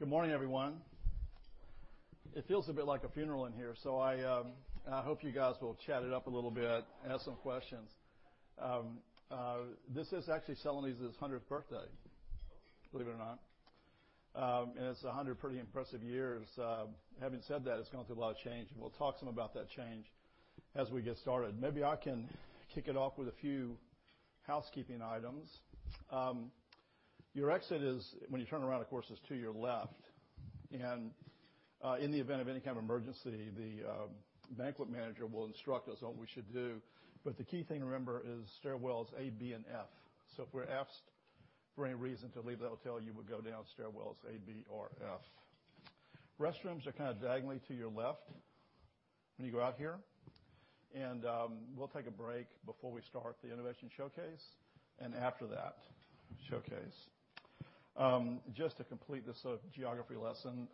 Good morning, everyone. It feels a bit like a funeral in here, so I hope you guys will chat it up a little bit and ask some questions. This is actually Celanese's 100th birthday, believe it or not, and it's 100 pretty impressive years. Having said that, it's gone through a lot of change, and we'll talk some about that change as we get started. Maybe I can kick it off with a few housekeeping items. Your exit, when you turn around, of course, is to your left. In the event of any kind of emergency, the banquet manager will instruct us on what we should do. The key thing to remember is stairwells A, B, and F. If we're asked for any reason to leave the hotel, you would go down stairwells A, B, or F. Restrooms are kind of diagonally to your left when you go out here. We'll take a break before we start the innovation showcase and after that showcase. Just to complete this geography lesson,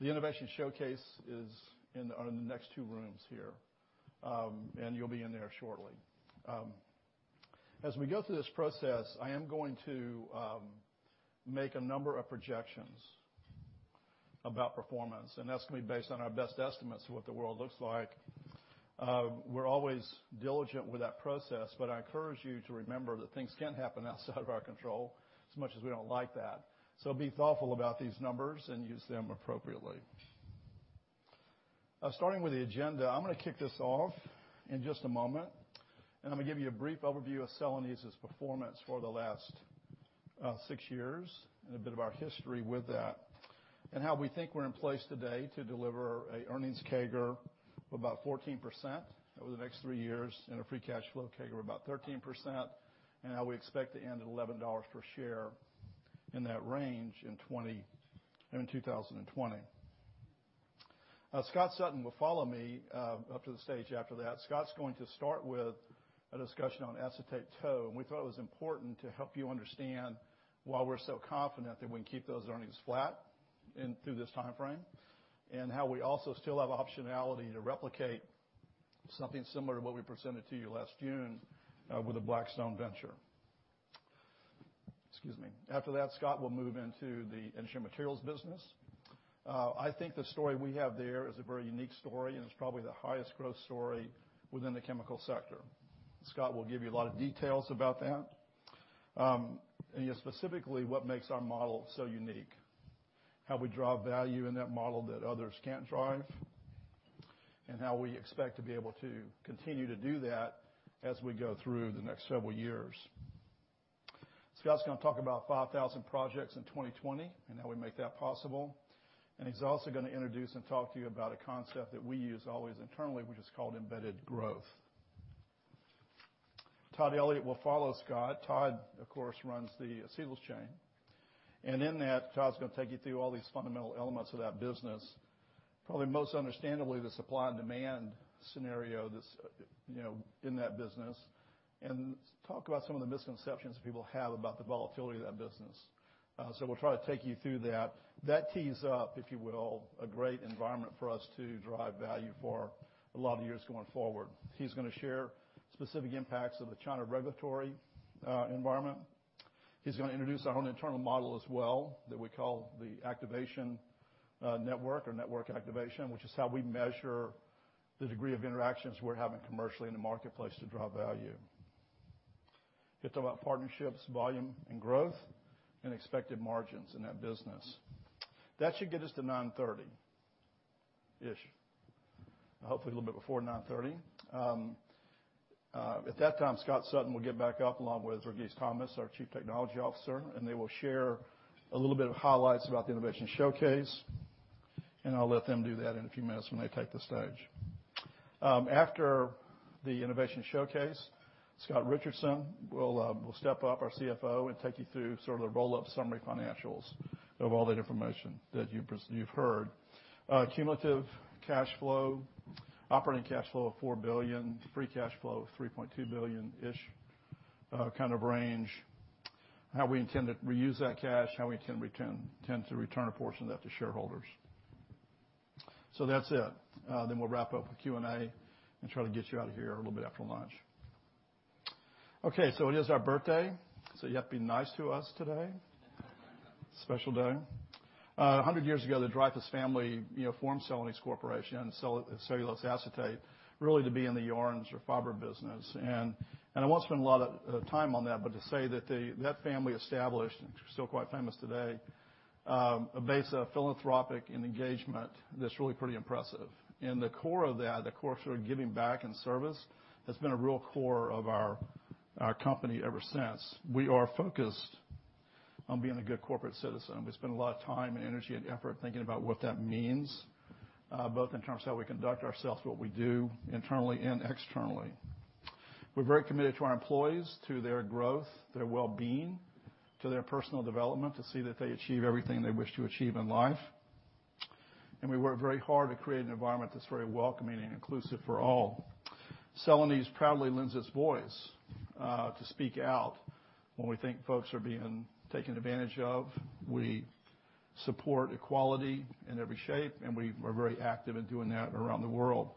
the innovation showcase is in the next two rooms here, and you'll be in there shortly. As we go through this process, I am going to make a number of projections about performance, and that's going to be based on our best estimates of what the world looks like. We're always diligent with that process, but I encourage you to remember that things can happen outside of our control, as much as we don't like that. Be thoughtful about these numbers and use them appropriately. Starting with the agenda, I'm going to kick this off in just a moment. I'm going to give you a brief overview of Celanese's performance for the last six years, a bit of our history with that, and how we think we're in place today to deliver an earnings CAGR of about 14% over the next three years and a free cash flow CAGR of about 13%, and how we expect to end at $11 per share in that range in 2020. Scott Sutton will follow me up to the stage after that. Scott's going to start with a discussion on acetate tow. We thought it was important to help you understand why we're so confident that we can keep those earnings flat through this timeframe, and how we also still have optionality to replicate something similar to what we presented to you last June with the Blackstone venture. Excuse me. After that, Scott will move into the engineered materials business. I think the story we have there is a very unique story and it's probably the highest growth story within the chemical sector. Scott will give you a lot of details about that, specifically what makes our model so unique, how we drive value in that model that others can't drive, and how we expect to be able to continue to do that as we go through the next several years. Scott's going to talk about 5,000 projects in 2020 and how we make that possible. He's also going to introduce and talk to you about a concept that we use always internally, which is called embedded growth. Todd Elliott will follow Scott. Todd, of course, runs the Acetyl Chain. In that, Todd's going to take you through all these fundamental elements of that business. Probably most understandably, the supply and demand scenario that's in that business, and talk about some of the misconceptions people have about the volatility of that business. We'll try to take you through that. That tees up, if you will, a great environment for us to drive value for a lot of years going forward. He's going to share specific impacts of the China regulatory environment. He's going to introduce our own internal model as well that we call the activation network or network activation, which is how we measure the degree of interactions we're having commercially in the marketplace to drive value. He'll talk about partnerships, volume and growth, and expected margins in that business. That should get us to 9:30ish. Hopefully, a little bit before 9:30. At that time, Scott Sutton will get back up along with Verghese Thomas, our Chief Technology Officer. They will share a little bit of highlights about the innovation showcase. I'll let them do that in a few minutes when they take the stage. After the innovation showcase, Scott Richardson will step up, our CFO, and take you through sort of the roll-up summary financials of all the information that you've heard. Cumulative cash flow, operating cash flow of $4 billion, free cash flow of $3.2 billion-ish kind of range. How we intend to reuse that cash, how we intend to return a portion of that to shareholders. That's it. We'll wrap up with Q&A and try to get you out of here a little bit after lunch. Okay. It is our birthday, so you have to be nice to us today. Special day. 100 years ago, the Dreyfus family formed Celanese Corporation, cellulose acetate, really to be in the yarns or fiber business. I won't spend a lot of time on that, but to say that family established, and still quite famous today, a base of philanthropic and engagement that's really pretty impressive. The core of that, the core of giving back and service, has been a real core of our company ever since. We are focused on being a good corporate citizen. We spend a lot of time and energy and effort thinking about what that means, both in terms of how we conduct ourselves, what we do internally and externally. We're very committed to our employees, to their growth, their well-being, to their personal development, to see that they achieve everything they wish to achieve in life. We work very hard to create an environment that's very welcoming and inclusive for all. Celanese proudly lends its voice to speak out when we think folks are being taken advantage of. We support equality in every shape. We're very active in doing that around the world.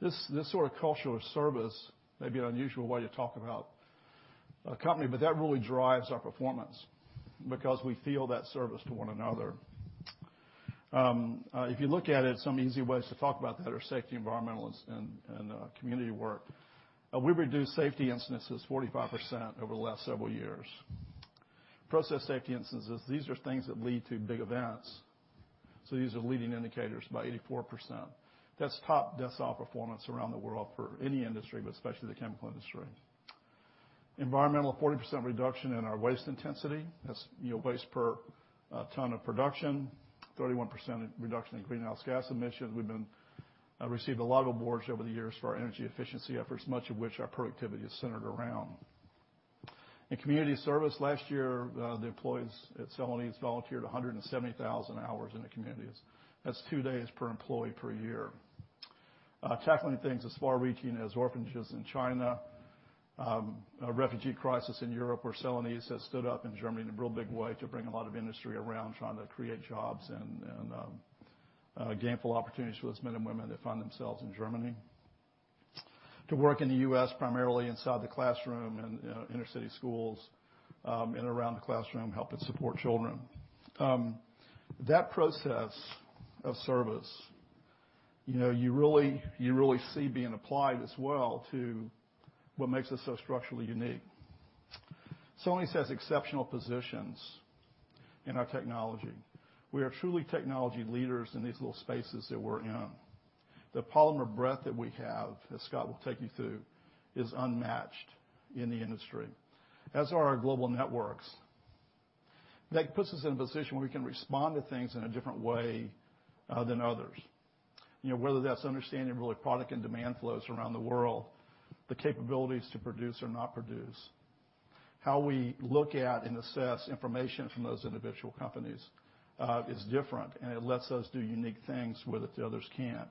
This sort of culture of service may be an unusual way to talk about a company, but that really drives our performance because we feel that service to one another. If you look at it, some easy ways to talk about that are safety, environmental, and community work. We've reduced safety incidences 45% over the last several years. Process safety instances, these are things that lead to big events. These are leading indicators by 84%. That's top decile performance around the world for any industry, but especially the chemical industry. Environmental, 40% reduction in our waste intensity. That's waste per ton of production. 31% reduction in greenhouse gas emissions. We've received a lot of awards over the years for our energy efficiency efforts, much of which our productivity is centered around. In community service, last year, the employees at Celanese volunteered 170,000 hours in the communities. That's two days per employee per year. Tackling things as far-reaching as orphanages in China, refugee crisis in Europe, where Celanese has stood up in Germany in a real big way to bring a lot of industry around, trying to create jobs and gainful opportunities for those men and women that find themselves in Germany. To work in the U.S., primarily inside the classroom and inner city schools, and around the classroom, helping support children. That process of service you really see being applied as well to what makes us so structurally unique. Celanese has exceptional positions in our technology. We are truly technology leaders in these little spaces that we're in. The polymer breadth that we have, as Scott will take you through, is unmatched in the industry, as are our global networks. That puts us in a position where we can respond to things in a different way than others. Whether that's understanding really product and demand flows around the world, the capabilities to produce or not produce. How we look at and assess information from those individual companies is different, and it lets us do unique things with it that others can't.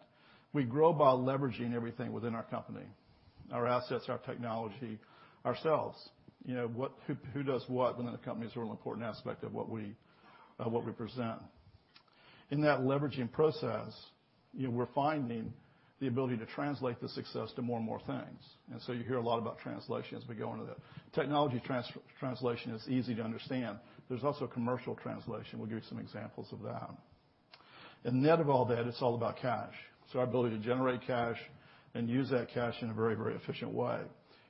We grow by leveraging everything within our company, our assets, our technology, ourselves. Who does what within the company is a real important aspect of what we present. In that leveraging process, we're finding the ability to translate the success to more and more things. You hear a lot about translation as we go into that. Technology translation is easy to understand. There's also commercial translation. We'll give you some examples of that. Net of all that, it's all about cash. Our ability to generate cash and use that cash in a very, very efficient way.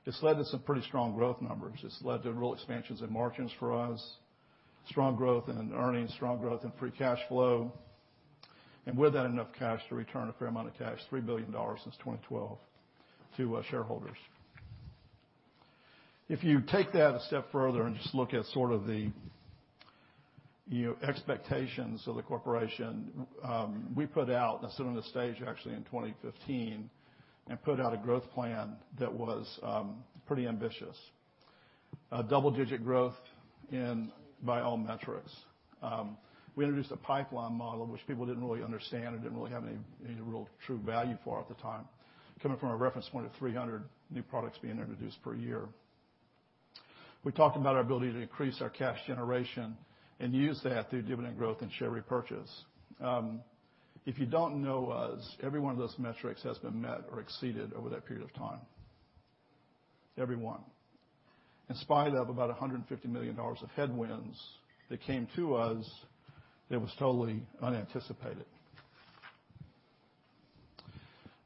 It's led to some pretty strong growth numbers. It's led to real expansions in margins for us, strong growth in earnings, strong growth in free cash flow. With that, enough cash to return a fair amount of cash, $3 billion since 2012 to shareholders. If you take that a step further and just look at the expectations of the corporation. We put out, I stood on this stage actually in 2015, and put out a growth plan that was pretty ambitious. A double-digit growth by all metrics. We introduced a pipeline model, which people didn't really understand or didn't really have any real true value for at the time, coming from a reference point of 300 new products being introduced per year. We talked about our ability to increase our cash generation and use that through dividend growth and share repurchase. If you don't know us, every one of those metrics has been met or exceeded over that period of time. Every one. In spite of about $150 million of headwinds that came to us that was totally unanticipated.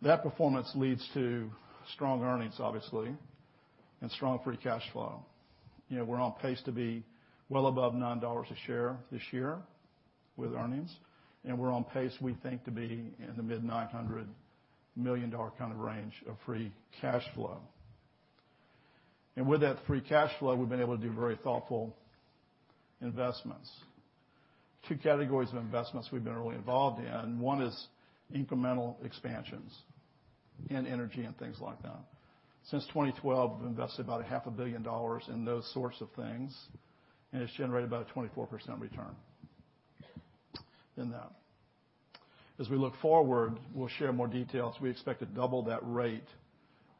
That performance leads to strong earnings, obviously, and strong free cash flow. We're on pace to be well above $9 a share this year with earnings, and we're on pace, we think, to be in the mid-$900 million kind of range of free cash flow. With that free cash flow, we've been able to do very thoughtful investments. Two categories of investments we've been really involved in. One is incremental expansions in energy and things like that. Since 2012, we've invested about a half a billion dollars in those sorts of things, and it's generated about a 24% return in that. As we look forward, we'll share more details. We expect to double that rate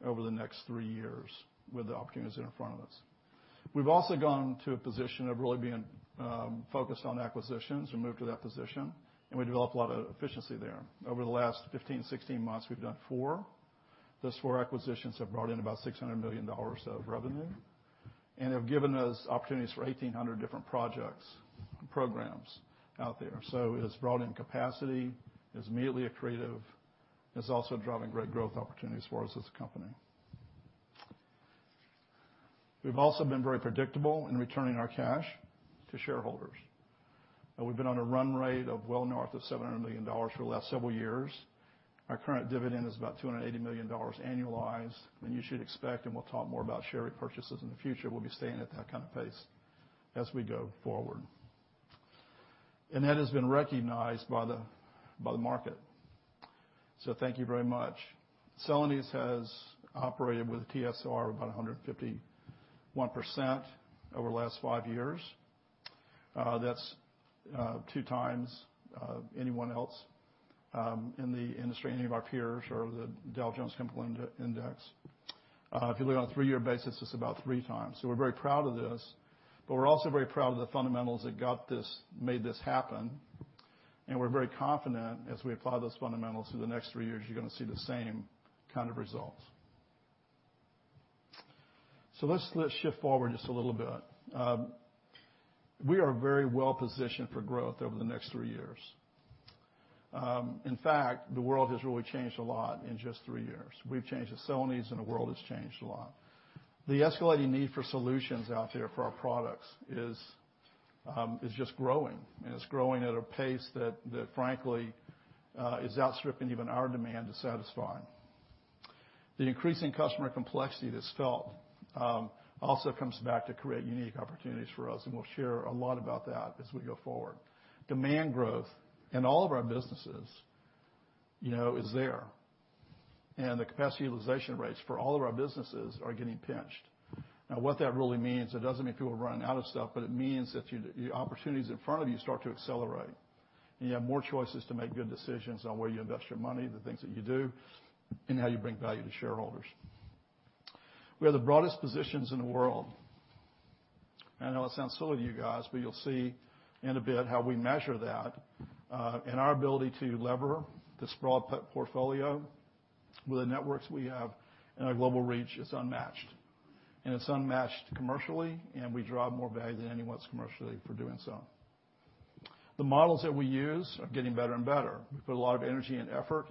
over the next three years with the opportunities that are in front of us. We've also gone to a position of really being focused on acquisitions. We moved to that position, and we developed a lot of efficiency there. Over the last 15, 16 months, we've done four. Those four acquisitions have brought in about $600 million of revenue and have given us opportunities for 1,800 different projects and programs out there. It has brought in capacity, it's immediately accretive, it's also driving great growth opportunities for us as a company. We've also been very predictable in returning our cash to shareholders. We've been on a run rate of well north of $700 million for the last several years. Our current dividend is about $280 million annualized. You should expect, and we'll talk more about share repurchases in the future. We'll be staying at that kind of pace as we go forward. That has been recognized by the market. Thank you very much. Celanese has operated with a TSR of about 151% over the last five years. That's two times anyone else in the industry, any of our peers or the Dow Jones Chemical Index. If you look on a three-year basis, it's about three times. We're very proud of this, but we're also very proud of the fundamentals that made this happen. We're very confident as we apply those fundamentals through the next three years, you're going to see the same kind of results. Let's shift forward just a little bit. We are very well-positioned for growth over the next three years. In fact, the world has really changed a lot in just three years. We've changed at Celanese, the world has changed a lot. The escalating need for solutions out there for our products is just growing. It's growing at a pace that frankly, is outstripping even our demand to satisfy. The increasing customer complexity that's felt also comes back to create unique opportunities for us, we'll share a lot about that as we go forward. Demand growth in all of our businesses is there. The capacity utilization rates for all of our businesses are getting pinched. What that really means, it doesn't mean people are running out of stuff, but it means that the opportunities in front of you start to accelerate, and you have more choices to make good decisions on where you invest your money, the things that you do, and how you bring value to shareholders. We have the broadest positions in the world. I know it sounds silly to you guys, but you'll see in a bit how we measure that. Our ability to lever this broad portfolio with the networks we have and our global reach is unmatched. It's unmatched commercially, and we drive more value than anyone commercially for doing so. The models that we use are getting better and better. We put a lot of energy and effort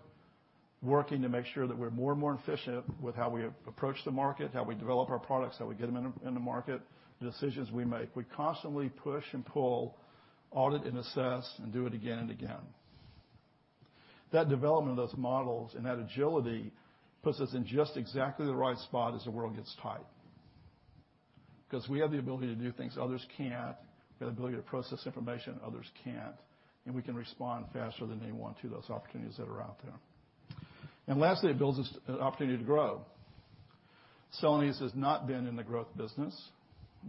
working to make sure that we're more and more efficient with how we approach the market, how we develop our products, how we get them into market, the decisions we make. We constantly push and pull, audit and assess, and do it again and again. That development of those models and that agility puts us in just exactly the right spot as the world gets tight. We have the ability to do things others can't, we have the ability to process information others can't, and we can respond faster than anyone to those opportunities that are out there. Lastly, it builds an opportunity to grow. Celanese has not been in the growth business.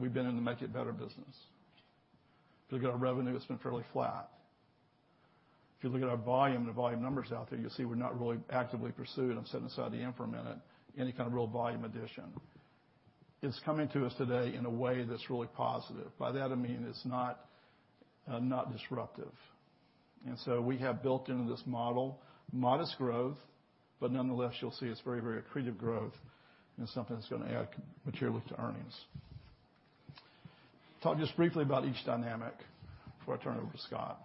We've been in the make-it-better business. If you look at our revenue, it's been fairly flat. If you look at our volume, the volume numbers out there, you'll see we're not really actively pursuing, I'm setting aside the infra minute, any kind of real volume addition. It's coming to us today in a way that's really positive. By that I mean it's not disruptive. We have built into this model modest growth, but nonetheless, you'll see it's very accretive growth and something that's going to add materially to earnings. Talk just briefly about each dynamic before I turn it over to Scott.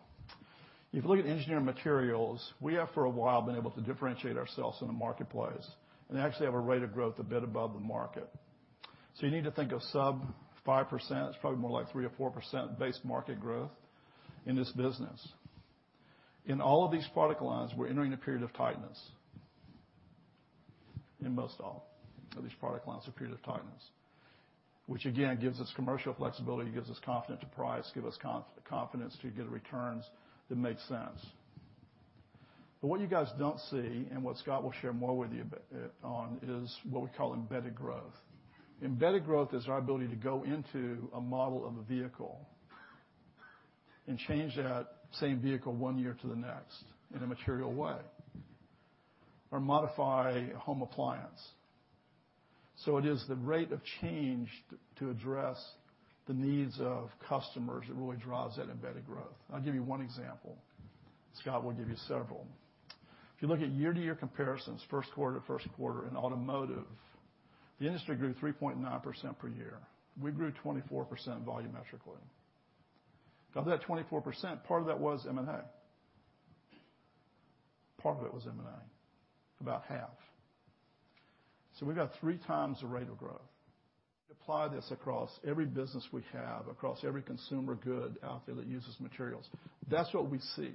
If you look at Engineered Materials, we have for a while been able to differentiate ourselves in the marketplace and actually have a rate of growth a bit above the market. You need to think of sub 5%. It's probably more like 3% or 4% base market growth in this business. In all of these product lines, we're entering a period of tightness. In most all of these product lines, a period of tightness. Again, gives us commercial flexibility, gives us confidence to price, give us confidence to get returns that make sense. What you guys don't see, and what Scott will share more with you on, is what we call embedded growth. Embedded growth is our ability to go into a model of a vehicle and change that same vehicle 1 year to the next in a material way, or modify a home appliance. It is the rate of change to address the needs of customers that really drives that embedded growth. I'll give you one example. Scott will give you several. If you look at year-over-year comparisons, first quarter to first quarter in automotive, the industry grew 3.9% per year. We grew 24% volumetrically. Of that 24%, part of that was M&A. Part of it was M&A, about half. We've got 3 times the rate of growth. Apply this across every business we have, across every consumer good out there that uses materials. That's what we see.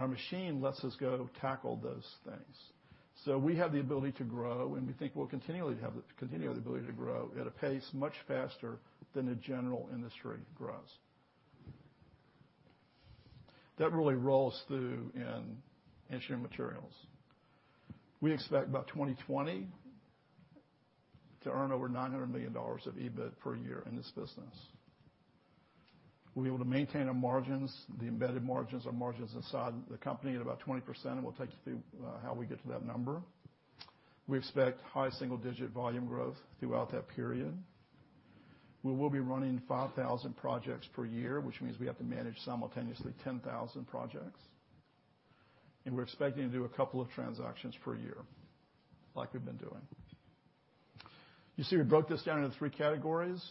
Our machine lets us go tackle those things. We have the ability to grow, and we think we'll continually have the ability to grow at a pace much faster than the general industry grows. That really rolls through in Engineered Materials. We expect by 2020 to earn over $900 million of EBIT per year in this business. We'll be able to maintain our margins, the embedded margins, our margins inside the company at about 20%, and we'll take you through how we get to that number. We expect high single-digit volume growth throughout that period. We will be running 5,000 projects per year, which means we have to manage simultaneously 10,000 projects. We're expecting to do a couple of transactions per year like we've been doing. You see we broke this down into three categories.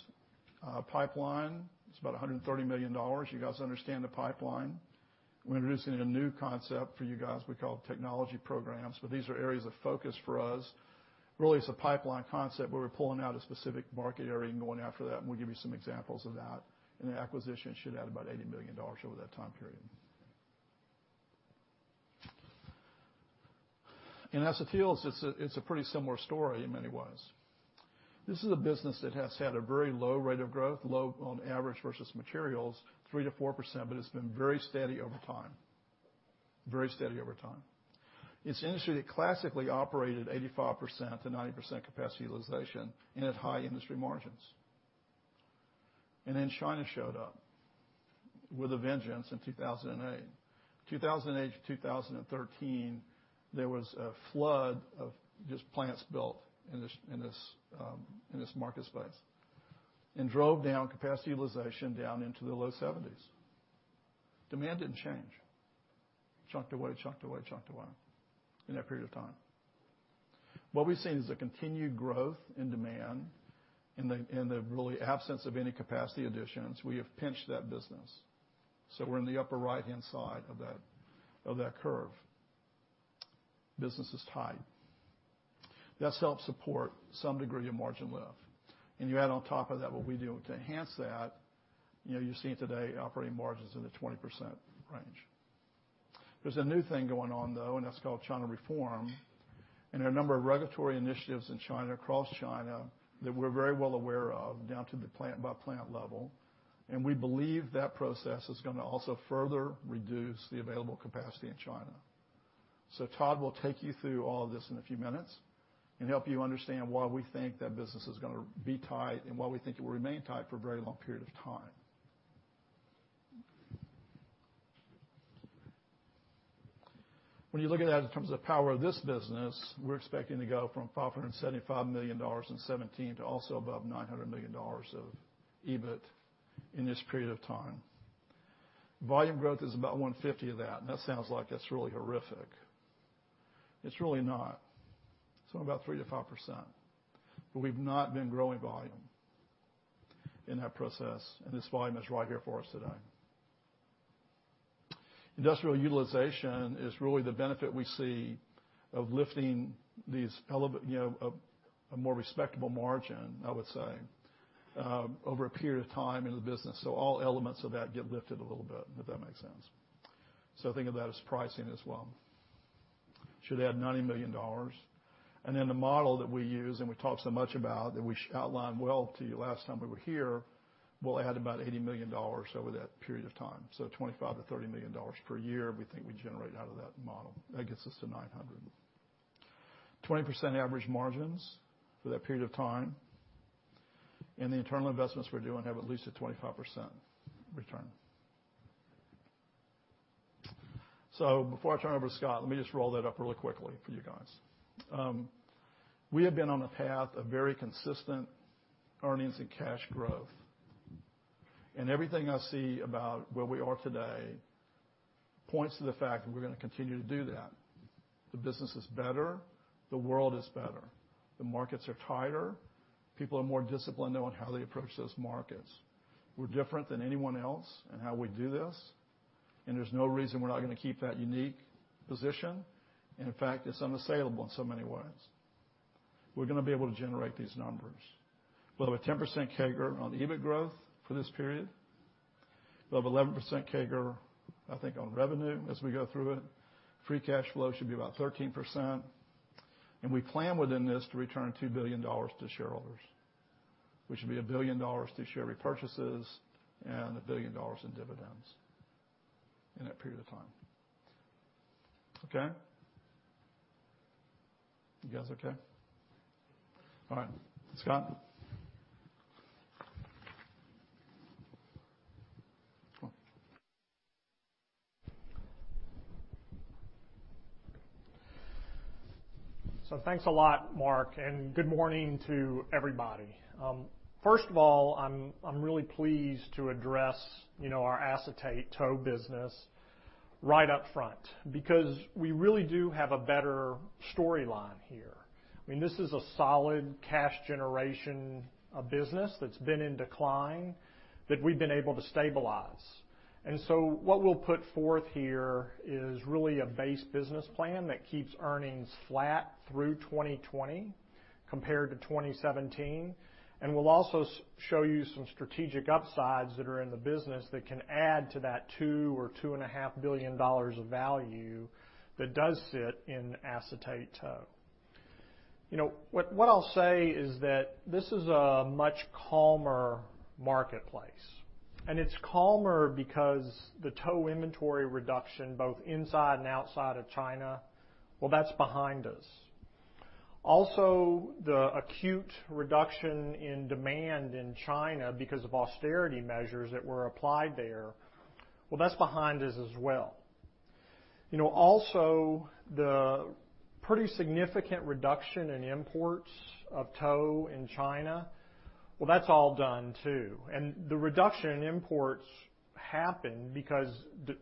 Pipeline is about $130 million. You guys understand the pipeline. We're introducing a new concept for you guys we call technology programs, these are areas of focus for us. Really, it's a pipeline concept where we're pulling out a specific market area and going after that, and we'll give you some examples of that. The acquisition should add about $80 million over that time period. In Acetyls, it's a pretty similar story in many ways. This is a business that has had a very low rate of growth, low on average versus materials, 3%-4%, but it's been very steady over time. Very steady over time. It's an industry that classically operated 85%-90% capacity utilization and at high industry margins. Then China showed up with a vengeance in 2008. 2008 to 2013, there was a flood of just plants built in this market space. Drove down capacity utilization down into the low 70s. Demand didn't change. Chunked away in that period of time. What we've seen is a continued growth in demand in the really absence of any capacity additions. We have pinched that business. We're in the upper right-hand side of that curve. Business is tight. That's helped support some degree of margin lift. You add on top of that what we do to enhance that, you're seeing today operating margins in the 20% range. There's a new thing going on, though, that's called China Reform. There are a number of regulatory initiatives in China, across China, that we're very well aware of down to the plant-by-plant level, we believe that process is going to also further reduce the available capacity in China. Todd will take you through all of this in a few minutes and help you understand why we think that business is going to be tight and why we think it will remain tight for a very long period of time. When you look at that in terms of the power of this business, we're expecting to go from $575 million in 2017 to also above $900 million of EBIT in this period of time. Volume growth is about $150 million of that sounds like that's really horrific. It's really not. It's about 3%-5%, we've not been growing volume in that process, and this volume is right here for us today. Industrial utilization is really the benefit we see of lifting a more respectable margin, I would say, over a period of time in the business. All elements of that get lifted a little bit, if that makes sense. Think of that as pricing as well. Should add $90 million. The model that we use and we talked so much about, that we outlined well to you last time we were here, will add about $80 million over that period of time. $25 million-$30 million per year, we think we generate out of that model. That gets us to $900 million. 20% average margins for that period of time. The internal investments we're doing have at least a 25% return. Before I turn over to Scott, let me just roll that up really quickly for you guys. We have been on a path of very consistent earnings and cash growth. Everything I see about where we are today points to the fact that we're going to continue to do that. The business is better. The world is better. The markets are tighter. People are more disciplined in how they approach those markets. We're different than anyone else in how we do this, and there's no reason we're not going to keep that unique position, and in fact, it's unassailable in so many ways. We're going to be able to generate these numbers. We'll have a 10% CAGR on the EBIT growth for this period. We'll have 11% CAGR, I think, on revenue as we go through it. Free cash flow should be about 13%. We plan within this to return $2 billion to shareholders, which should be $1 billion to share repurchases and $1 billion in dividends in that period of time. Okay? You guys okay? All right. Scott? Come up. Thanks a lot, Mark, and good morning to everybody. First of all, I'm really pleased to address our acetate tow business right up front because we really do have a better storyline here. This is a solid cash generation of business that's been in decline that we've been able to stabilize. What we'll put forth here is really a base business plan that keeps earnings flat through 2020 compared to 2017. We'll also show you some strategic upsides that are in the business that can add to that $2 billion or $2.5 billion of value that does sit in acetate tow. What I'll say is that this is a much calmer marketplace. It's calmer because the tow inventory reduction, both inside and outside of China, well, that's behind us. The acute reduction in demand in China because of austerity measures that were applied there, well, that's behind us as well. The pretty significant reduction in imports of tow in China, well, that's all done too. The reduction in imports happened because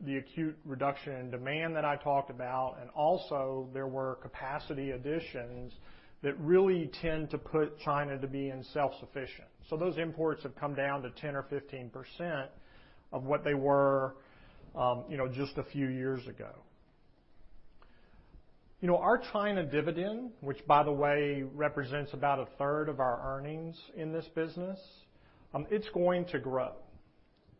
the acute reduction in demand that I talked about, and also there were capacity additions that really tend to put China to being self-sufficient. Those imports have come down to 10% or 15% of what they were just a few years ago. Our China dividend, which by the way, represents about a third of our earnings in this business, it's going to grow.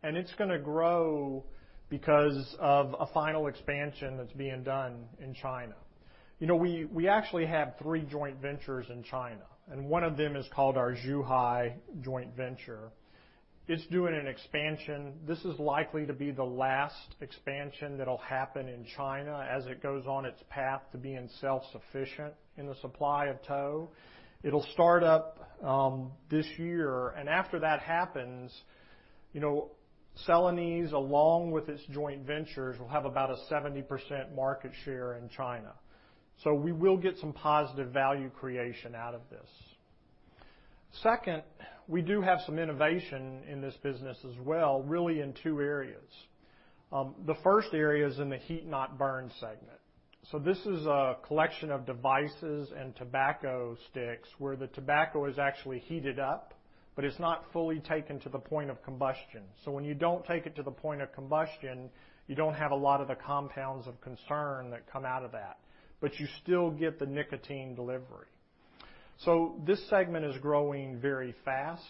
It's going to grow because of a final expansion that's being done in China. We actually have three joint ventures in China, and one of them is called our Zhuhai joint venture. It's doing an expansion. This is likely to be the last expansion that'll happen in China as it goes on its path to being self-sufficient in the supply of tow. It'll start up this year, and after that happens, we Celanese, along with its joint ventures, will have about a 70% market share in China. We will get some positive value creation out of this. Second, we do have some innovation in this business as well, really in two areas. The first area is in the heat not burn segment. This is a collection of devices and tobacco sticks where the tobacco is actually heated up, but it's not fully taken to the point of combustion. When you don't take it to the point of combustion, you don't have a lot of the compounds of concern that come out of that, but you still get the nicotine delivery. This segment is growing very fast.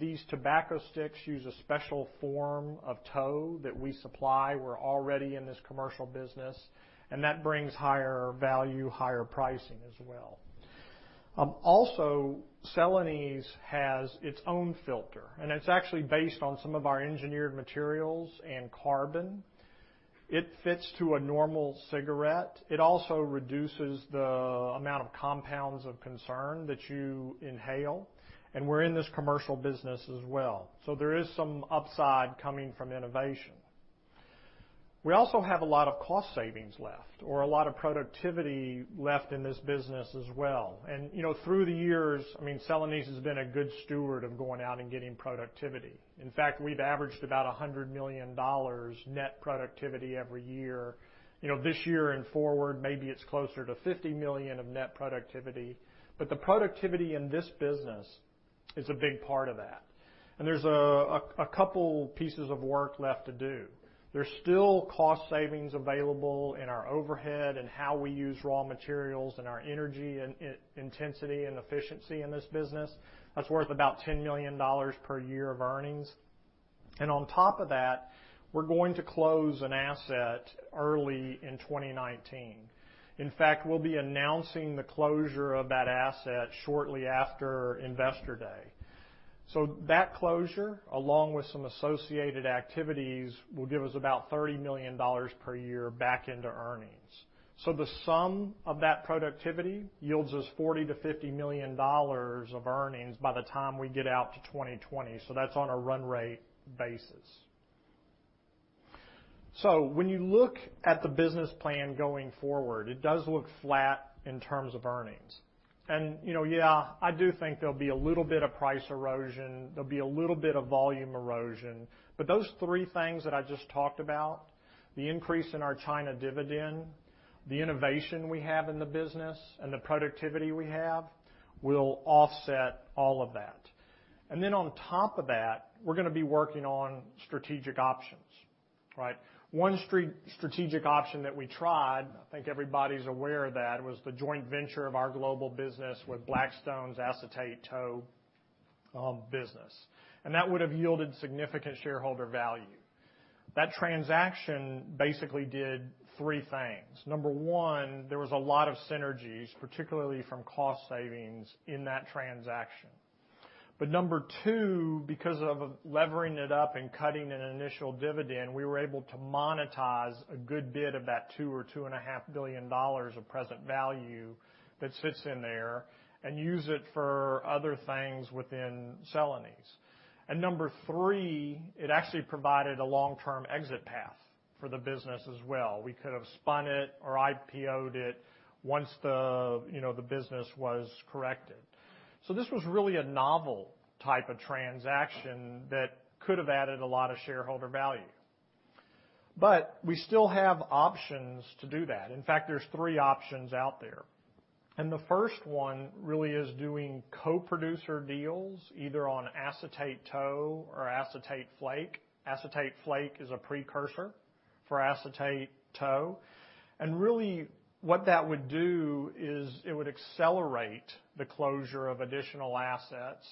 These tobacco sticks use a special form of tow that we supply. We're already in this commercial business, and that brings higher value, higher pricing as well. Celanese has its own filter, and it's actually based on some of our engineered materials and carbon. It fits to a normal cigarette. It also reduces the amount of compounds of concern that you inhale, and we're in this commercial business as well. There is some upside coming from innovation. We also have a lot of cost savings left, or a lot of productivity left in this business as well. Through the years, Celanese has been a good steward of going out and getting productivity. In fact, we've averaged about $100 million net productivity every year. This year and forward, maybe it's closer to $50 million of net productivity. The productivity in this business is a big part of that. There's a couple pieces of work left to do. There's still cost savings available in our overhead and how we use raw materials and our energy intensity and efficiency in this business. That's worth about $10 million per year of earnings. On top of that, we're going to close an asset early in 2019. In fact, we'll be announcing the closure of that asset shortly after Investor Day. That closure, along with some associated activities, will give us about $30 million per year back into earnings. The sum of that productivity yields us $40 million-$50 million of earnings by the time we get out to 2020. That's on a run rate basis. When you look at the business plan going forward, it does look flat in terms of earnings. I do think there'll be a little bit of price erosion, there'll be a little bit of volume erosion, but those three things that I just talked about, the increase in our China dividend, the innovation we have in the business, and the productivity we have will offset all of that. On top of that, we're going to be working on strategic options. One strategic option that we tried, I think everybody's aware of that, was the joint venture of our global business with Blackstone's acetate tow business. That would have yielded significant shareholder value. That transaction basically did three things. Number one, there was a lot of synergies, particularly from cost savings in that transaction. Number two, because of levering it up and cutting an initial dividend, we were able to monetize a good bit of that $2 billion or $2.5 billion of present value that sits in there and use it for other things within Celanese. Number three, it actually provided a long-term exit path for the business as well. We could have spun it or IPO'd it once the business was corrected. This was really a novel type of transaction that could have added a lot of shareholder value. We still have options to do that. In fact, there's three options out there. The first one really is doing co-producer deals, either on acetate tow or acetate flake. Acetate flake is a precursor for acetate tow. Really what that would do is it would accelerate the closure of additional assets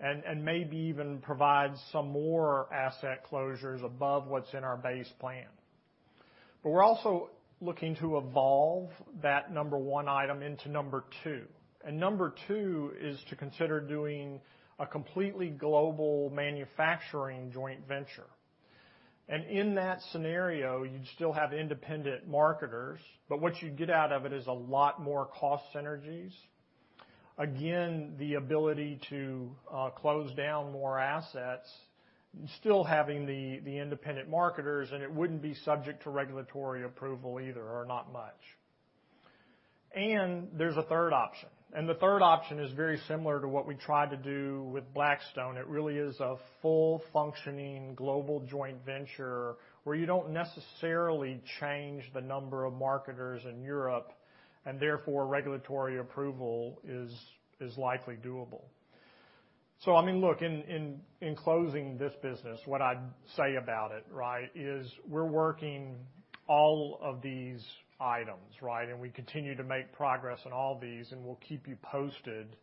and maybe even provide some more asset closures above what's in our base plan. We're also looking to evolve that number one item into number two. Number two is to consider doing a completely global manufacturing joint venture. In that scenario, you'd still have independent marketers, but what you'd get out of it is a lot more cost synergies. Again, the ability to close down more assets, still having the independent marketers, and it wouldn't be subject to regulatory approval either, or not much. There's a third option. The third option is very similar to what we tried to do with Blackstone. It really is a full functioning global joint venture where you don't necessarily change the number of marketers in Europe and therefore regulatory approval is likely doable. In closing this business, what I'd say about it is we're working all of these items. We continue to make progress on all these, and we'll keep you posted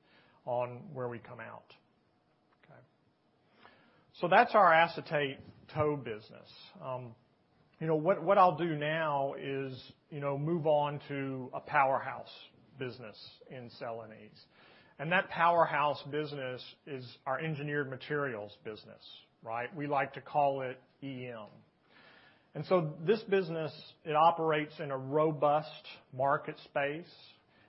on where we come out. That's our acetate tow business. What I'll do now is move on to a powerhouse business in Celanese. That powerhouse business is our Engineered Materials business. We like to call it EM. This business, it operates in a robust market space,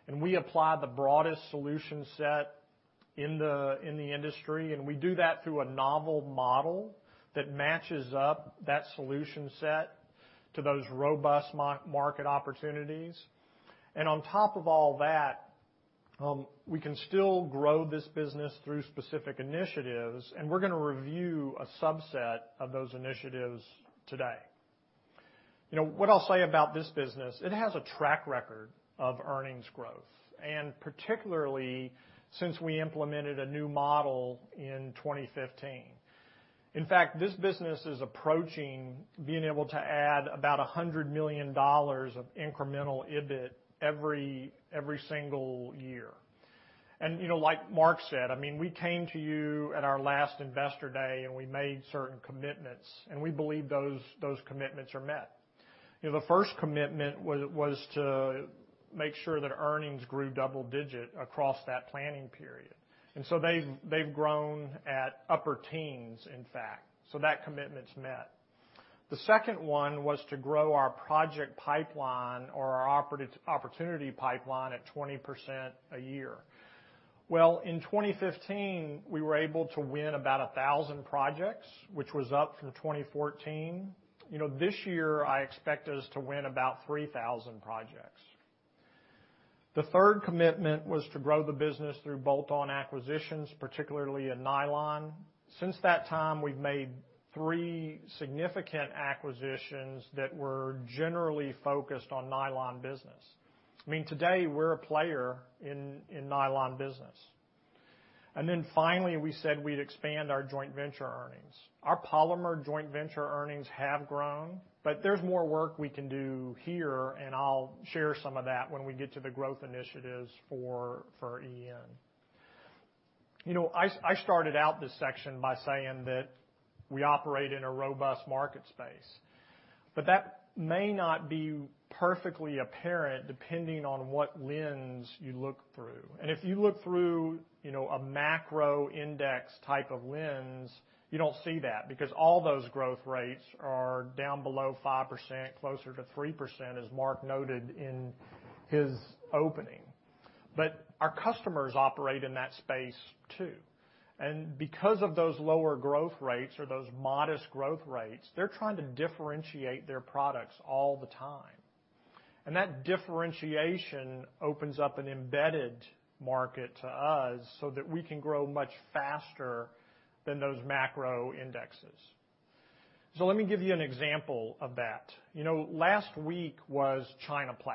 and we apply the broadest solution set in the industry, and we do that through a novel model that matches up that solution set to those robust market opportunities. On top of all that, we can still grow this business through specific initiatives, and we're going to review a subset of those initiatives today. What I'll say about this business, it has a track record of earnings growth, particularly since we implemented a new model in 2015. In fact, this business is approaching being able to add about $100 million of incremental EBIT every single year. Like Mark said, we came to you at our last Investor Day, we made certain commitments, and we believe those commitments are met. The first commitment was to make sure that earnings grew double digit across that planning period. They've grown at upper teens, in fact. That commitment's met. The second one was to grow our project pipeline or our opportunity pipeline at 20% a year. Well, in 2015, we were able to win about 1,000 projects, which was up from 2014. This year, I expect us to win about 3,000 projects. The third commitment was to grow the business through bolt-on acquisitions, particularly in nylon. Since that time, we've made three significant acquisitions that were generally focused on nylon business. Today, we're a player in nylon business. Finally, we said we'd expand our joint venture earnings. Our polymer joint venture earnings have grown, but there's more work we can do here, and I'll share some of that when we get to the growth initiatives for EM. I started out this section by saying that we operate in a robust market space, but that may not be perfectly apparent depending on what lens you look through. If you look through a macro index type of lens, you don't see that because all those growth rates are down below 5%, closer to 3%, as Mark noted in his opening. Our customers operate in that space too. Because of those lower growth rates or those modest growth rates, they're trying to differentiate their products all the time. That differentiation opens up an embedded market to us so that we can grow much faster than those macro indexes. Let me give you an example of that. Last week was Chinaplas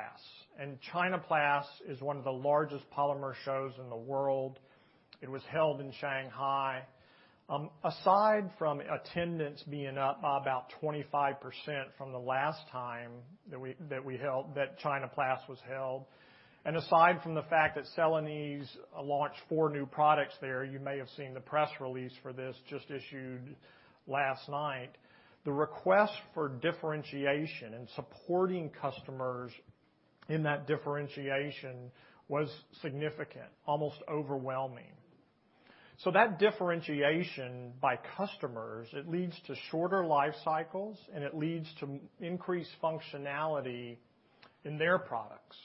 is one of the largest polymer shows in the world. It was held in Shanghai. Aside from attendance being up by about 25% from the last time that Chinaplas was held, aside from the fact that Celanese launched four new products there, you may have seen the press release for this just issued last night. The request for differentiation and supporting customers in that differentiation was significant, almost overwhelming. That differentiation by customers, it leads to shorter life cycles, it leads to increased functionality in their products.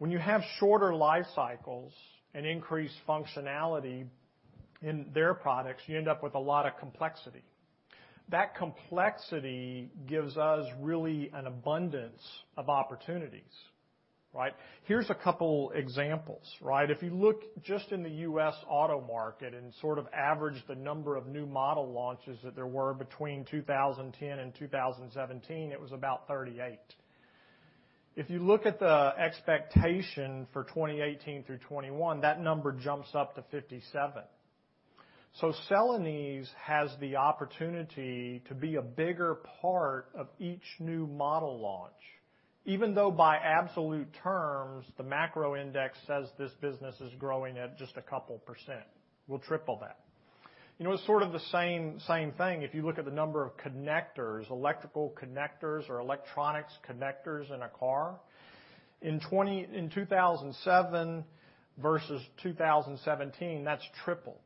When you have shorter life cycles and increased functionality in their products, you end up with a lot of complexity. That complexity gives us really an abundance of opportunities. Here's a couple examples. If you look just in the U.S. auto market and average the number of new model launches that there were between 2010 and 2017, it was about 38. If you look at the expectation for 2018 through 2021, that number jumps up to 57. Celanese has the opportunity to be a bigger part of each new model launch, even though by absolute terms, the macro index says this business is growing at just a couple percent. We'll triple that. It's sort of the same thing if you look at the number of connectors, electrical connectors or electronics connectors in a car. In 2007 versus 2017, that's tripled.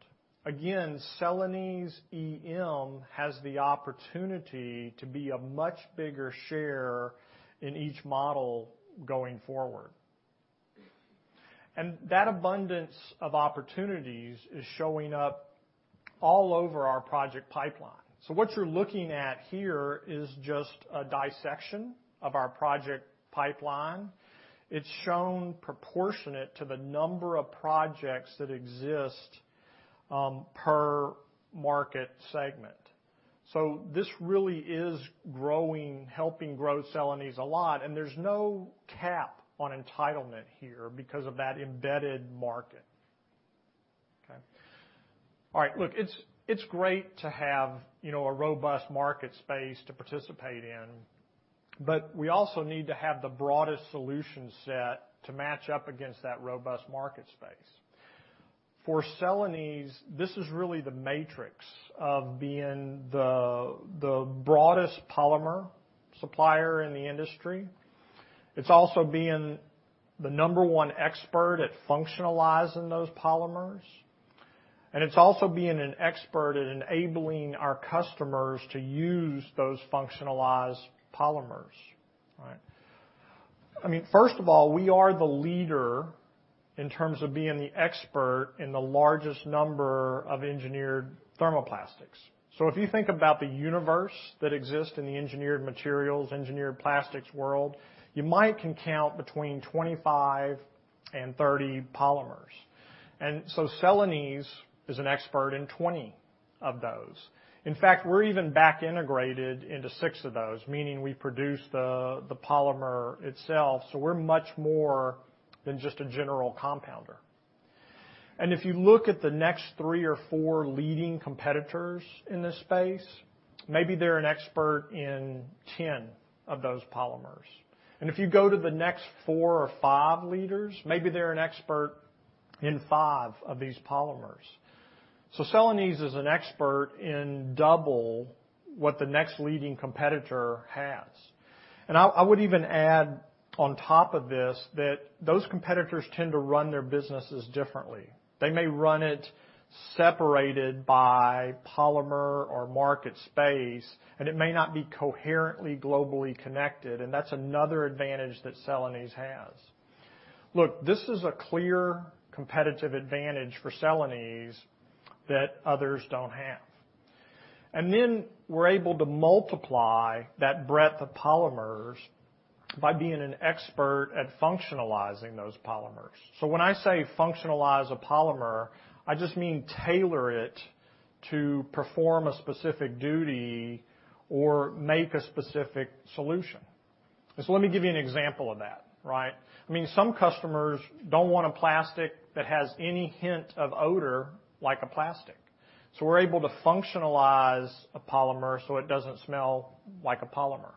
Celanese EM has the opportunity to be a much bigger share in each model going forward. That abundance of opportunities is showing up all over our project pipeline. What you're looking at here is just a dissection of our project pipeline. It's shown proportionate to the number of projects that exist per market segment. This really is helping grow Celanese a lot, and there's no cap on entitlement here because of that embedded market. Look, it's great to have a robust market space to participate in, we also need to have the broadest solution set to match up against that robust market space. For Celanese, this is really the matrix of being the broadest polymer supplier in the industry. It's also being the number one expert at functionalizing those polymers. It's also being an expert at enabling our customers to use those functionalized polymers. First of all, we are the leader in terms of being the expert in the largest number of engineered thermoplastics. If you think about the universe that exists in the engineered materials, engineered plastics world, you might can count between 25 and 30 polymers. Celanese is an expert in 20 of those. In fact, we're even back integrated into six of those, meaning we produce the polymer itself. We're much more than just a general compounder. If you look at the next three or four leading competitors in this space, maybe they're an expert in 10 of those polymers. If you go to the next four or five leaders, maybe they're an expert in five of these polymers. Celanese is an expert in double what the next leading competitor has. I would even add on top of this that those competitors tend to run their businesses differently. They may run it separated by polymer or market space, and it may not be coherently globally connected, that's another advantage that Celanese has. Look, this is a clear competitive advantage for Celanese that others don't have. Then we're able to multiply that breadth of polymers by being an expert at functionalizing those polymers. When I say functionalize a polymer, I just mean tailor it to perform a specific duty or make a specific solution. Let me give you an example of that. Some customers don't want a plastic that has any hint of odor, like a plastic. We're able to functionalize a polymer so it doesn't smell like a polymer.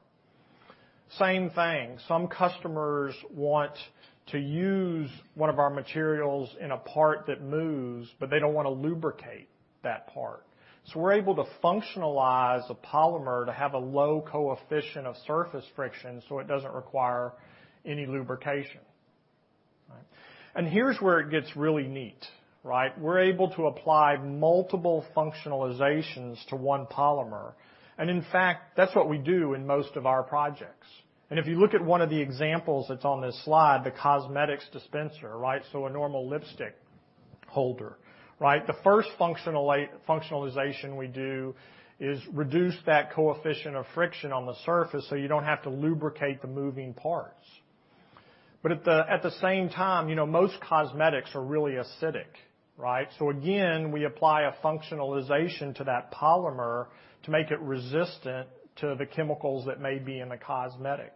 Same thing. Some customers want to use one of our materials in a part that moves, they don't want to lubricate that part. We're able to functionalize a polymer to have a low coefficient of surface friction so it doesn't require any lubrication. Here's where it gets really neat. We're able to apply multiple functionalizations to one polymer. In fact, that's what we do in most of our projects. If you look at one of the examples that's on this slide, the cosmetics dispenser, so a normal lipstick holder. The first functionalization we do is reduce that coefficient of friction on the surface so you don't have to lubricate the moving parts. At the same time, most cosmetics are really acidic. Again, we apply a functionalization to that polymer to make it resistant to the chemicals that may be in the cosmetic.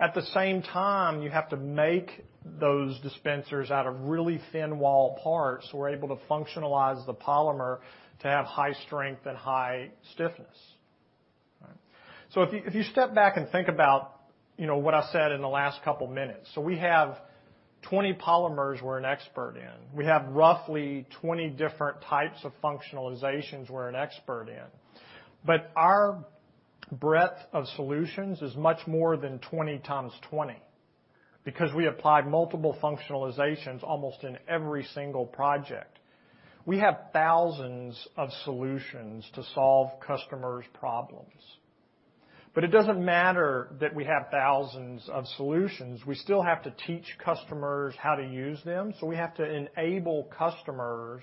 At the same time, you have to make those dispensers out of really thin wall parts who are able to functionalize the polymer to have high strength and high stiffness. If you step back and think about what I said in the last couple of minutes, we have 20 polymers we're an expert in. We have roughly 20 different types of functionalizations we're an expert in. Our breadth of solutions is much more than 20 times 20, because we apply multiple functionalizations almost in every single project. We have thousands of solutions to solve customers' problems. It doesn't matter that we have thousands of solutions, we still have to teach customers how to use them, we have to enable customers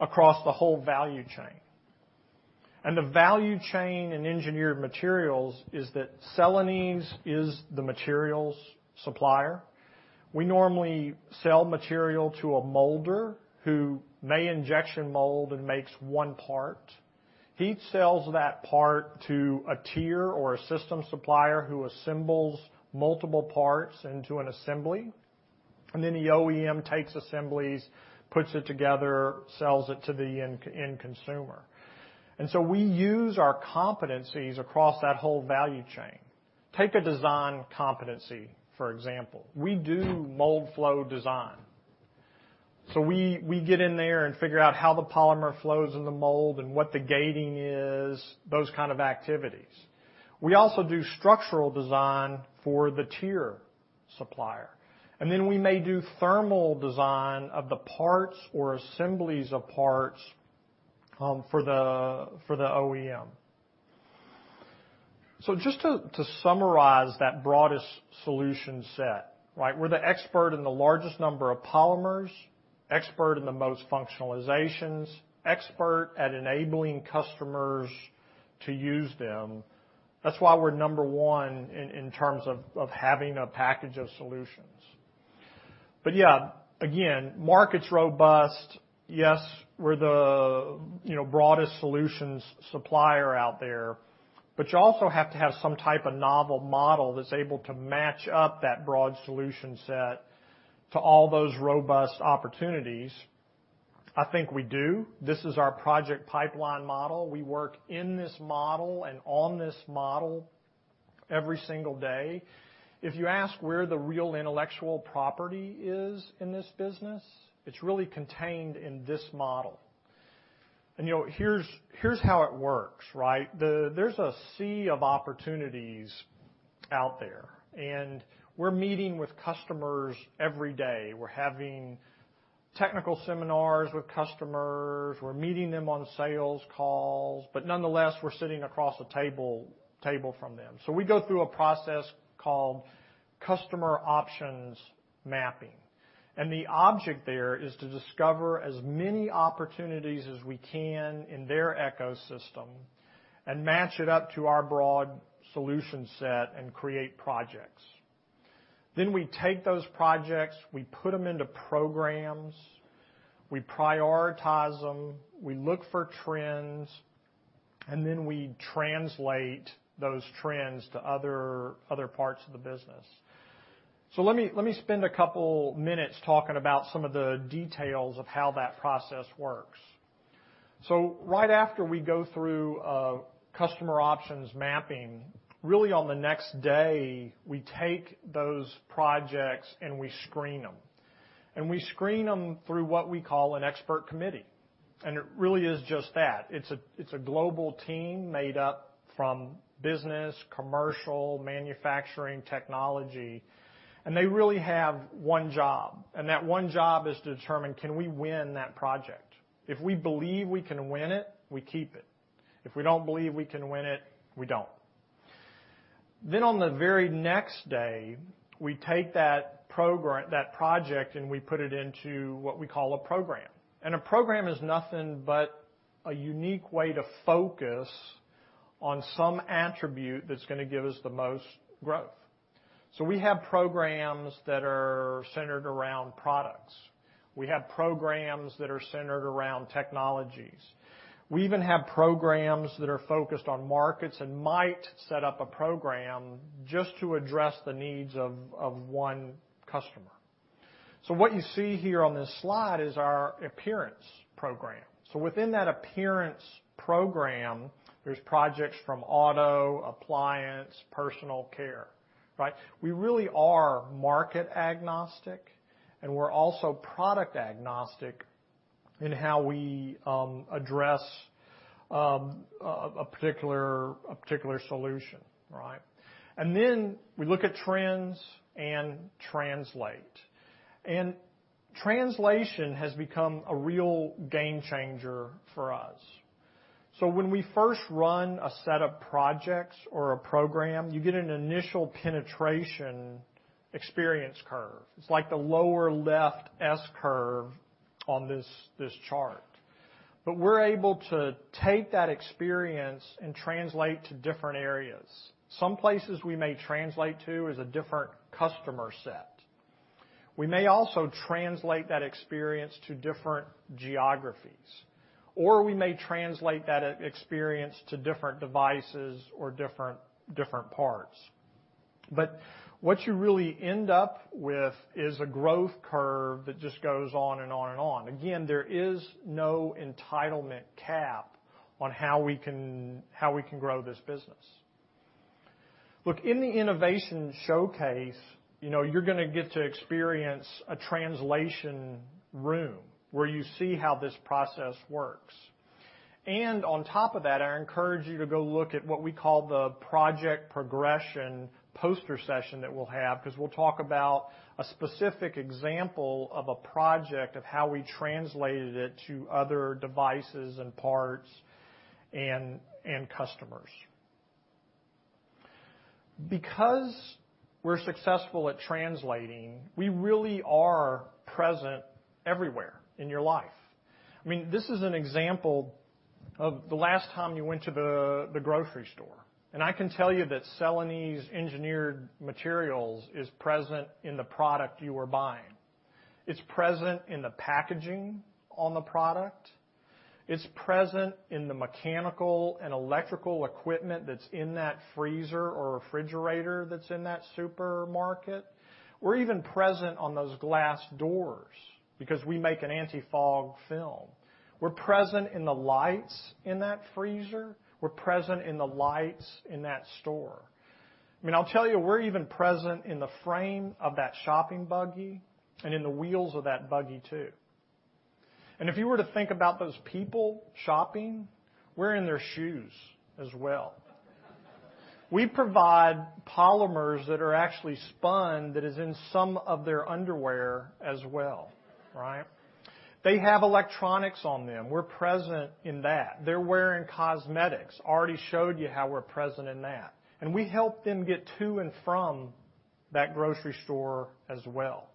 across the whole value chain. The value chain in engineered materials is that Celanese is the materials supplier. We normally sell material to a molder who may injection mold and makes one part. He sells that part to a tier or a system supplier who assembles multiple parts into an assembly. The OEM takes assemblies, puts it together, sells it to the end consumer. We use our competencies across that whole value chain. Take a design competency, for example. We do mold flow design. We get in there and figure out how the polymer flows in the mold and what the gating is, those kind of activities. We also do structural design for the tier supplier. We may do thermal design of the parts or assemblies of parts for the OEM. Just to summarize that broadest solution set. We're the expert in the largest number of polymers, expert in the most functionalizations, expert at enabling customers to use them. That's why we're number 1 in terms of having a package of solutions. Yeah, again, market's robust. Yes, we're the broadest solutions supplier out there. You also have to have some type of novel model that's able to match up that broad solution set to all those robust opportunities. I think we do. This is our project pipeline model. We work in this model and on this model every single day. If you ask where the real intellectual property is in this business, it's really contained in this model. Here's how it works, right? There's a sea of opportunities out there, and we're meeting with customers every day. We're having technical seminars with customers. We're meeting them on sales calls, but nonetheless, we're sitting across a table from them. We go through a process called Customer Options Mapping. The object there is to discover as many opportunities as we can in their ecosystem and match it up to our broad solution set and create projects. We take those projects, we put them into programs, we prioritize them, we look for trends, and then we translate those trends to other parts of the business. Let me spend a couple minutes talking about some of the details of how that process works. Right after we go through Customer Options Mapping, really on the next day, we take those projects, and we screen them. We screen them through what we call an expert committee. It really is just that. It's a global team made up from business, commercial, manufacturing, technology, and they really have one job, and that one job is to determine, can we win that project? If we believe we can win it, we keep it. If we don't believe we can win it, we don't. On the very next day, we take that project, and we put it into what we call a program. A program is nothing but a unique way to focus on some attribute that's going to give us the most growth. We have programs that are centered around products. We have programs that are centered around technologies. We even have programs that are focused on markets and might set up a program just to address the needs of one customer. What you see here on this slide is our appearance program. Within that appearance program, there's projects from auto, appliance, personal care, right? We really are market-agnostic, and we're also product-agnostic in how we address a particular solution. Right? We look at trends and translate. Translation has become a real game changer for us. When we first run a set of projects or a program, you get an initial penetration experience curve. It's like the lower left S-curve on this chart. We're able to take that experience and translate to different areas. Some places we may translate to is a different customer set. We may also translate that experience to different geographies, or we may translate that experience to different devices or different parts. What you really end up with is a growth curve that just goes on and on and on. Again, there is no entitlement cap on how we can grow this business. Look, in the Innovation Showcase, you're going to get to experience a translation room where you see how this process works. On top of that, I encourage you to go look at what we call the Project Progression Poster Session that we'll have, because we'll talk about a specific example of a project of how we translated it to other devices and parts and customers. Because we're successful at translating, we really are present everywhere in your life. I mean, this is an example of the last time you went to the grocery store, and I can tell you that Celanese Engineered Materials is present in the product you are buying. It's present in the packaging on the product. It's present in the mechanical and electrical equipment that's in that freezer or refrigerator that's in that supermarket. We're even present on those glass doors because we make an anti-fog film. We're present in the lights in that freezer. We're present in the lights in that store. I mean, I'll tell you, we're even present in the frame of that shopping buggy and in the wheels of that buggy, too. If you were to think about those people shopping, we're in their shoes as well. We provide polymers that are actually spun that is in some of their underwear as well, right? They have electronics on them. We're present in that. They're wearing cosmetics. I already showed you how we're present in that. We help them get to and from that grocery store as well.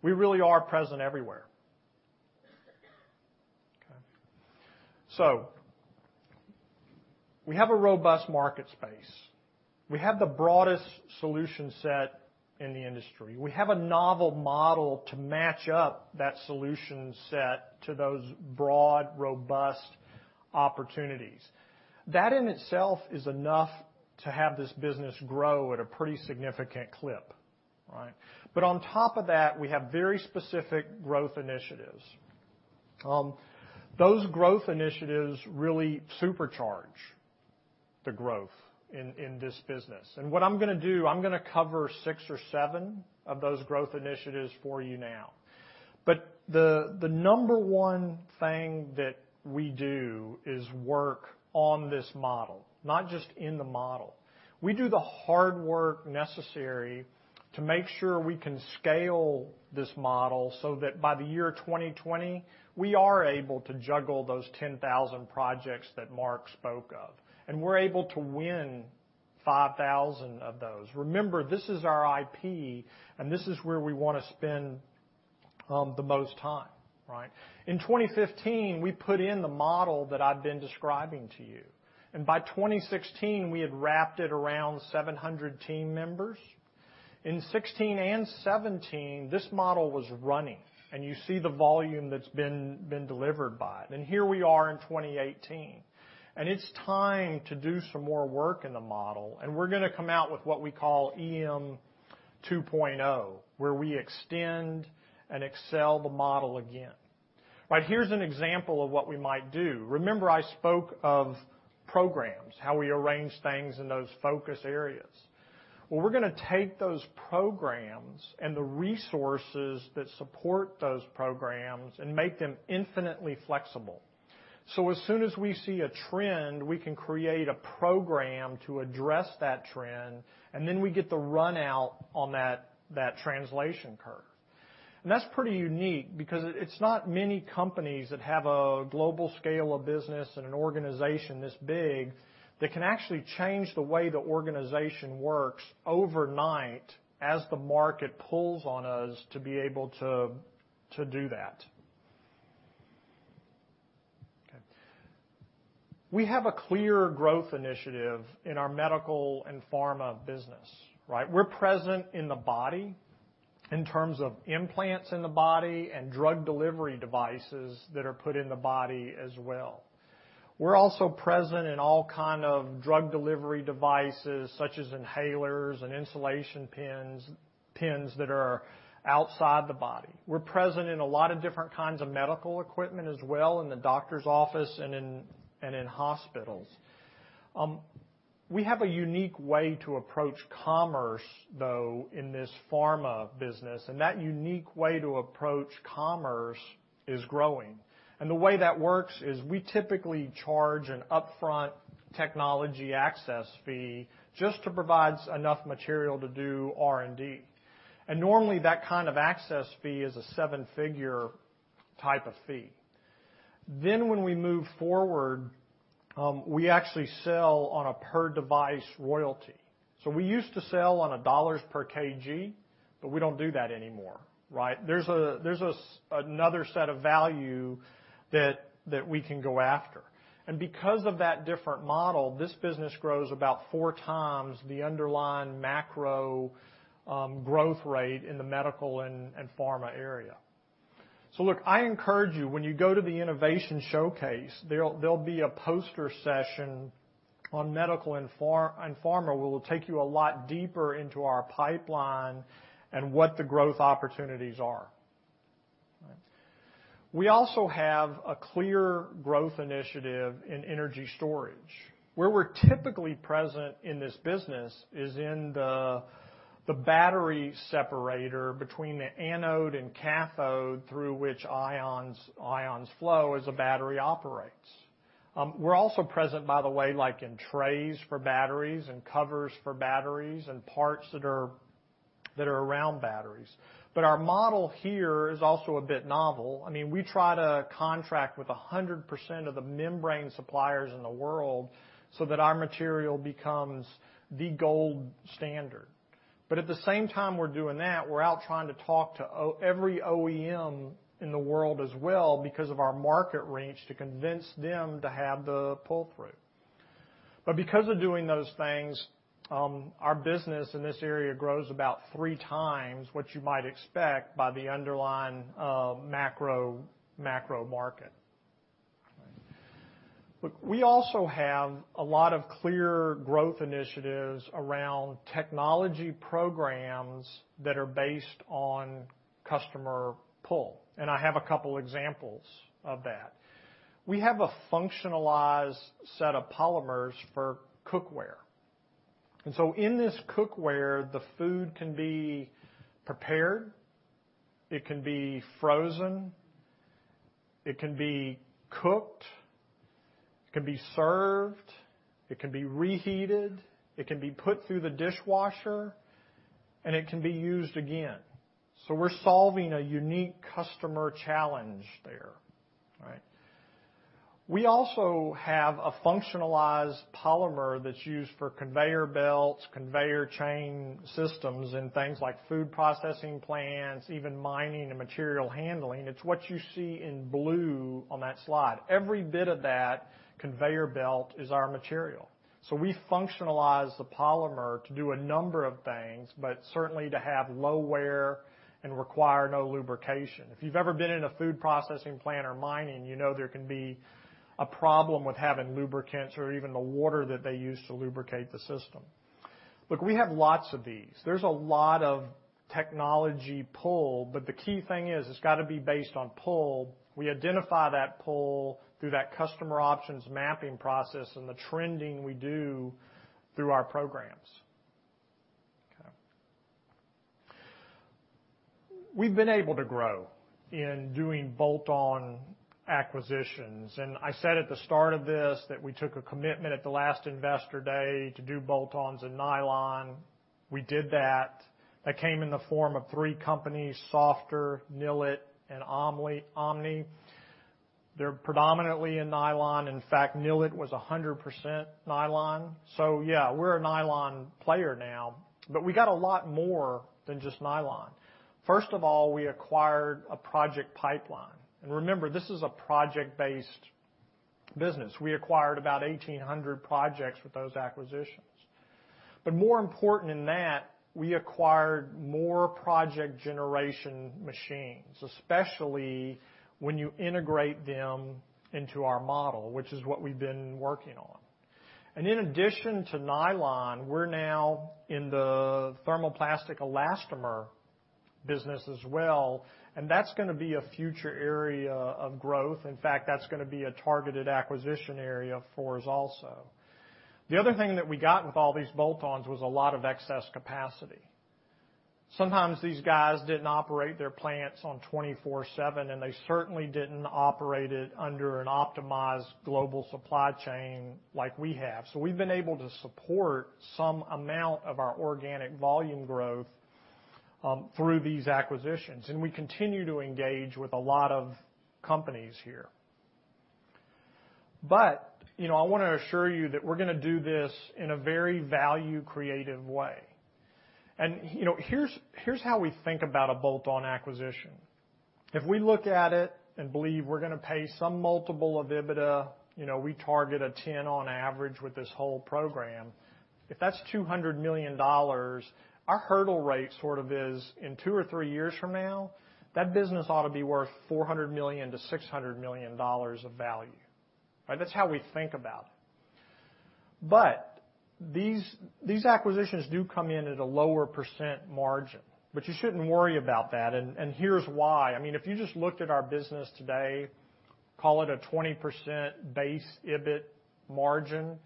We really are present everywhere. Okay. We have a robust market space. We have the broadest solution set in the industry. We have a novel model to match up that solution set to those broad, robust opportunities. That in itself is enough to have this business grow at a pretty significant clip, right? On top of that, we have very specific growth initiatives. Those growth initiatives really supercharge the growth in this business. What I'm going to do, I'm going to cover six or seven of those growth initiatives for you now. The number one thing that we do is work on this model, not just in the model. We do the hard work necessary to make sure we can scale this model so that by the year 2020, we are able to juggle those 10,000 projects that Mark spoke of, and we're able to win 5,000 of those. Remember, this is our IP, and this is where we want to spend the most time. In 2015, we put in the model that I've been describing to you. By 2016, we had wrapped it around 700 team members. In 2016 and 2017, this model was running, and you see the volume that's been delivered by it. Here we are in 2018, and it's time to do some more work in the model, and we're going to come out with what we call EM 2.0, where we extend and excel the model again. Here's an example of what we might do. Remember, I spoke of programs, how we arrange things in those focus areas. We're going to take those programs and the resources that support those programs and make them infinitely flexible. As soon as we see a trend, we can create a program to address that trend, and then we get the run out on that translation curve. That's pretty unique because it's not many companies that have a global scale of business and an organization this big that can actually change the way the organization works overnight as the market pulls on us to be able to do that. We have a clear growth initiative in our medical and pharma business. We're present in the body in terms of implants in the body and drug delivery devices that are put in the body as well. We're also present in all kind of drug delivery devices, such as inhalers and insulin pens that are outside the body. We're present in a lot of different kinds of medical equipment as well in the doctor's office and in hospitals. We have a unique way to approach commerce, though, in this pharma business. That unique way to approach commerce is growing. The way that works is we typically charge an upfront technology access fee just to provide enough material to do R&D. Normally, that kind of access fee is a seven-figure type of fee. When we move forward, we actually sell on a per device royalty. We used to sell on a $ per kg, but we don't do that anymore. There's another set of value that we can go after. Because of that different model, this business grows about four times the underlying macro growth rate in the medical and pharma area. Look, I encourage you, when you go to the innovation showcase, there'll be a poster session on medical and pharma where we'll take you a lot deeper into our pipeline and what the growth opportunities are. We also have a clear growth initiative in energy storage. Where we're typically present in this business is in the battery separator between the anode and cathode through which ions flow as a battery operates. We're also present, by the way, like in trays for batteries and covers for batteries and parts that are around batteries. Our model here is also a bit novel. We try to contract with 100% of the membrane suppliers in the world so that our material becomes the gold standard. At the same time we're doing that, we're out trying to talk to every OEM in the world as well because of our market reach to convince them to have the pull-through. Because of doing those things, our business in this area grows about three times what you might expect by the underlying macro market. We also have a lot of clear growth initiatives around technology programs that are based on customer pull. I have a couple examples of that. We have a functionalized set of polymers for cookware. In this cookware, the food can be prepared, it can be frozen, it can be cooked, it can be served, it can be reheated, it can be put through the dishwasher, and it can be used again. We're solving a unique customer challenge there. We also have a functionalized polymer that's used for conveyor belts, conveyor chain systems, and things like food processing plants, even mining and material handling. It's what you see in blue on that slide. Every bit of that conveyor belt is our material. We functionalize the polymer to do a number of things, but certainly to have low wear and require no lubrication. If you've ever been in a food processing plant or mining, you know there can be a problem with having lubricants or even the water that they use to lubricate the system. Look, we have lots of these. There's a lot of technology pull, the key thing is it's got to be based on pull. We identify that pull through that Customer Options Mapping process and the trending we do through our programs. Okay. We've been able to grow in doing bolt-on acquisitions. I said at the start of this that we took a commitment at the last Investor Day to do bolt-ons in nylon. We did that. That came in the form of 3 companies, SO.F.TER., Nilit, and Omni. They're predominantly in nylon. In fact, Nilit was 100% nylon. Yeah, we're a nylon player now. We got a lot more than just nylon. First of all, we acquired a project pipeline. Remember, this is a project-based business. We acquired about 1,800 projects with those acquisitions. More important than that, we acquired more project generation machines, especially when you integrate them into our model, which is what we've been working on. In addition to nylon, we're now in the thermoplastic elastomer business as well, and that's going to be a future area of growth. In fact, that's going to be a targeted acquisition area of ours also. The other thing that we got with all these bolt-ons was a lot of excess capacity. Sometimes these guys didn't operate their plants on 24/7, and they certainly didn't operate it under an optimized global supply chain like we have. We've been able to support some amount of our organic volume growth through these acquisitions, and we continue to engage with a lot of companies here. I want to assure you that we're going to do this in a very value-creative way. Here's how we think about a bolt-on acquisition. If we look at it and believe we're going to pay some multiple of EBITDA, we target a 10 on average with this whole program. If that's $200 million, our hurdle rate sort of is, in two or three years from now, that business ought to be worth $400 million-$600 million of value, right? That's how we think about it. These acquisitions do come in at a lower % margin, but you shouldn't worry about that, and here's why. If you just looked at our business today, call it a 20% base EBIT margin.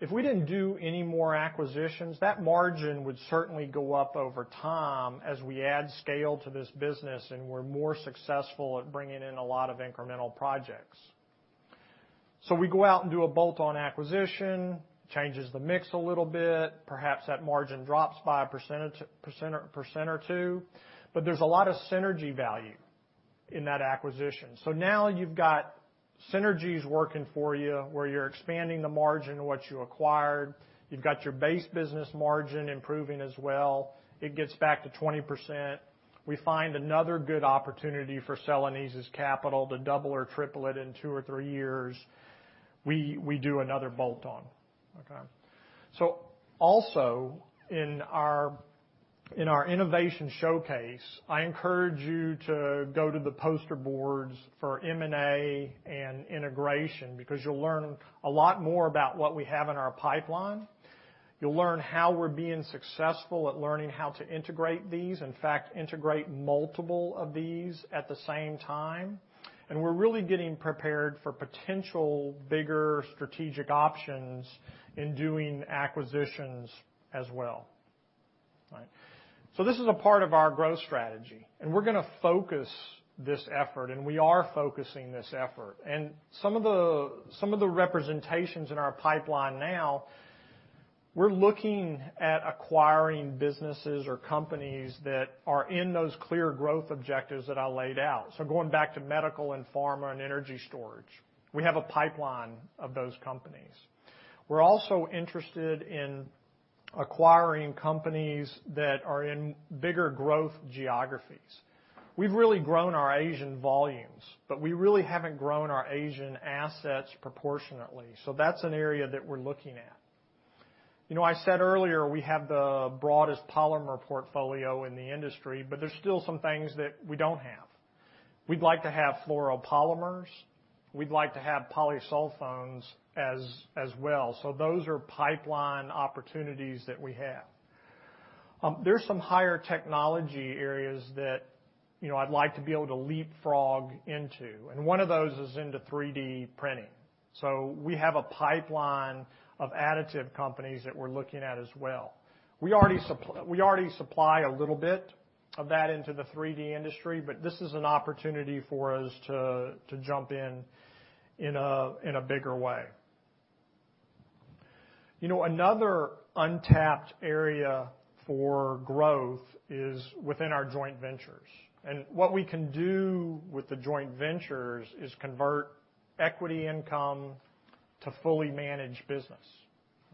If we didn't do any more acquisitions, that margin would certainly go up over time as we add scale to this business and we're more successful at bringing in a lot of incremental projects. We go out and do a bolt-on acquisition, changes the mix a little bit. Perhaps that margin drops by a % or two, there's a lot of synergy value in that acquisition. Now you've got synergies working for you where you're expanding the margin of what you acquired. You've got your base business margin improving as well. It gets back to 20%. We find another good opportunity for Celanese's capital to double or triple it in two or three years. We do another bolt-on. Okay. Also, in our innovation showcase, I encourage you to go to the poster boards for M&A and integration because you'll learn a lot more about what we have in our pipeline. You'll learn how we're being successful at learning how to integrate these. In fact, integrate multiple of these at the same time. We're really getting prepared for potential bigger strategic options in doing acquisitions as well. Right. This is a part of our growth strategy, we're going to focus this effort, and we are focusing this effort. Some of the representations in our pipeline now, we're looking at acquiring businesses or companies that are in those clear growth objectives that I laid out. Going back to medical and pharma and energy storage. We have a pipeline of those companies. We're also interested in acquiring companies that are in bigger growth geographies. We've really grown our Asian volumes, we really haven't grown our Asian assets proportionately. That's an area that we're looking at. I said earlier we have the broadest polymer portfolio in the industry, there's still some things that we don't have. We'd like to have fluoropolymers. We'd like to have polysulfones as well. Those are pipeline opportunities that we have. There's some higher technology areas that I'd like to be able to leapfrog into, one of those is into 3D printing. We have a pipeline of additive companies that we're looking at as well. We already supply a little bit of that into the 3D industry, this is an opportunity for us to jump in a bigger way. Another untapped area for growth is within our joint ventures. What we can do with the joint ventures is convert equity income to fully managed business.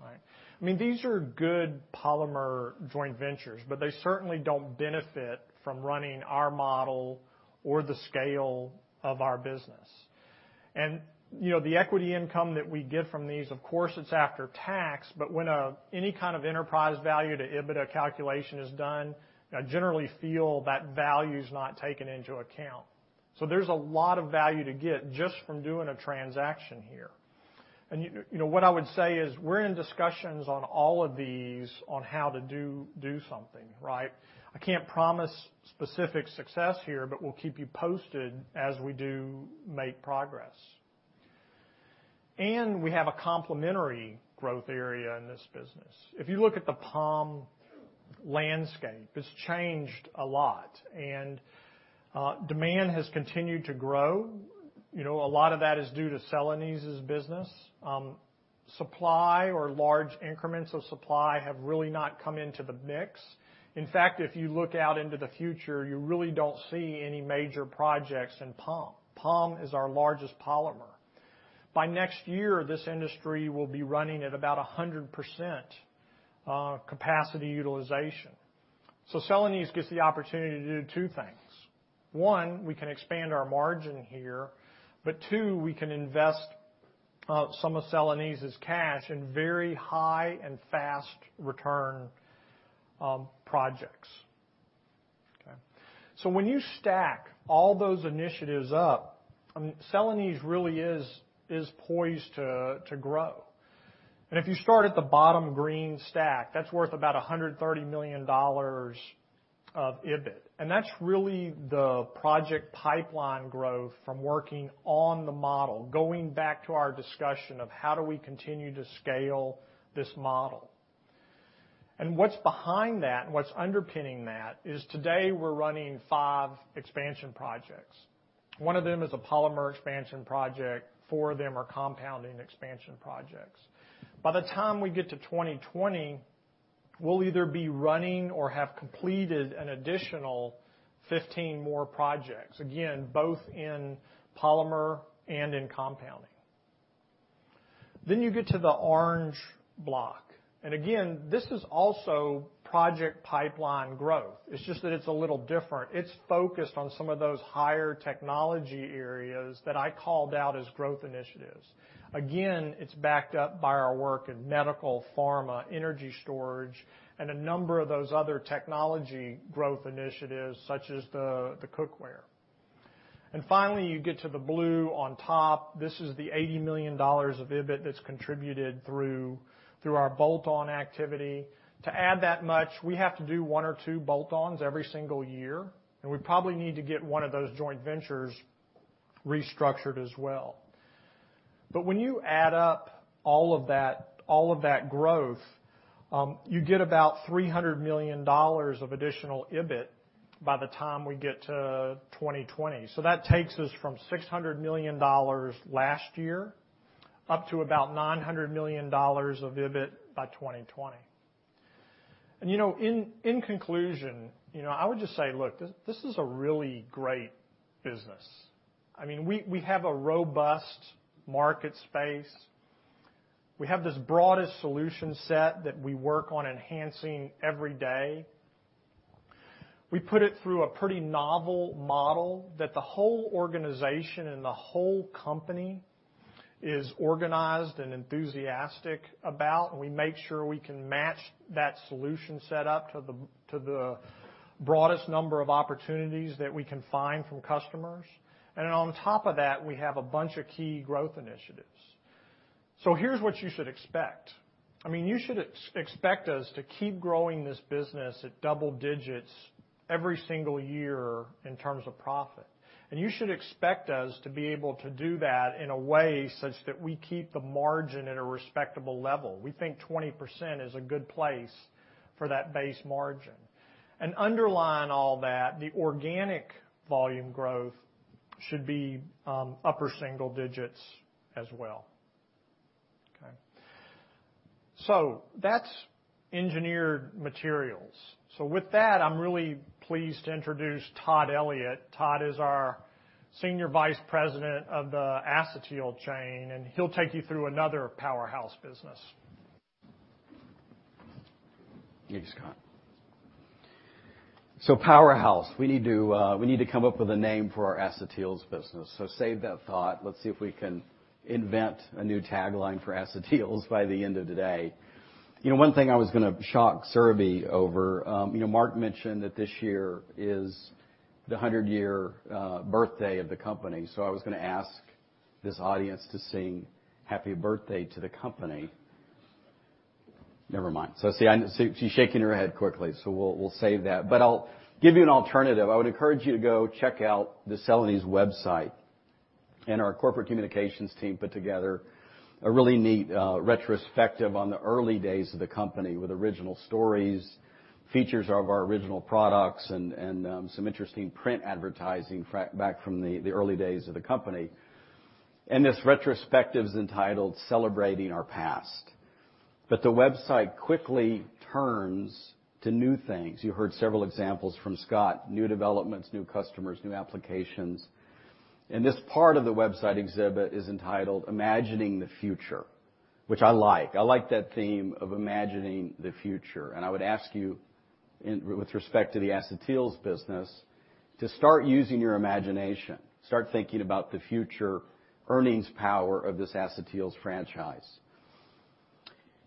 Right. These are good polymer joint ventures, but they certainly don't benefit from running our model or the scale of our business. The equity income that we get from these, of course, it's after tax, but when any kind of enterprise value to EBITDA calculation is done, I generally feel that value's not taken into account. There's a lot of value to get just from doing a transaction here. What I would say is we're in discussions on all of these on how to do something, right. I can't promise specific success here, but we'll keep you posted as we do make progress. We have a complementary growth area in this business. If you look at the POM landscape, it's changed a lot, and demand has continued to grow. A lot of that is due to Celanese's business. Supply or large increments of supply have really not come into the mix. In fact, if you look out into the future, you really don't see any major projects in POM. POM is our largest polymer. By next year, this industry will be running at about 100% capacity utilization. Celanese gets the opportunity to do two things. One, we can expand our margin here, but two, we can invest some of Celanese's cash in very high and fast return projects. Okay. When you stack all those initiatives up, Celanese really is poised to grow. If you start at the bottom green stack, that's worth about $130 million of EBIT. That's really the project pipeline growth from working on the model, going back to our discussion of how do we continue to scale this model. What's behind that and what's underpinning that is today we're running five expansion projects. One of them is a polymer expansion project, four of them are compounding expansion projects. By the time we get to 2020, we'll either be running or have completed an additional 15 more projects, again, both in polymer and in compounding. You get to the orange block. Again, this is also project pipeline growth. It's just that it's a little different. It's focused on some of those higher technology areas that I called out as growth initiatives. Again, it's backed up by our work in medical, pharma, energy storage, and a number of those other technology growth initiatives, such as the cookware. Finally, you get to the blue on top. This is the $80 million of EBIT that's contributed through our bolt-on activity. To add that much, we have to do one or two bolt-ons every single year, and we probably need to get one of those joint ventures restructured as well. When you add up all of that growth, you get about $300 million of additional EBIT by the time we get to 2020. That takes us from $600 million last year up to about $900 million of EBIT by 2020. In conclusion, I would just say, look, this is a really great business. We have a robust market space. We have this broadest solution set that we work on enhancing every day. We put it through a pretty novel model that the whole organization and the whole company is organized and enthusiastic about, and we make sure we can match that solution set up to the broadest number of opportunities that we can find from customers. On top of that, we have a bunch of key growth initiatives. Here's what you should expect. You should expect us to keep growing this business at double digits every single year in terms of profit. You should expect us to be able to do that in a way such that we keep the margin at a respectable level. We think 20% is a good place for that base margin. Underlying all that, the organic volume growth should be upper single digits as well. Okay. That's Engineered Materials. With that, I'm really pleased to introduce Todd Elliott. Todd is our Senior Vice President of the Acetyl Chain, and he'll take you through another powerhouse business. Thanks, Scott. Powerhouse. We need to come up with a name for our Acetyls business. Save that thought. Let's see if we can invent a new tagline for Acetyls by the end of the day. One thing I was going to shock Surabhi over, Mark mentioned that this year is the 100-year birthday of the company. I was going to ask this audience to sing "Happy Birthday" to the company. Never mind. She's shaking her head quickly. We'll save that. I'll give you an alternative. I would encourage you to go check out the Celanese website. Our corporate communications team put together a really neat retrospective on the early days of the company with original stories, features of our original products, and some interesting print advertising back from the early days of the company. This retrospective's entitled Celebrating Our Past. The website quickly turns to new things. You heard several examples from Scott, new developments, new customers, new applications. This part of the website exhibit is entitled Imagining the Future, which I like. I like that theme of imagining the future. I would ask you, with respect to the Acetyls business, to start using your imagination, start thinking about the future earnings power of this Acetyls franchise.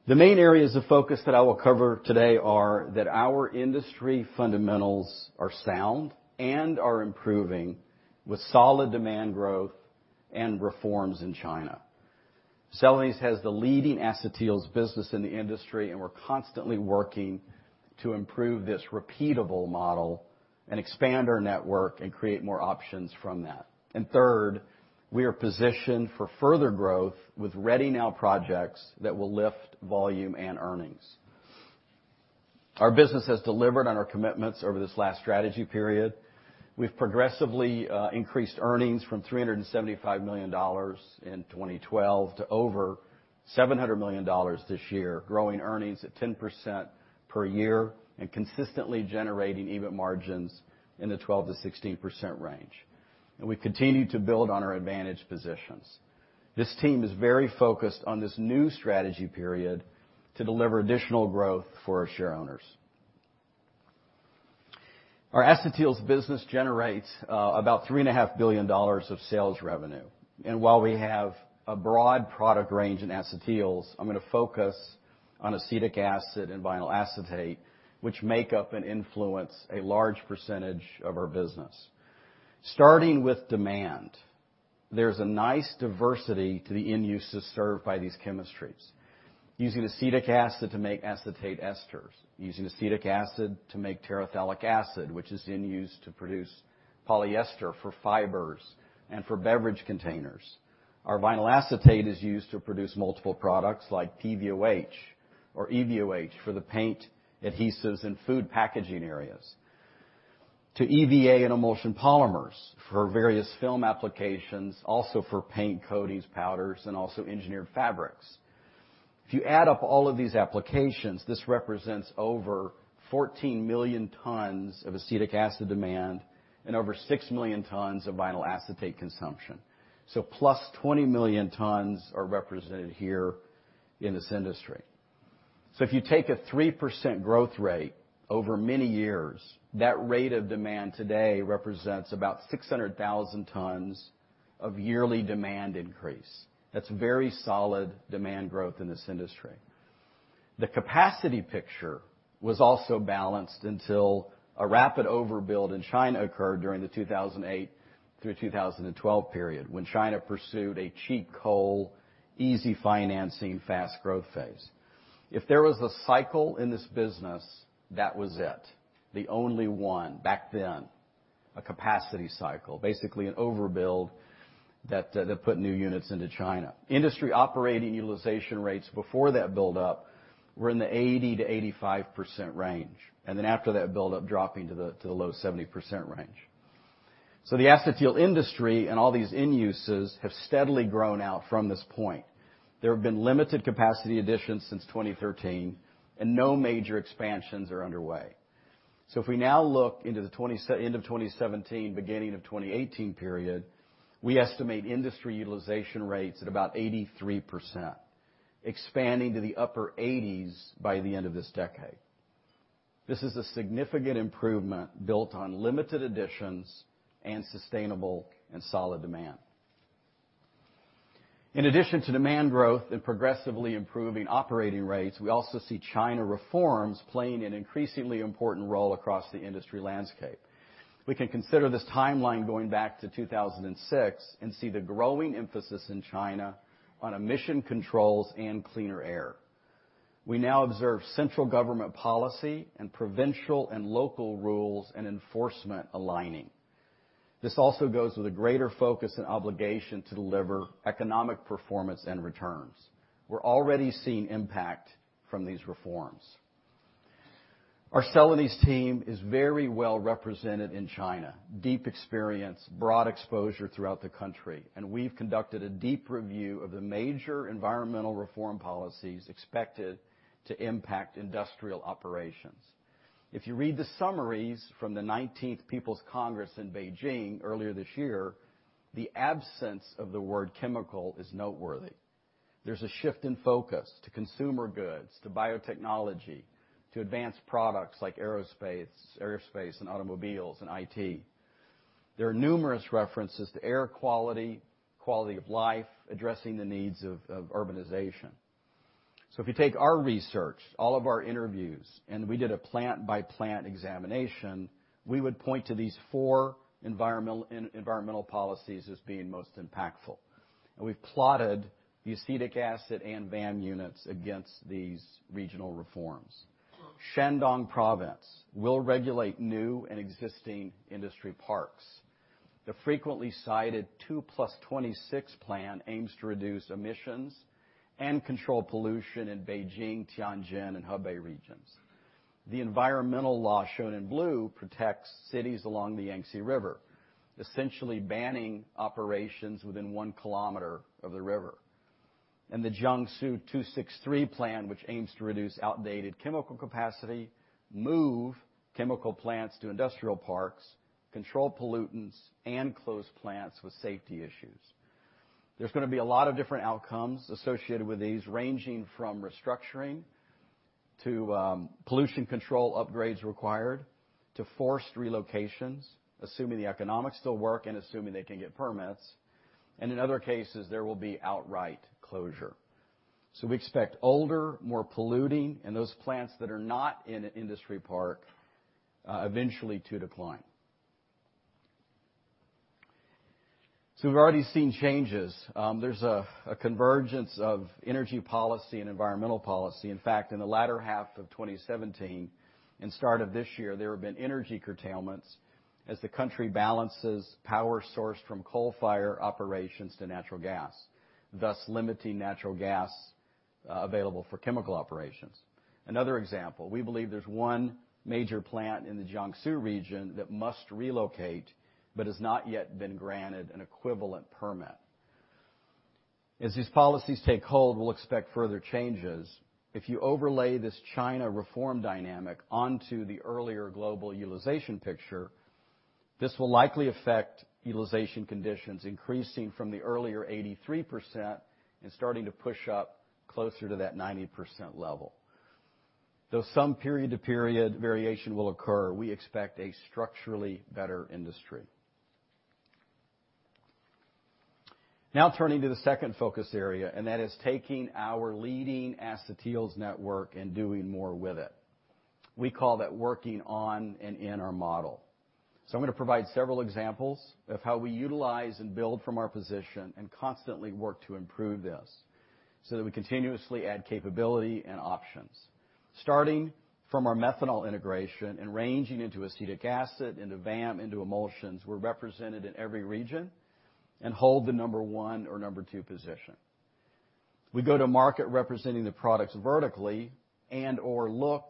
The main areas of focus that I will cover today are that our industry fundamentals are sound and are improving with solid demand growth and reforms in China. Celanese has the leading acetyls business in the industry, and we're constantly working to improve this repeatable model and expand our network and create more options from that. Third, we are positioned for further growth with ready-now projects that will lift volume and earnings. Our business has delivered on our commitments over this last strategy period. We've progressively increased earnings from $375 million in 2012 to over $700 million this year, growing earnings at 10% per year and consistently generating EBIT margins in the 12%-16% range. We continue to build on our advantage positions. This team is very focused on this new strategy period to deliver additional growth for our shareowners. Our acetyls business generates about $3.5 billion of sales revenue. While we have a broad product range in acetyls, I'm going to focus on acetic acid and vinyl acetate, which make up and influence a large percentage of our business. Starting with demand, there's a nice diversity to the end uses served by these chemistries. Using acetic acid to make acetate esters. Using acetic acid to make terephthalic acid, which is then used to produce polyester for fibers and for beverage containers. Our vinyl acetate is used to produce multiple products like PVOH or EVOH for the paint, adhesives, and food packaging areas, to EVA and emulsion polymers for various film applications, also for paint coatings, powders, and also engineered fabrics. If you add up all of these applications, this represents over 14 million tons of acetic acid demand and over 6 million tons of vinyl acetate consumption. +20 million tons are represented here in this industry. If you take a 3% growth rate over many years, that rate of demand today represents about 600,000 tons of yearly demand increase. That's very solid demand growth in this industry. The capacity picture was also balanced until a rapid overbuild in China occurred during the 2008 through 2012 period when China pursued a cheap coal, easy financing, fast growth phase. If there was a cycle in this business, that was it. The only one back then, a capacity cycle, basically an overbuild that put new units into China. Industry operating utilization rates before that buildup were in the 80%-85% range, and then after that buildup, dropping to the low 70% range. The acetyl industry and all these end uses have steadily grown out from this point. There have been limited capacity additions since 2013, and no major expansions are underway. If we now look into the end of 2017, beginning of 2018 period, we estimate industry utilization rates at about 83%, expanding to the upper 80s by the end of this decade. This is a significant improvement built on limited additions and sustainable and solid demand. In addition to demand growth and progressively improving operating rates, we also see China reforms playing an increasingly important role across the industry landscape. We can consider this timeline going back to 2006 and see the growing emphasis in China on emission controls and cleaner air. We now observe central government policy and provincial and local rules and enforcement aligning. This also goes with a greater focus and obligation to deliver economic performance and returns. We're already seeing impact from these reforms. Our Celanese team is very well represented in China, deep experience, broad exposure throughout the country, and we've conducted a deep review of the major environmental reform policies expected to impact industrial operations. If you read the summaries from the 19th People's Congress in Beijing earlier this year, the absence of the word chemical is noteworthy. There's a shift in focus to consumer goods, to biotechnology, to advanced products like aerospace and automobiles and IT. There are numerous references to air quality of life, addressing the needs of urbanization. If you take our research, all of our interviews, and we did a plant-by-plant examination, we would point to these four environmental policies as being most impactful. We've plotted the acetic acid and VAM units against these regional reforms. Shandong Province will regulate new and existing industry parks. The frequently cited 2+26 plan aims to reduce emissions and control pollution in Beijing, Tianjin, and Hebei regions. The environmental law shown in blue protects cities along the Yangtze River, essentially banning operations within one kilometer of the river. The Jiangsu 263 plan, which aims to reduce outdated chemical capacity, move chemical plants to industrial parks, control pollutants, and close plants with safety issues. There's going to be a lot of different outcomes associated with these, ranging from restructuring to pollution control upgrades required, to forced relocations, assuming the economics still work and assuming they can get permits. In other cases, there will be outright closure. We expect older, more polluting, and those plants that are not in an industry park, eventually to decline. We've already seen changes. There's a convergence of energy policy and environmental policy. In fact, in the latter half of 2017 and start of this year, there have been energy curtailments as the country balances power sourced from coal fire operations to natural gas, thus limiting natural gas available for chemical operations. Another example, we believe there's one major plant in the Jiangsu region that must relocate but has not yet been granted an equivalent permit. As these policies take hold, we'll expect further changes. If you overlay this China reform dynamic onto the earlier global utilization picture, this will likely affect utilization conditions increasing from the earlier 83% and starting to push up closer to that 90% level. Though some period-to-period variation will occur, we expect a structurally better industry. Now turning to the second focus area, and that is taking our leading acetyls network and doing more with it. We call that working on and in our model. I'm going to provide several examples of how we utilize and build from our position and constantly work to improve this so that we continuously add capability and options. Starting from our methanol integration and ranging into acetic acid, into VAM, into emulsions. We're represented in every region and hold the number one or number two position. We go to market representing the products vertically and/or look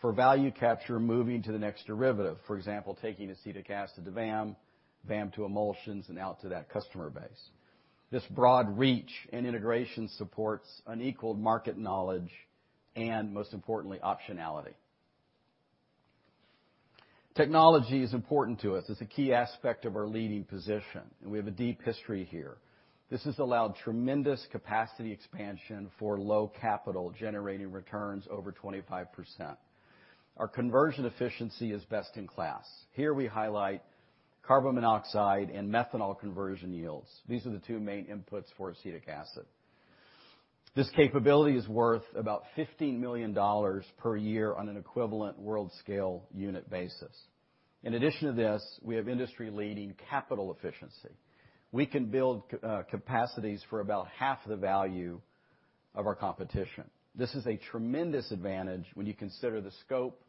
for value capture moving to the next derivative. For example, taking acetic acid to VAM to emulsions, and out to that customer base. This broad reach and integration supports unequaled market knowledge and, most importantly, optionality. Technology is important to us as a key aspect of our leading position, and we have a deep history here. This has allowed tremendous capacity expansion for low capital, generating returns over 25%. Our conversion efficiency is best in class. Here we highlight carbon monoxide and methanol conversion yields. These are the two main inputs for acetic acid. This capability is worth about $15 million per year on an equivalent world scale unit basis. In addition to this, we have industry-leading capital efficiency. We can build capacities for about half the value of our competition. This is a tremendous advantage when you consider the scope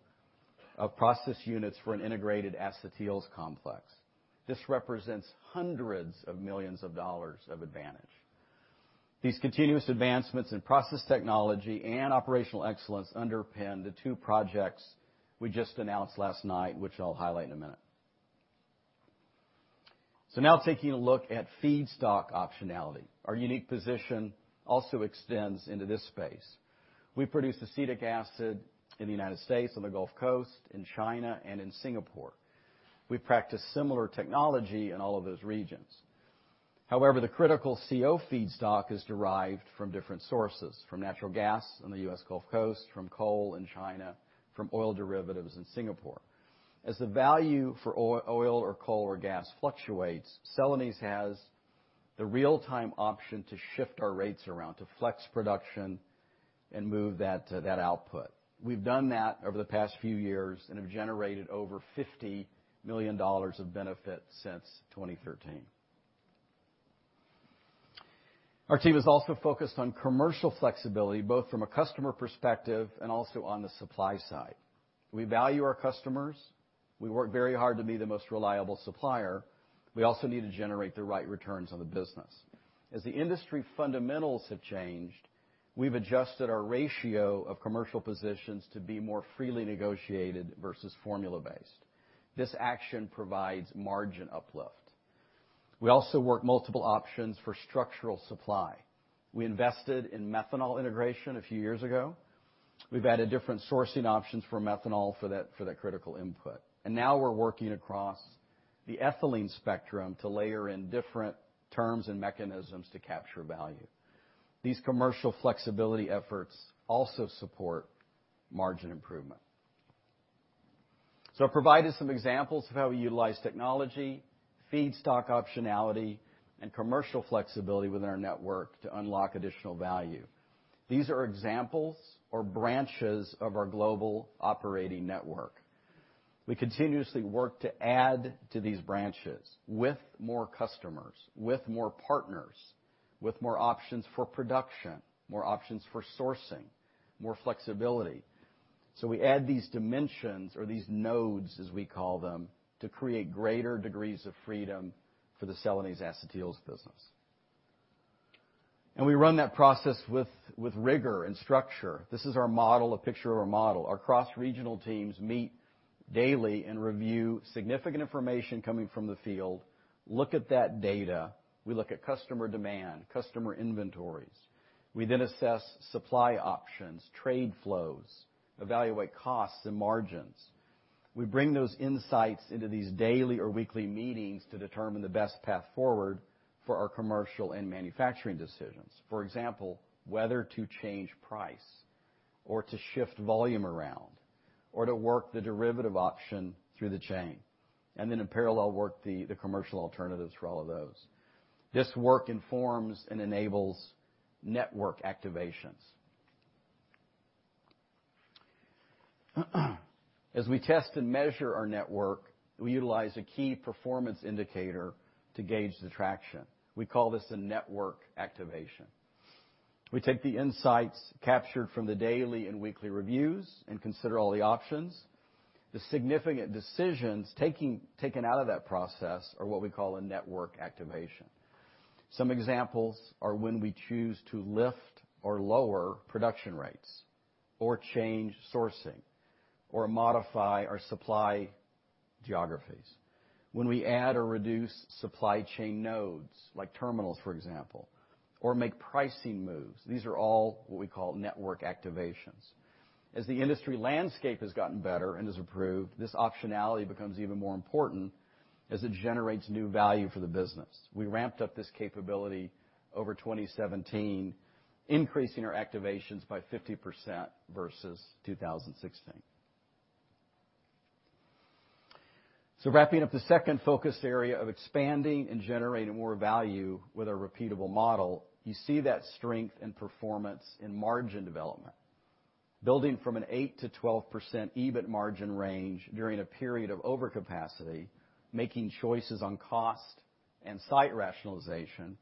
of process units for an integrated acetyls complex. This represents $hundreds of millions of advantage. These continuous advancements in process technology and operational excellence underpin the two projects we just announced last night, which I'll highlight in a minute. Now taking a look at feedstock optionality. Our unique position also extends into this space. We produce acetic acid in the U.S. on the Gulf Coast, in China, and in Singapore. We practice similar technology in all of those regions. However, the critical CO feedstock is derived from different sources, from natural gas on the U.S. Gulf Coast, from coal in China, from oil derivatives in Singapore. As the value for oil or coal or gas fluctuates, Celanese has the real-time option to shift our rates around, to flex production and move that to that output. We've done that over the past few years and have generated over $50 million of benefit since 2013. Our team is also focused on commercial flexibility, both from a customer perspective and also on the supply side. We value our customers. We work very hard to be the most reliable supplier. We also need to generate the right returns on the business. As the industry fundamentals have changed, we've adjusted our ratio of commercial positions to be more freely negotiated versus formula-based. This action provides margin uplift. We also work multiple options for structural supply. We invested in methanol integration a few years ago. We've added different sourcing options for methanol for that critical input. Now we're working across the ethylene spectrum to layer in different terms and mechanisms to capture value. These commercial flexibility efforts also support margin improvement. I've provided some examples of how we utilize technology, feedstock optionality, and commercial flexibility within our network to unlock additional value. These are examples or branches of our global operating network. We continuously work to add to these branches with more customers, with more partners, with more options for production, more options for sourcing, more flexibility. We add these dimensions or these nodes, as we call them, to create greater degrees of freedom for the Celanese acetyls business. We run that process with rigor and structure. This is our model, a picture of our model. Our cross-regional teams meet daily and review significant information coming from the field, look at that data. We look at customer demand, customer inventories. We assess supply options, trade flows, evaluate costs and margins. We bring those insights into these daily or weekly meetings to determine the best path forward for our commercial and manufacturing decisions. For example, whether to change price or to shift volume around, or to work the derivative option through the chain. In parallel, work the commercial alternatives for all of those. This work informs and enables network activations. As we test and measure our network, we utilize a key performance indicator to gauge the traction. We call this a network activation. We take the insights captured from the daily and weekly reviews and consider all the options. The significant decisions taken out of that process are what we call a network activation. Some examples are when we choose to lift or lower production rates, or change sourcing, or modify our supply geographies. When we add or reduce supply chain nodes, like terminals, for example, or make pricing moves. These are all what we call network activations. As the industry landscape has gotten better and has improved, this optionality becomes even more important as it generates new value for the business. We ramped up this capability over 2017, increasing our activations by 50% versus 2016. Wrapping up the second focus area of expanding and generating more value with a repeatable model, you see that strength and performance in margin development. Building from an 8%-12% EBIT margin range during a period of overcapacity, making choices on cost and site rationalization.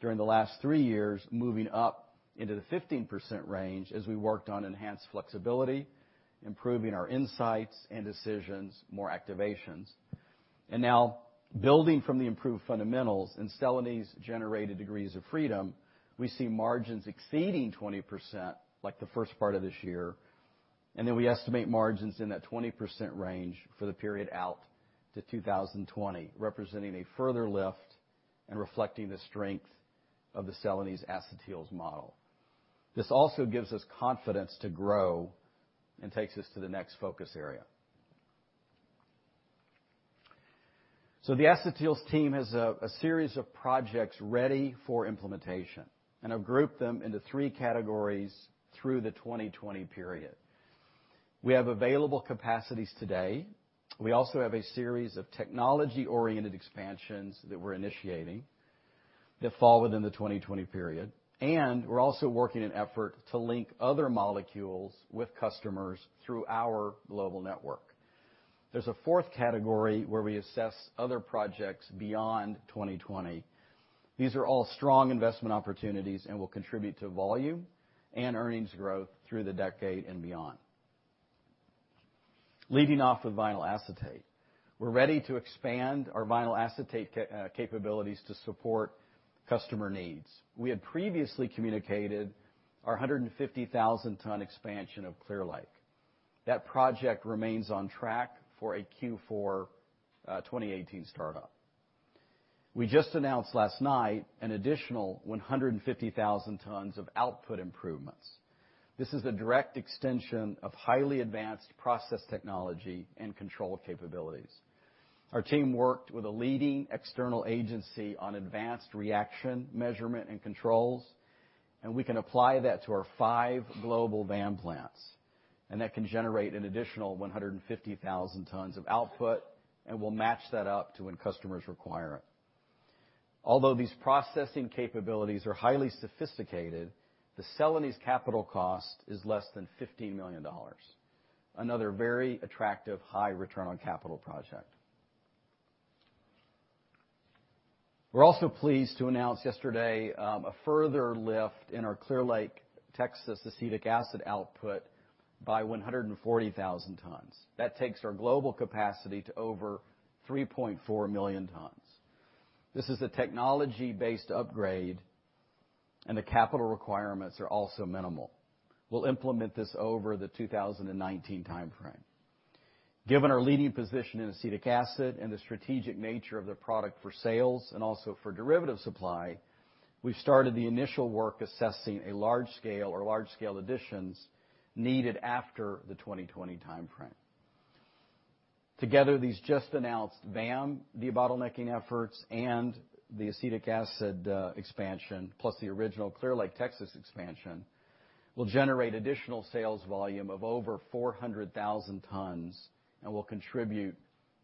During the last three years, moving up into the 15% range as we worked on enhanced flexibility, improving our insights and decisions, more activations. Now building from the improved fundamentals and Celanese generated degrees of freedom, we see margins exceeding 20%, like the first part of this year. We estimate margins in that 20% range for the period out to 2020, representing a further lift and reflecting the strength of the Celanese Acetyls model. This also gives us confidence to grow and takes us to the next focus area. The Acetyls team has a series of projects ready for implementation, and I've grouped them into three categories through the 2020 period. We have available capacities today. We also have a series of technology-oriented expansions that we're initiating that fall within the 2020 period. We're also working an effort to link other molecules with customers through our global network. There's a fourth category where we assess other projects beyond 2020. These are all strong investment opportunities and will contribute to volume and earnings growth through the decade and beyond. Leading off with vinyl acetate. We're ready to expand our vinyl acetate capabilities to support customer needs. We had previously communicated our 150,000 ton expansion of Clear Lake. That project remains on track for a Q4 2018 startup. We just announced last night an additional 150,000 tons of output improvements. This is a direct extension of highly advanced process technology and control capabilities. Our team worked with a leading external agency on advanced reaction measurement and controls, and we can apply that to our five global VAM plants. That can generate an additional 150,000 tons of output, and we'll match that up to when customers require it. Although these processing capabilities are highly sophisticated, the Celanese capital cost is less than $15 million. Another very attractive high return on capital project. We're also pleased to announce yesterday, a further lift in our Clear Lake, Texas acetic acid output by 140,000 tons. That takes our global capacity to over 3.4 million tons. This is a technology-based upgrade, the capital requirements are also minimal. We'll implement this over the 2019 timeframe. Given our leading position in acetic acid and the strategic nature of the product for sales and also for derivative supply, we've started the initial work assessing a large scale or large scale additions needed after the 2020 timeframe. Together, these just announced VAM debottlenecking efforts and the acetic acid expansion, plus the original Clear Lake, Texas expansion, will generate additional sales volume of over 400,000 tons and will contribute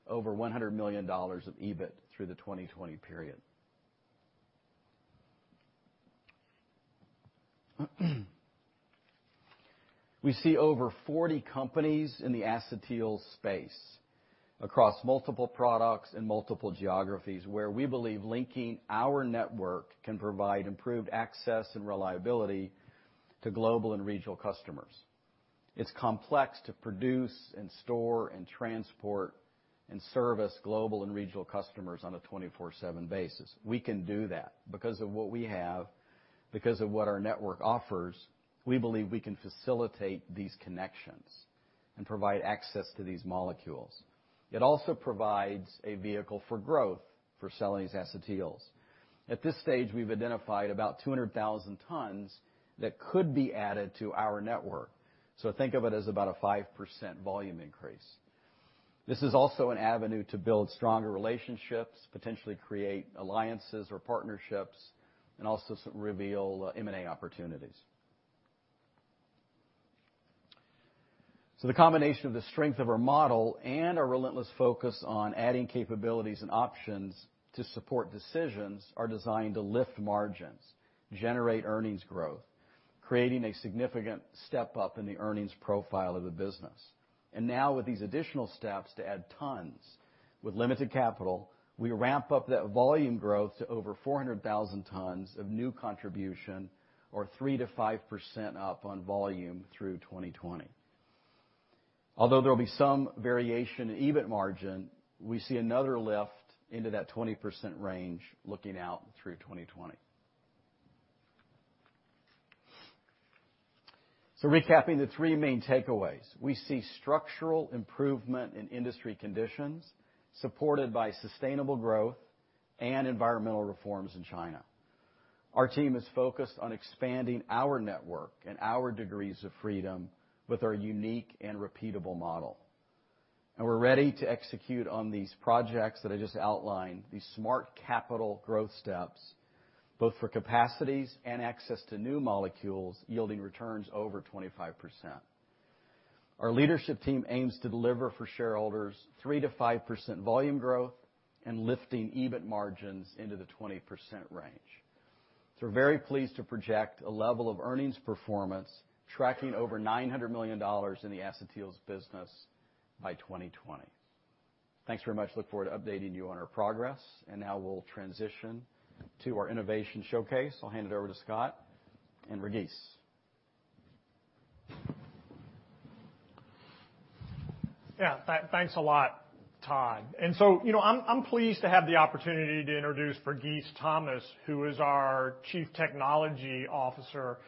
over $100 million of EBIT through the 2020 period. We see over 40 companies in the acetyl space across multiple products and multiple geographies where we believe linking our network can provide improved access and reliability to global and regional customers. It's complex to produce and store and transport and service global and regional customers on a 24/7 basis. We can do that. Because of what we have, because of what our network offers, we believe we can facilitate these connections and provide access to these molecules. It also provides a vehicle for growth for Celanese Acetyls. At this stage, we've identified about 200,000 tons that could be added to our network. Think of it as about a 5% volume increase. This is also an avenue to build stronger relationships, potentially create alliances or partnerships, and also reveal M&A opportunities. The combination of the strength of our model and our relentless focus on adding capabilities and options to support decisions are designed to lift margins, generate earnings growth, creating a significant step-up in the earnings profile of the business. Now with these additional steps to add tons with limited capital, we ramp up that volume growth to over 400,000 tons of new contribution or 3%-5% up on volume through 2020. Although there will be some variation in EBIT margin, we see another lift into that 20% range looking out through 2020. Recapping the three main takeaways. We see structural improvement in industry conditions supported by sustainable growth and environmental reforms in China. Our team is focused on expanding our network and our degrees of freedom with our unique and repeatable model. We're ready to execute on these projects that I just outlined, the smart capital growth steps, both for capacities and access to new molecules, yielding returns over 25%. Our leadership team aims to deliver for shareholders 3%-5% volume growth and lifting EBIT margins into the 20% range. We're very pleased to project a level of earnings performance tracking over $900 million in the Acetyls business by 2020. Thanks very much. Look forward to updating you on our progress. Now we'll transition to our innovation showcase. I'll hand it over to Scott and Verghese. Thanks a lot, Todd. I'm pleased to have the opportunity to introduce Verghese Thomas, who is our Chief Technology Officer.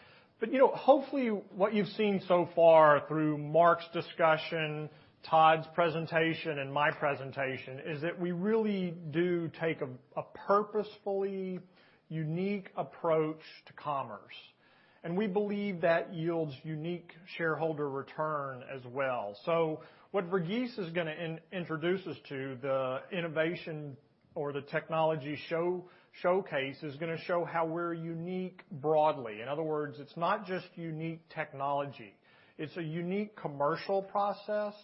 Hopefully, what you've seen so far through Mark's discussion, Todd's presentation, and my presentation is that we really do take a purposefully unique approach to commerce, and we believe that yields unique shareholder return as well. What Verghese is going to introduce us to, the innovation or the technology showcase, is going to show how we're unique broadly. In other words, it's not just unique technology. It's a unique commercial process.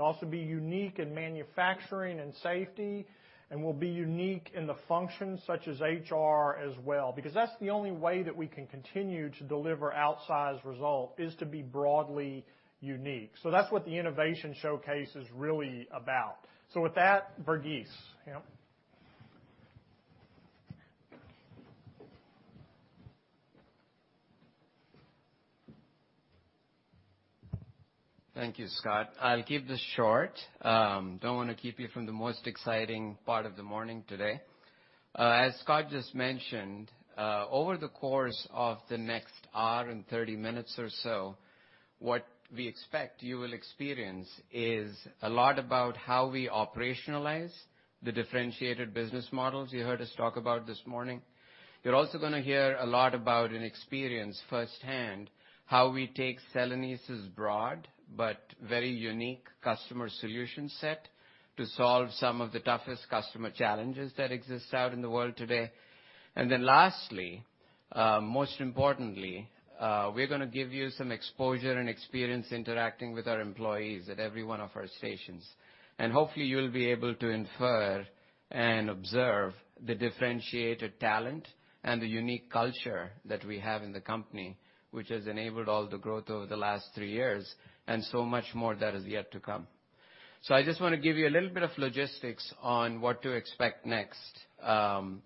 It'll also be unique in manufacturing and safety, and we'll be unique in the functions such as HR as well, because that's the only way that we can continue to deliver outsized result, is to be broadly unique. That's what the innovation showcase is really about. With that, Verghese. Thank you, Scott. I'll keep this short. Don't want to keep you from the most exciting part of the morning today. As Scott just mentioned, over the course of the next hour and 30 minutes or so, what we expect you will experience is a lot about how we operationalize the differentiated business models you heard us talk about this morning. You're also going to hear a lot about and experience firsthand how we take Celanese's broad but very unique customer solution set to solve some of the toughest customer challenges that exist out in the world today. Lastly, most importantly, we're going to give you some exposure and experience interacting with our employees at every one of our stations. Hopefully, you'll be able to infer and observe the differentiated talent and the unique culture that we have in the company, which has enabled all the growth over the last 3 years and so much more that is yet to come. I just want to give you a little bit of logistics on what to expect next.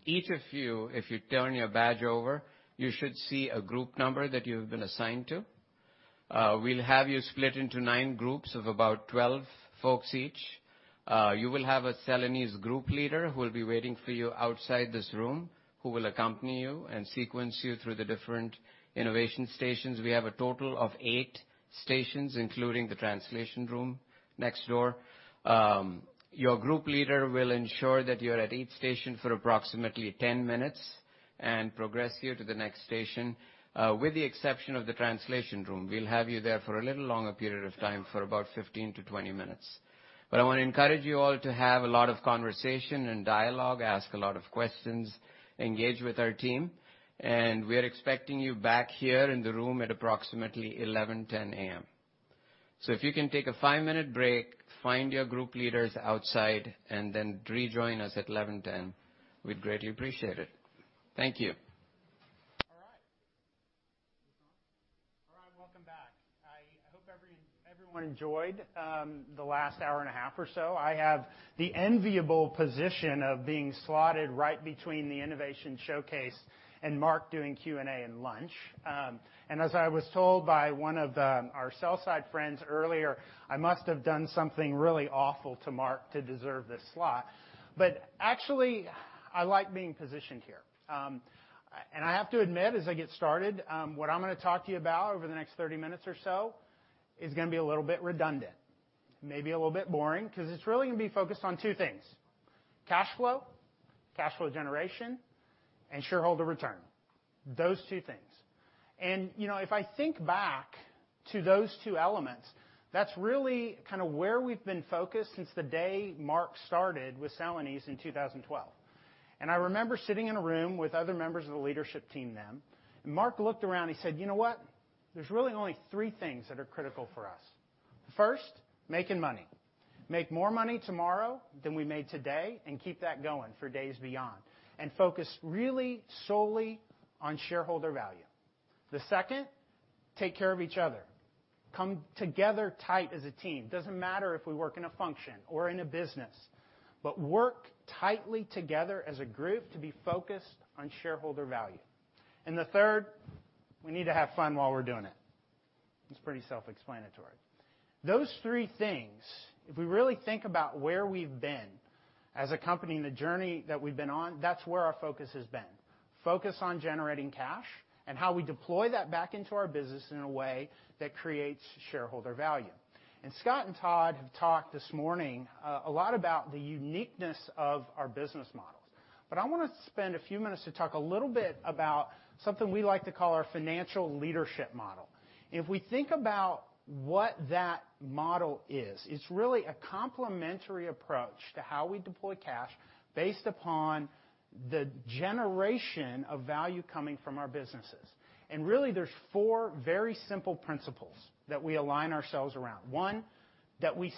Each of you, if you turn your badge over, you should see a group number that you've been assigned to. We'll have you split into nine groups of about 12 folks each. You will have a Celanese group leader who will be waiting for you outside this room, who will accompany you and sequence you through the different innovation stations. We have a total of eight stations, including the translation room next door. Your group leader will ensure that you're at each station for approximately 10 minutes and progress you to the next station, with the exception of the translation room. We'll have you there for a little longer period of time, for about 15-20 minutes. I want to encourage you all to have a lot of conversation and dialogue, ask a lot of questions, engage with our team, and we're expecting you back here in the room at approximately 11:10 A.M. If you can take a five-minute break, find your group leaders outside, and then rejoin us at 11:10 A.M., we'd greatly appreciate it. Thank you. All right. All right, welcome back. I hope everyone enjoyed the last hour and a half or so. I have the enviable position of being slotted right between the innovation showcase and Mark doing Q&A and lunch. As I was told by one of our sell side friends earlier, I must have done something really awful to Mark to deserve this slot. Actually, I like being positioned here. I have to admit, as I get started, what I'm going to talk to you about over the next 30 minutes or so is going to be a little bit redundant, maybe a little bit boring, because it's really going to be focused on two things: cash flow, cash flow generation, and shareholder return. Those two things. If I think back to those two elements, that's really where we've been focused since the day Mark started with Celanese in 2012. I remember sitting in a room with other members of the leadership team then, and Mark looked around, and he said, "You know what? There's really only three things that are critical for us. First, making money. Make more money tomorrow than we made today and keep that going for days beyond, and focus really solely on shareholder value. The second, take care of each other. Come together tight as a team. Doesn't matter if we work in a function or in a business, but work tightly together as a group to be focused on shareholder value. The third, we need to have fun while we're doing it. It's pretty self-explanatory. Those three things, if we really think about where we've been as a company and the journey that we've been on, that's where our focus has been. Focused on generating cash and how we deploy that back into our business in a way that creates shareholder value. Scott and Todd have talked this morning a lot about the uniqueness of our business models. I want to spend a few minutes to talk a little bit about something we like to call our financial leadership model. If we think about what that model is, it's really a complementary approach to how we deploy cash based upon the generation of value coming from our businesses. Really, there's four very simple principles that we align ourselves around. One, that we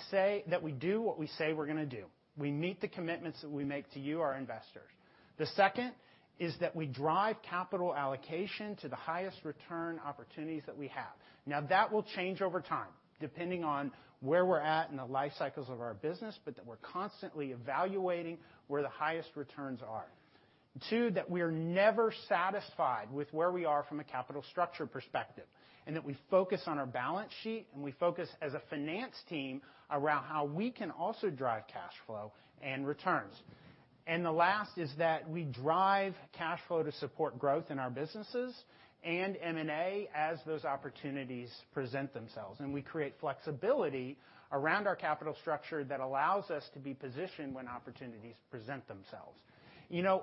do what we say we're going to do. We meet the commitments that we make to you, our investors. The second is that we drive capital allocation to the highest return opportunities that we have. Now, that will change over time, depending on where we're at in the life cycles of our business, but that we're constantly evaluating where the highest returns are. Two, that we're never satisfied with where we are from a capital structure perspective, and that we focus on our balance sheet and we focus as a finance team around how we can also drive cash flow and returns. The last is that we drive cash flow to support growth in our businesses and M&A as those opportunities present themselves, and we create flexibility around our capital structure that allows us to be positioned when opportunities present themselves.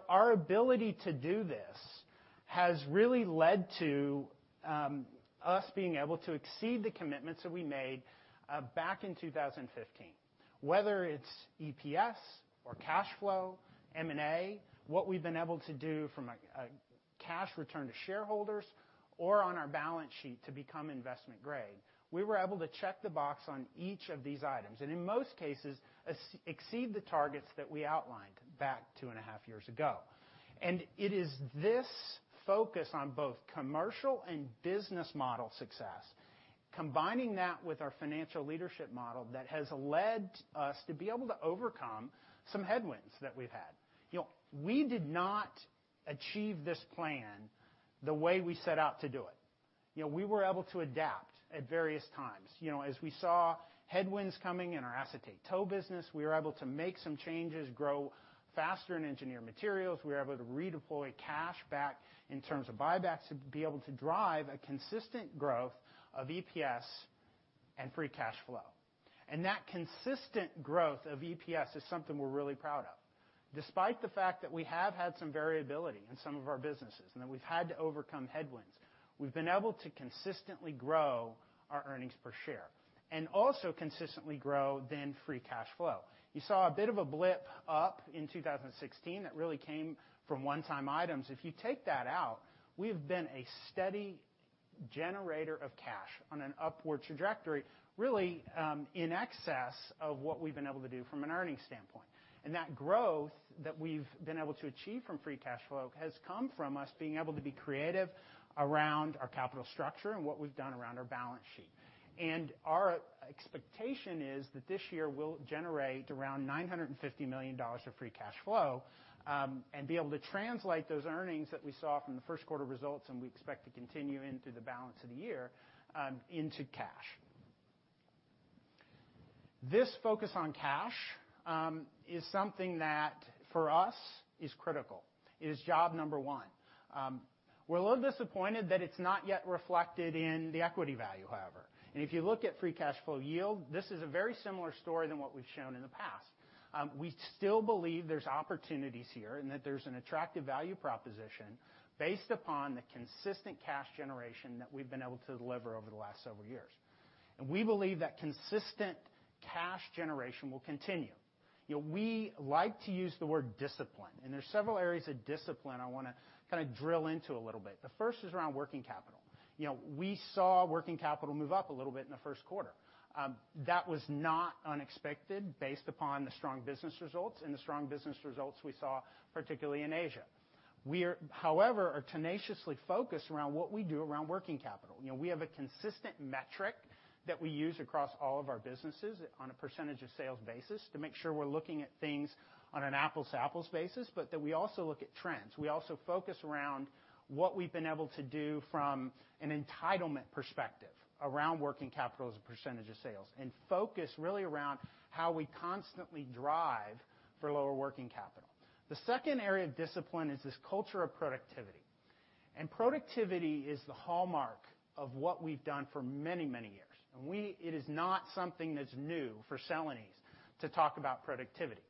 Our ability to do this has really led to us being able to exceed the commitments that we made back in 2015. Whether it's EPS or cash flow, M&A, what we've been able to do from a cash return to shareholders, or on our balance sheet to become investment grade, we were able to check the box on each of these items, and in most cases, exceed the targets that we outlined back two and a half years ago. It is this focus on both commercial and business model success, combining that with our financial leadership model that has led us to be able to overcome some headwinds that we've had. We did not achieve this plan the way we set out to do it. We were able to adapt at various times. As we saw headwinds coming in our acetate tow business, we were able to make some changes, grow faster in engineered materials. We were able to redeploy cash back in terms of buybacks to be able to drive a consistent growth of EPS and free cash flow. That consistent growth of EPS is something we're really proud of. Despite the fact that we have had some variability in some of our businesses and that we've had to overcome headwinds, we've been able to consistently grow our earnings per share, also consistently grow, then, free cash flow. You saw a bit of a blip up in 2016 that really came from one-time items. If you take that out, we have been a steady generator of cash on an upward trajectory, really, in excess of what we've been able to do from an earnings standpoint. That growth that we've been able to achieve from free cash flow has come from us being able to be creative around our capital structure and what we've done around our balance sheet. Our expectation is that this year will generate around $950 million of free cash flow, be able to translate those earnings that we saw from the first quarter results, we expect to continue into the balance of the year, into cash. This focus on cash is something that for us is critical. It is job number 1. We're a little disappointed that it's not yet reflected in the equity value, however. If you look at free cash flow yield, this is a very similar story than what we've shown in the past. We still believe there's opportunities here and that there's an attractive value proposition based upon the consistent cash generation that we've been able to deliver over the last several years. We believe that consistent cash generation will continue. We like to use the word discipline, and there's several areas of discipline I want to drill into a little bit. The first is around working capital. We saw working capital move up a little bit in the first quarter. That was not unexpected based upon the strong business results and the strong business results we saw, particularly in Asia. We, however, are tenaciously focused around what we do around working capital. We have a consistent metric that we use across all of our businesses on a % of sales basis to make sure we're looking at things on an apples-to-apples basis, but that we also look at trends. We also focus around what we've been able to do from an entitlement perspective around working capital as a % of sales, and focus really around how we constantly drive for lower working capital. The second area of discipline is this culture of productivity. Productivity is the hallmark of what we've done for many, many years. It is not something that's new for Celanese to talk about productivity.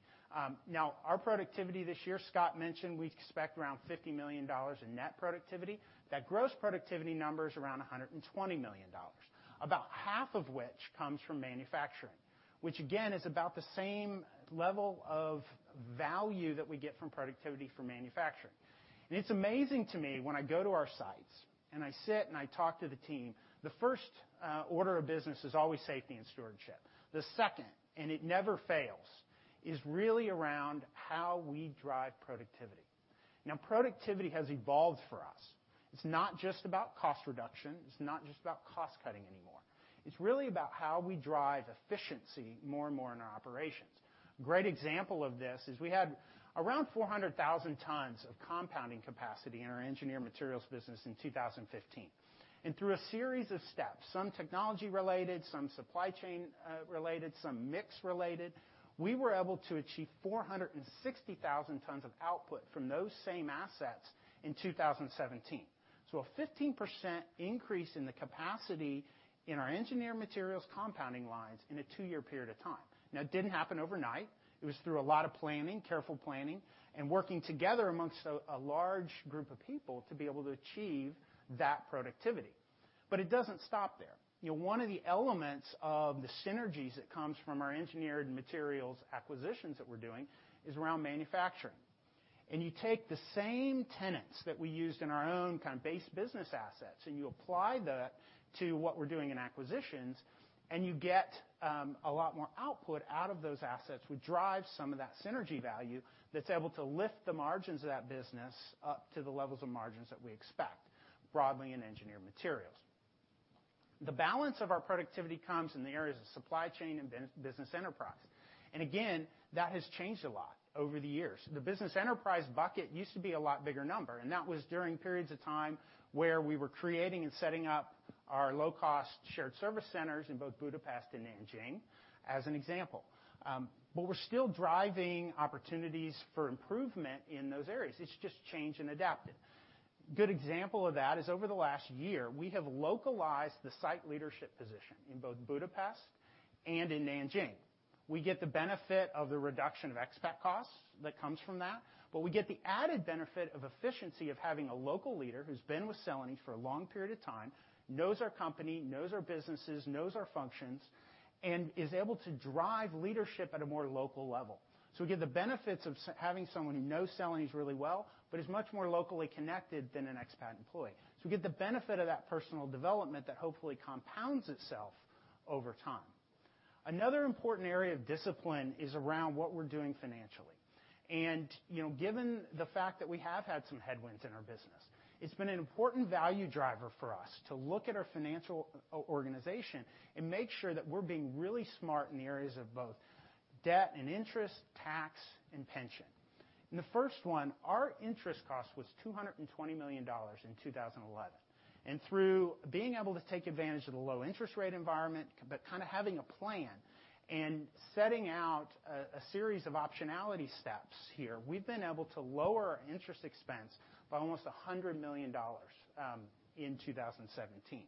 Now, our productivity this year, Scott mentioned we expect around $50 million in net productivity. That gross productivity number is around $120 million, about half of which comes from manufacturing, which again is about the same level of value that we get from productivity for manufacturing. It's amazing to me when I go to our sites and I sit and I talk to the team, the first order of business is always safety and stewardship. The second, and it never fails, is really around how we drive productivity. Now, productivity has evolved for us. It's not just about cost reduction. It's not just about cost-cutting anymore. It's really about how we drive efficiency more and more in our operations. Great example of this is we had around 400,000 tons of compounding capacity in our Engineered Materials business in 2015, and through a series of steps, some technology-related, some supply chain related, some mix related, we were able to achieve 460,000 tons of output from those same assets in 2017. A 15% increase in the capacity in our Engineered Materials compounding lines in a two-year period of time. It didn't happen overnight. It was through a lot of planning, careful planning, and working together amongst a large group of people to be able to achieve that productivity. It doesn't stop there. One of the elements of the synergies that comes from our Engineered Materials acquisitions that we're doing is around manufacturing. You take the same tenets that we used in our own kind of base business assets, and you apply that to what we're doing in acquisitions, and you get a lot more output out of those assets, which drives some of that synergy value that's able to lift the margins of that business up to the levels of margins that we expect broadly in Engineered Materials. The balance of our productivity comes in the areas of supply chain and business enterprise. Again, that has changed a lot over the years. The business enterprise bucket used to be a lot bigger number, and that was during periods of time where we were creating and setting up our low-cost shared service centers in both Budapest and Nanjing, as an example. We're still driving opportunities for improvement in those areas. It's just changed and adapted. Good example of that is over the last year, we have localized the site leadership position in both Budapest and in Nanjing. We get the benefit of the reduction of expat costs that comes from that, but we get the added benefit of efficiency of having a local leader who's been with Celanese for a long period of time, knows our company, knows our businesses, knows our functions, and is able to drive leadership at a more local level. We get the benefits of having someone who knows Celanese really well but is much more locally connected than an expat employee. We get the benefit of that personal development that hopefully compounds itself over time. Another important area of discipline is around what we're doing financially. Given the fact that we have had some headwinds in our business, it's been an important value driver for us to look at our financial organization and make sure that we're being really smart in the areas of both debt and interest, tax, and pension. In the first one, our interest cost was $220 million in 2011. Through being able to take advantage of the low interest rate environment, but kind of having a plan and setting out a series of optionality steps here, we've been able to lower our interest expense by almost $100 million in 2017.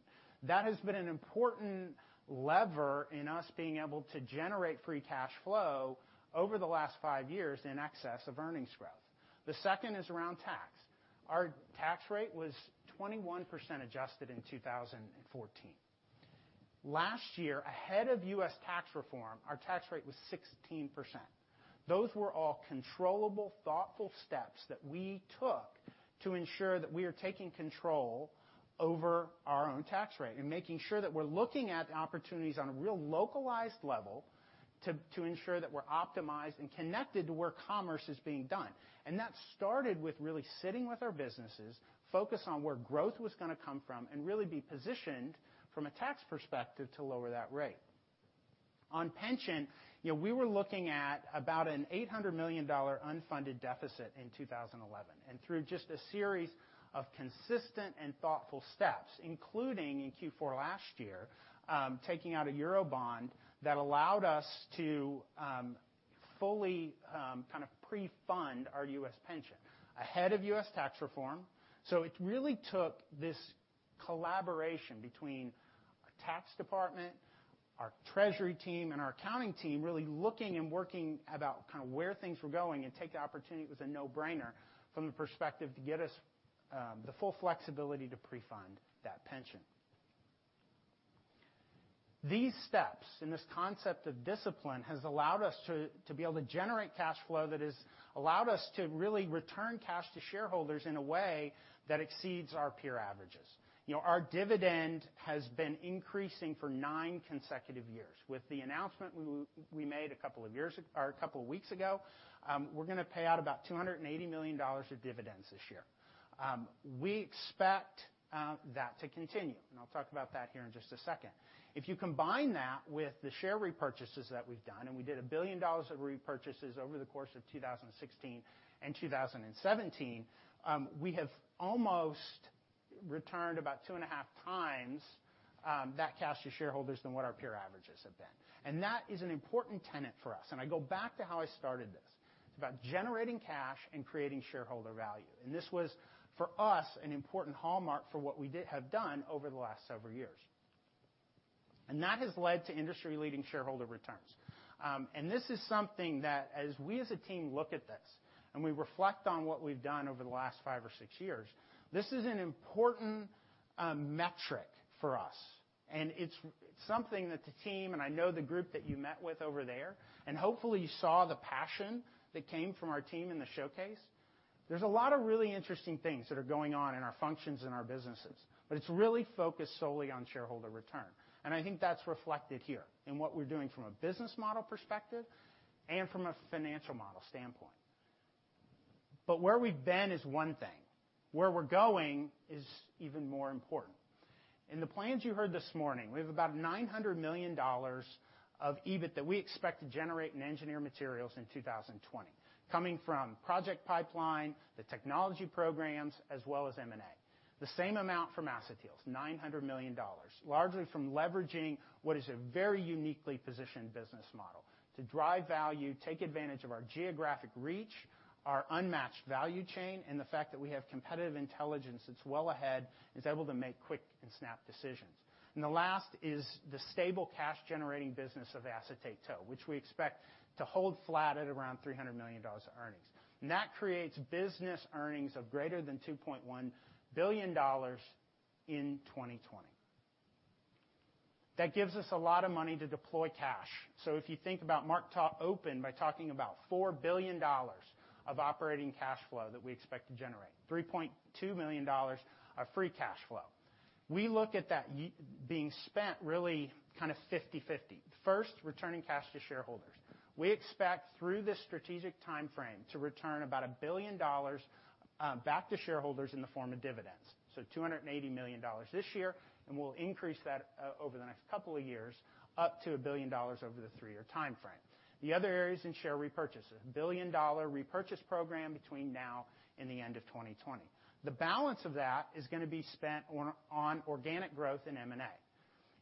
That has been an important lever in us being able to generate free cash flow over the last five years in excess of earnings growth. The second is around tax. Our tax rate was 21% adjusted in 2014. Last year, ahead of U.S. tax reform, our tax rate was 16%. Those were all controllable, thoughtful steps that we took to ensure that we are taking control over our own tax rate and making sure that we're looking at opportunities on a real localized level to ensure that we're optimized and connected to where commerce is being done. That started with really sitting with our businesses, focus on where growth was going to come from, and really be positioned from a tax perspective to lower that rate. On pension, we were looking at about an $800 million unfunded deficit in 2011. Through just a series of consistent and thoughtful steps, including in Q4 last year, taking out a EUR bond that allowed us to fully kind of pre-fund our U.S. pension ahead of U.S. tax reform. It really took this collaboration between our tax department, our treasury team, and our accounting team really looking and working about where things were going and take the opportunity. It was a no-brainer from the perspective to get us the full flexibility to pre-fund that pension. These steps and this concept of discipline has allowed us to be able to generate cash flow that has allowed us to really return cash to shareholders in a way that exceeds our peer averages. Our dividend has been increasing for nine consecutive years. With the announcement we made a couple of weeks ago, we're going to pay out about $280 million of dividends this year. We expect that to continue, and I'll talk about that here in just a second. If you combine that with the share repurchases that we've done, we did $1 billion of repurchases over the course of 2016 and 2017, we have Returned about two and a half times that cash to shareholders than what our peer averages have been. That is an important tenet for us. I go back to how I started this. It's about generating cash and creating shareholder value. This was, for us, an important hallmark for what we have done over the last several years. That has led to industry-leading shareholder returns. This is something that as we as a team look at this, and we reflect on what we've done over the last five or six years, this is an important metric for us, and it's something that the team, and I know the group that you met with over there, and hopefully you saw the passion that came from our team in the showcase. There's a lot of really interesting things that are going on in our functions in our businesses, but it's really focused solely on shareholder return. I think that's reflected here in what we're doing from a business model perspective and from a financial model standpoint. Where we've been is one thing. Where we're going is even more important. In the plans you heard this morning, we have about $900 million of EBIT that we expect to generate in Engineered Materials in 2020, coming from project pipeline, the technology programs, as well as M&A. The same amount from Acetyls, $900 million, largely from leveraging what is a very uniquely positioned business model to drive value, take advantage of our geographic reach, our unmatched value chain, and the fact that we have competitive intelligence that's well ahead, is able to make quick and snap decisions. The last is the stable cash-generating business of Acetate Tow, which we expect to hold flat at around $300 million of earnings. That creates business earnings of greater than $2.1 billion in 2020. That gives us a lot of money to deploy cash. If you think about Mark and Todd opened by talking about $4 billion of operating cash flow that we expect to generate, $3.2 billion of free cash flow. We look at that being spent really kind of 50/50. First, returning cash to shareholders. We expect through this strategic time frame to return about $1 billion back to shareholders in the form of dividends. $280 million this year, and we'll increase that over the next couple of years, up to $1 billion over the three-year timeframe. The other area's in share repurchase, a $1 billion repurchase program between now and the end of 2020. The balance of that is going to be spent on organic growth and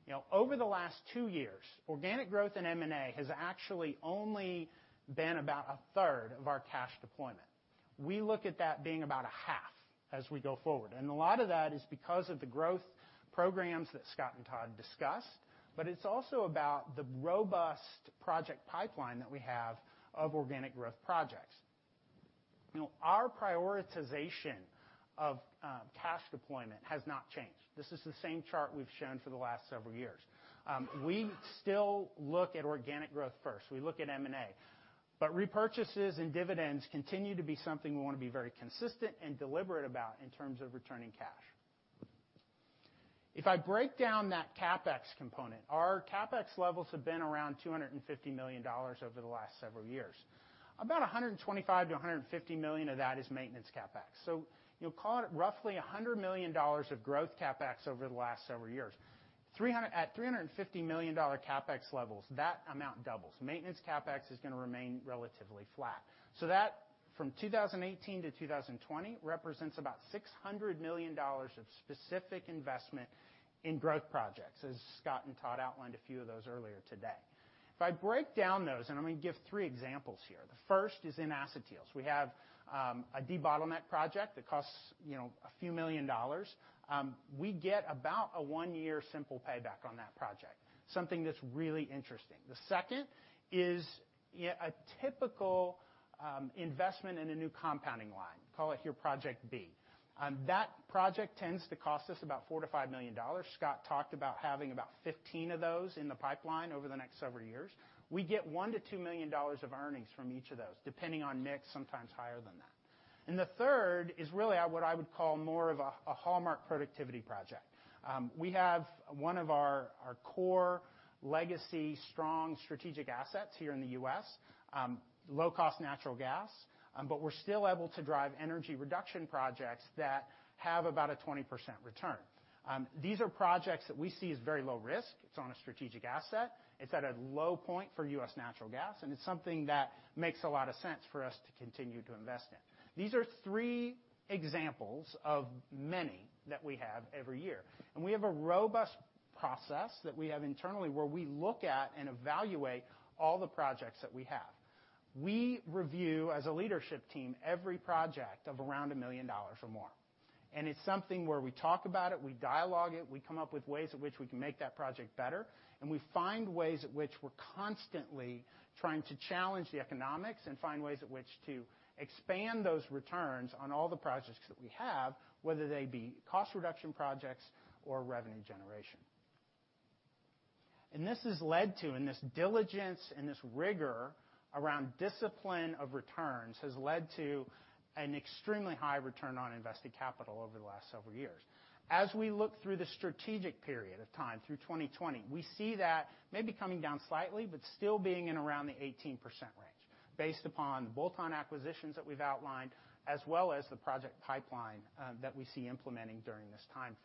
M&A. Over the last two years, organic growth and M&A has actually only been about a third of our cash deployment. We look at that being about a half as we go forward. A lot of that is because of the growth programs that Scott and Todd discussed, but it's also about the robust project pipeline that we have of organic growth projects. Our prioritization of cash deployment has not changed. This is the same chart we've shown for the last several years. We still look at organic growth first. We look at M&A. But repurchases and dividends continue to be something we want to be very consistent and deliberate about in terms of returning cash. If I break down that CapEx component, our CapEx levels have been around $250 million over the last several years. About $125 million-$150 million of that is maintenance CapEx. You'll call it roughly $100 million of growth CapEx over the last several years. At $350 million CapEx levels, that amount doubles. That, from 2018 to 2020, represents about $600 million of specific investment in growth projects, as Scott and Todd outlined a few of those earlier today. If I break down those, I'm going to give three examples here. The first is in Acetyls. We have a debottleneck project that costs a few million dollars. We get about a one-year simple payback on that project, something that's really interesting. The second is a typical investment in a new compounding line. Call it your project B. That project tends to cost us about $4 million-$5 million. Scott talked about having about 15 of those in the pipeline over the next several years. We get $1 million-$2 million of earnings from each of those, depending on mix, sometimes higher than that. The third is really what I would call more of a hallmark productivity project. We have one of our core legacy, strong strategic assets here in the U.S., low-cost natural gas, but we're still able to drive energy reduction projects that have about a 20% return. These are projects that we see as very low risk. It's on a strategic asset. It's at a low point for U.S. natural gas, and it's something that makes a lot of sense for us to continue to invest in. These are three examples of many that we have every year. We have a robust process that we have internally where we look at and evaluate all the projects that we have. We review, as a leadership team, every project of around $1 million or more. It's something where we talk about it, we dialogue it, we come up with ways in which we can make that project better, and we find ways at which we're constantly trying to challenge the economics and find ways at which to expand those returns on all the projects that we have, whether they be cost reduction projects or revenue generation. This has led to, and this diligence and this rigor around discipline of returns has led to an extremely high return on invested capital over the last several years. As we look through the strategic period of time through 2020, we see that maybe coming down slightly, but still being in around the 18% range based upon bolt-on acquisitions that we've outlined, as well as the project pipeline that we see implementing during this time.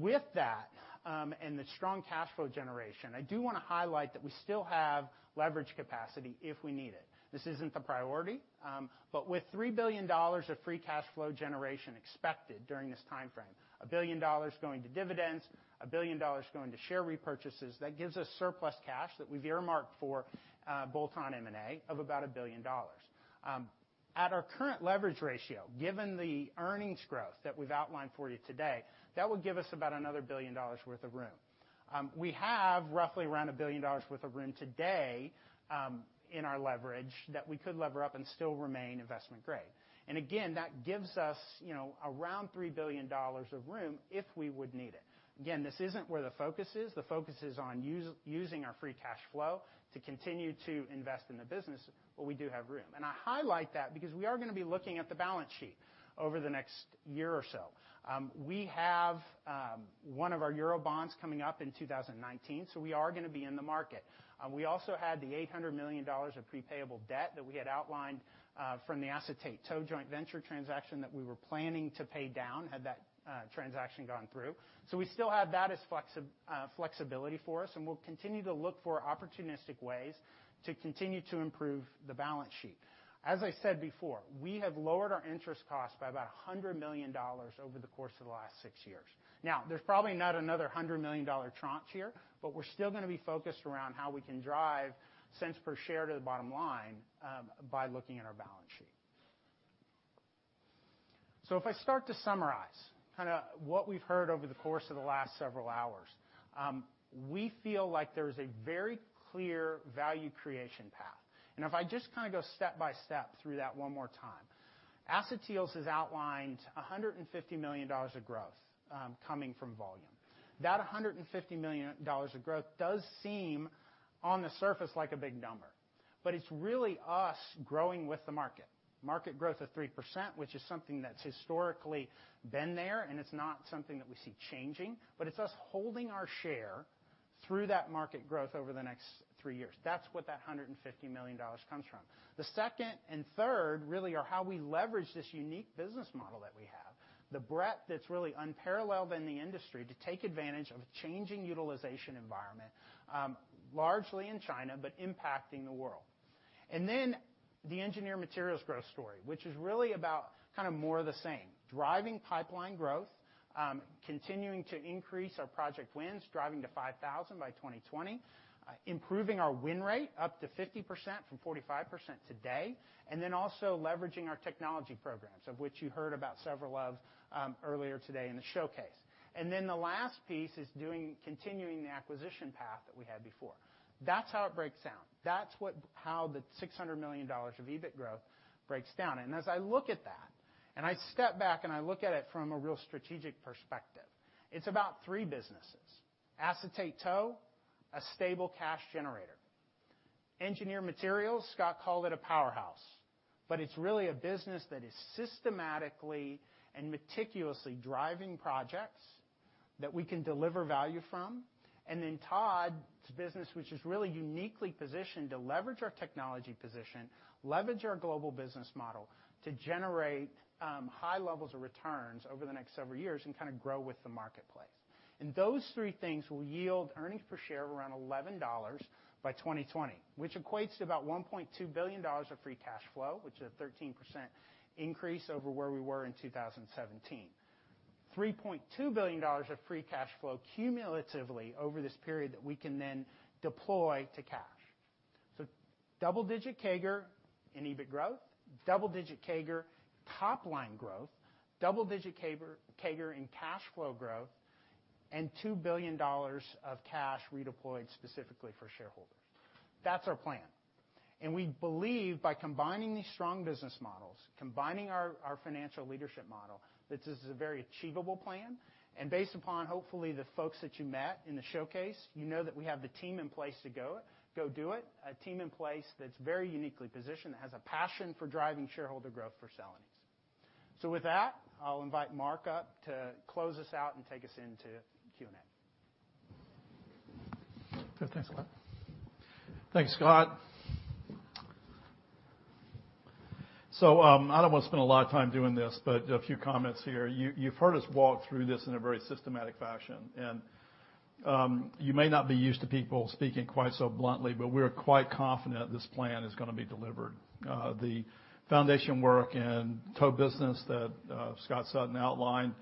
With that, and the strong cash flow generation, I do want to highlight that we still have leverage capacity if we need it. This isn't the priority, but with $3 billion of free cash flow generation expected during this timeframe, $1 billion going to dividends, $1 billion going to share repurchases, that gives us surplus cash that we've earmarked for bolt-on M&A of about $1 billion. At our current leverage ratio, given the earnings growth that we've outlined for you today, that would give us about another $1 billion worth of room. We have roughly around $1 billion worth of room today in our leverage that we could lever up and still remain investment grade. Again, that gives us around $3 billion of room if we would need it. Again, this isn't where the focus is. The focus is on using our free cash flow to continue to invest in the business, but we do have room. I highlight that because we are going to be looking at the balance sheet over the next year or so. We have one of our EUR bonds coming up in 2019, so we are going to be in the market. We also had the $800 million of pre-payable debt that we had outlined from the acetate tow joint venture transaction that we were planning to pay down had that transaction gone through. We still have that as flexibility for us. We'll continue to look for opportunistic ways to continue to improve the balance sheet. As I said before, we have lowered our interest cost by about $100 million over the course of the last six years. There's probably not another $100 million tranche here. We're still going to be focused around how we can drive cents per share to the bottom line by looking at our balance sheet. If I start to summarize what we've heard over the course of the last several hours, we feel like there's a very clear value creation path. If I just go step by step through that one more time. Acetyls has outlined $150 million of growth coming from volume. That $150 million of growth does seem, on the surface, like a big number. It's really us growing with the market. Market growth of 3%, which is something that's historically been there, and it's not something that we see changing. It's us holding our share through that market growth over the next three years. That's what that $150 million comes from. The second and third really are how we leverage this unique business model that we have. The breadth that's really unparalleled in the industry to take advantage of a changing utilization environment, largely in China, impacting the world. The Engineered Materials growth story, which is really about more of the same. Driving pipeline growth, continuing to increase our project wins, driving to 5,000 by 2020, improving our win rate up to 50% from 45% today, also leveraging our technology programs, of which you heard about several of earlier today in the showcase. The last piece is continuing the acquisition path that we had before. That's how it breaks down. That's how the $600 million of EBIT growth breaks down. As I look at that, I step back and I look at it from a real strategic perspective, it's about three businesses. Acetate tow, a stable cash generator. Engineered Materials, Scott called it a powerhouse, but it's really a business that is systematically and meticulously driving projects that we can deliver value from. Todd's business, which is really uniquely positioned to leverage our technology position, leverage our global business model to generate high levels of returns over the next several years and grow with the marketplace. Those three things will yield earnings per share of around $11 by 2020, which equates to about $1.2 billion of free cash flow, which is a 13% increase over where we were in 2017. $3.2 billion of free cash flow cumulatively over this period that we can then deploy to cash. Double-digit CAGR in EBIT growth, double-digit CAGR top line growth, double-digit CAGR in cash flow growth, and $2 billion of cash redeployed specifically for shareholders. That's our plan. We believe by combining these strong business models, combining our financial leadership model, that this is a very achievable plan, and based upon, hopefully, the folks that you met in the showcase, you know that we have the team in place to go do it. A team in place that's very uniquely positioned, that has a passion for driving shareholder growth for Celanese. With that, I'll invite Mark up to close us out and take us into Q&A. Good. Thanks a lot. Thanks, Scott. I don't want to spend a lot of time doing this, but a few comments here. You've heard us walk through this in a very systematic fashion. You may not be used to people speaking quite so bluntly, but we're quite confident this plan is going to be delivered. The foundation work and tow business that Scott Sutton outlined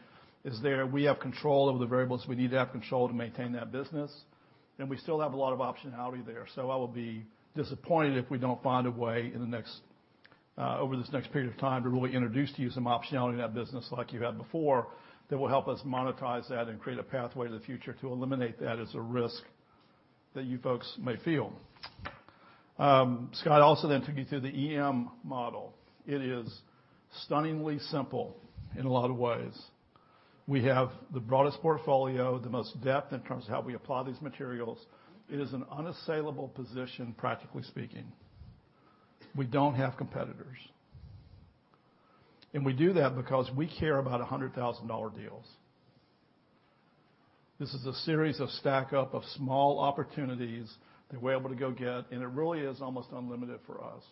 is there. We have control over the variables we need to have control to maintain that business. We still have a lot of optionality there. I will be disappointed if we don't find a way over this next period of time to really introduce to you some optionality in that business like you had before, that will help us monetize that and create a pathway to the future to eliminate that as a risk that you folks may feel. Scott also then took you through the EM model. It is stunningly simple in a lot of ways. We have the broadest portfolio, the most depth in terms of how we apply these materials. It is an unassailable position, practically speaking. We don't have competitors. We do that because we care about $100,000 deals. This is a series of stack up of small opportunities that we're able to go get, and it really is almost unlimited for us.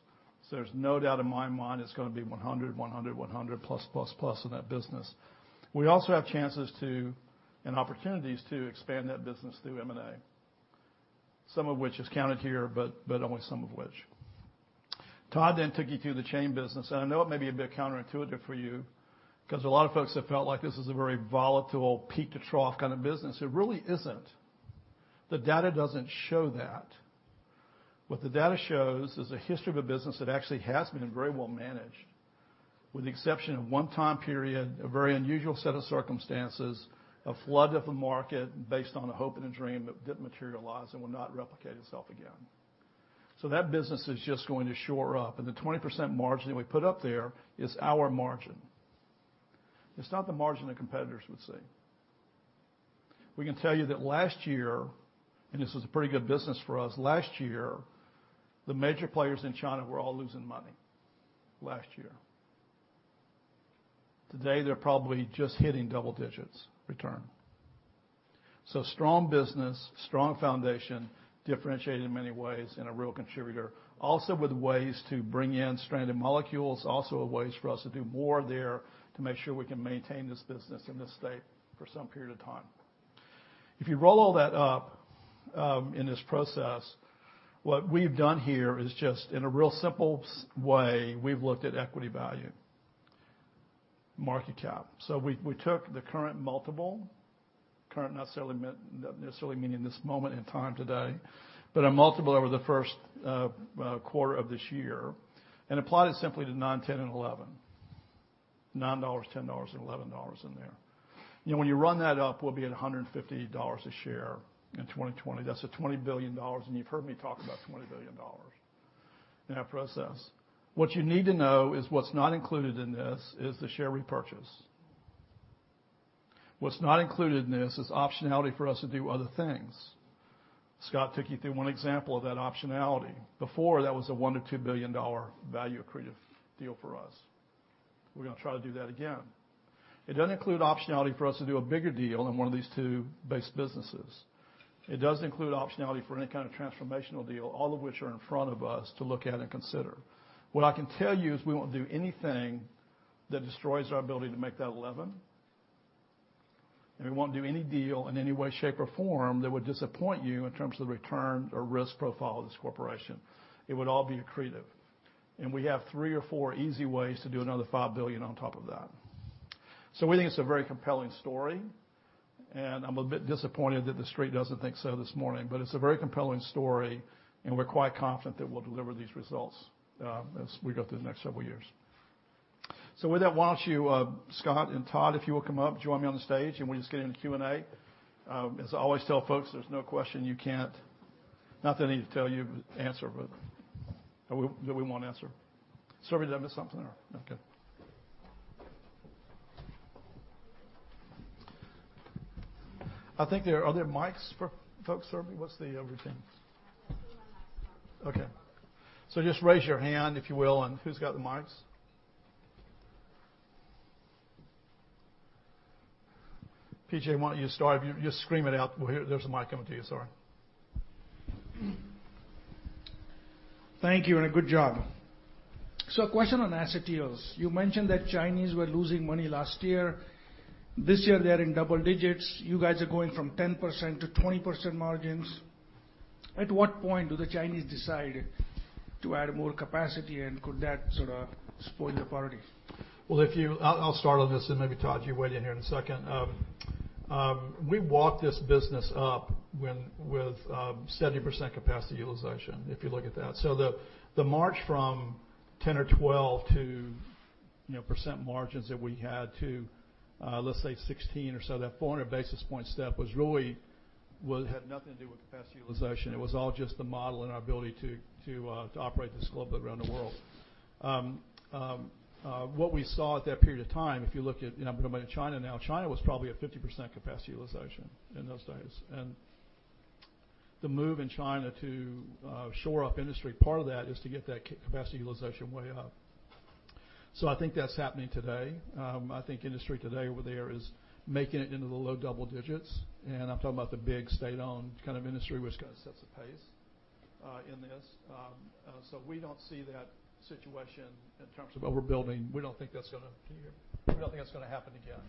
There's no doubt in my mind it's going to be 100, 100+ in that business. We also have chances to and opportunities to expand that business through M&A. Some of which is counted here, but only some of which. Todd then took you through the Acetyl Chain business. I know it may be a bit counterintuitive for you because a lot of folks have felt like this is a very volatile peak-to-trough kind of business. It really isn't. The data doesn't show that. What the data shows is a history of a business that actually has been very well managed. With the exception of one time period, a very unusual set of circumstances, a flood of the market based on a hope and a dream that didn't materialize and will not replicate itself again. That business is just going to shore up. The 20% margin that we put up there is our margin. It's not the margin that competitors would see. We can tell you that last year, this was a pretty good business for us. Last year, the major players in China were all losing money. Last year. Today, they're probably just hitting double digits return. Strong business, strong foundation, differentiated in many ways, and a real contributor. With ways to bring in stranded molecules, ways for us to do more there to make sure we can maintain this business in this state for some period of time. If you roll all that up in this process, what we've done here is just in a real simple way, we've looked at equity value. Market cap. We took the current multiple, current not necessarily meaning this moment in time today, but a multiple over the first quarter of this year and applied it simply to 9, 10, and 11. $9, $10 and $11 in there. When you run that up, we'll be at $150 a share in 2020. That's a $20 billion, and you've heard me talk about $20 billion in that process. What you need to know is what's not included in this is the share repurchase. What's not included in this is optionality for us to do other things. Scott took you through one example of that optionality. Before that was a $1 billion to $2 billion value accretive deal for us. We're going to try to do that again. It doesn't include optionality for us to do a bigger deal in one of these two base businesses. It doesn't include optionality for any kind of transformational deal, all of which are in front of us to look at and consider. What I can tell you is we won't do anything that destroys our ability to make that 11, we won't do any deal in any way, shape, or form that would disappoint you in terms of the return or risk profile of this corporation. It would all be accretive. We have three or four easy ways to do another $5 billion on top of that. We think it's a very compelling story, and I'm a bit disappointed that The Street doesn't think so this morning, it's a very compelling story, and we're quite confident that we'll deliver these results as we go through the next several years. With that, why don't you Scott and Todd, if you will come up, join me on the stage and we'll just get into Q&A. As I always tell folks, there's no question you can't, not that I need to tell you, but answer, but that we won't answer. Surabhi, did I miss something or? Okay. Are there mics for folks, Surabhi? What's the routine? Yeah, there'll be one mic. Okay. Just raise your hand if you will, and who's got the mics? PJ, why don't you start? If you just scream it out. Here, there's a mic coming to you. Sorry. Thank you, and a good job. A question on asset deals. You mentioned that Chinese were losing money last year. This year they're in double digits. You guys are going from 10% to 20% margins. At what point do the Chinese decide to add more capacity, and could that sort of spoil the party? Well, I'll start on this and maybe, Todd, you weigh in here in a second. We walked this business up with 70% capacity utilization, if you look at that. The march from 10% or 12% margins that we had to let's say 16% or so, that 400 basis point step was really had nothing to do with capacity utilization. It was all just the model and our ability to operate this globally around the world. What we saw at that period of time, if you look at, I'm talking about in China now. China was probably at 50% capacity utilization in those days. The move in China to shore up industry, part of that is to get that capacity utilization way up. I think that's happening today. I think industry today over there is making it into the low double digits, and I'm talking about the big state-owned kind of industry, which kind of sets the pace in this. We don't see that situation in terms of overbuilding. We don't think that's gonna. Can you hear me? We don't think that's gonna happen again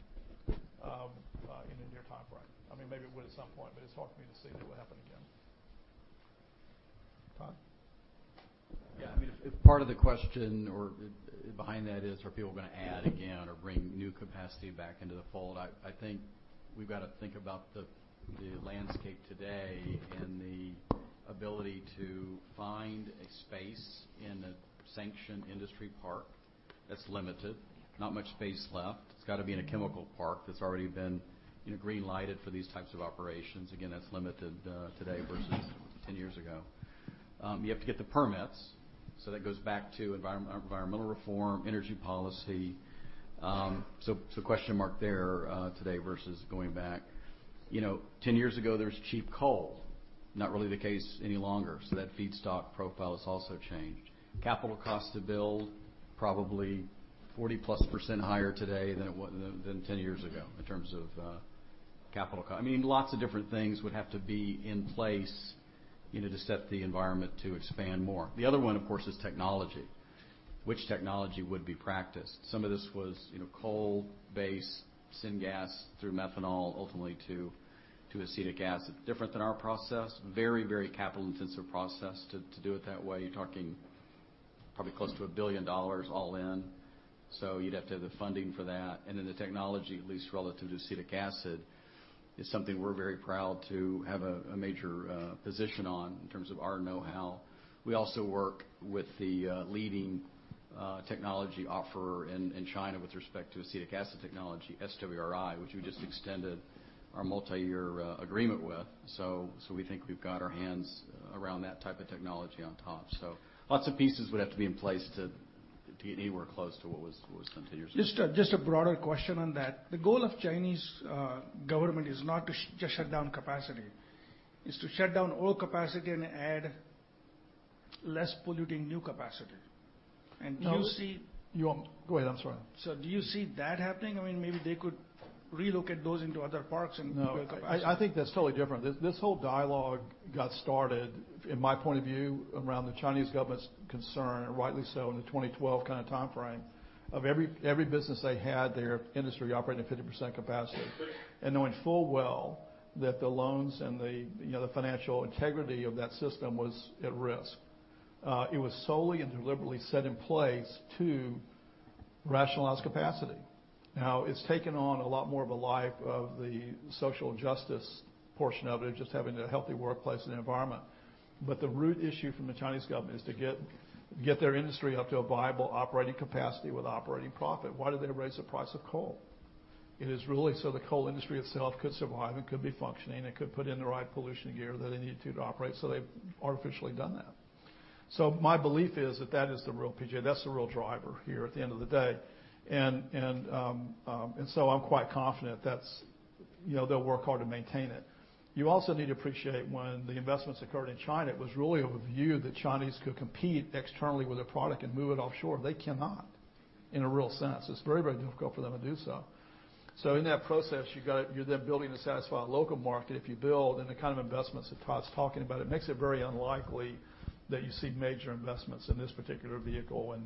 in the near timeframe. I mean, maybe it would at some point, but it's hard for me to see that it would happen again. Todd? Yeah, if part of the question or behind that is are people going to add again or bring new capacity back into the fold, I think we've got to think about the landscape today and the ability to find a space in a sanctioned industry park that's limited. Not much space left. It's got to be in a chemical park that's already been green-lighted for these types of operations. Again, that's limited today versus 10 years ago. You have to get the permits, so that goes back to environmental reform, energy policy. Question mark there today versus going back. Ten years ago, there was cheap coal. Not really the case any longer. That feedstock profile has also changed. Capital cost to build probably 40-plus% higher today than it was than 10 years ago in terms of capital. Lots of different things would have to be in place to set the environment to expand more. The other one, of course, is technology. Which technology would be practiced? Some of this was coal base, syngas through methanol, ultimately to acetic acid. Different than our process. Very, very capital-intensive process to do it that way. You're talking probably close to $1 billion all in, so you'd have to have the funding for that. The technology, at least relative to acetic acid, is something we're very proud to have a major position on in terms of our know-how. We also work with the leading technology offerer in China with respect to acetic acid technology, SWRI, which we just extended our multi-year agreement with. We think we've got our hands around that type of technology on top. Lots of pieces would have to be in place to get anywhere close to what was done 10 years ago. Just a broader question on that. The goal of Chinese government is not to just shut down capacity, is to shut down all capacity and add less polluting new capacity. Do you see- No. Go ahead, I'm sorry. Do you see that happening? Maybe they could relocate those into other parks and build capacity. No. I think that's totally different. This whole dialogue got started, in my point of view, around the Chinese government's concern, and rightly so, in the 2012 kind of timeframe, of every business they had their industry operating at 50% capacity. Knowing full well that the loans and the financial integrity of that system was at risk. It was solely and deliberately set in place to rationalize capacity. It's taken on a lot more of a life of the social justice portion of it, just having a healthy workplace and environment. The root issue from the Chinese government is to get their industry up to a viable operating capacity with operating profit. Why did they raise the price of coal? It is really so the coal industry itself could survive and could be functioning, and could put in the right pollution gear that they needed to operate. They've artificially done that. My belief is that that's the real driver here at the end of the day. I'm quite confident they'll work hard to maintain it. You also need to appreciate when the investments occurred in China, it was really a view that Chinese could compete externally with a product and move it offshore. They cannot in a real sense. It's very, very difficult for them to do so. In that process, you're then building to satisfy a local market if you build and the kind of investments that Todd's talking about, it makes it very unlikely that you see major investments in this particular vehicle in,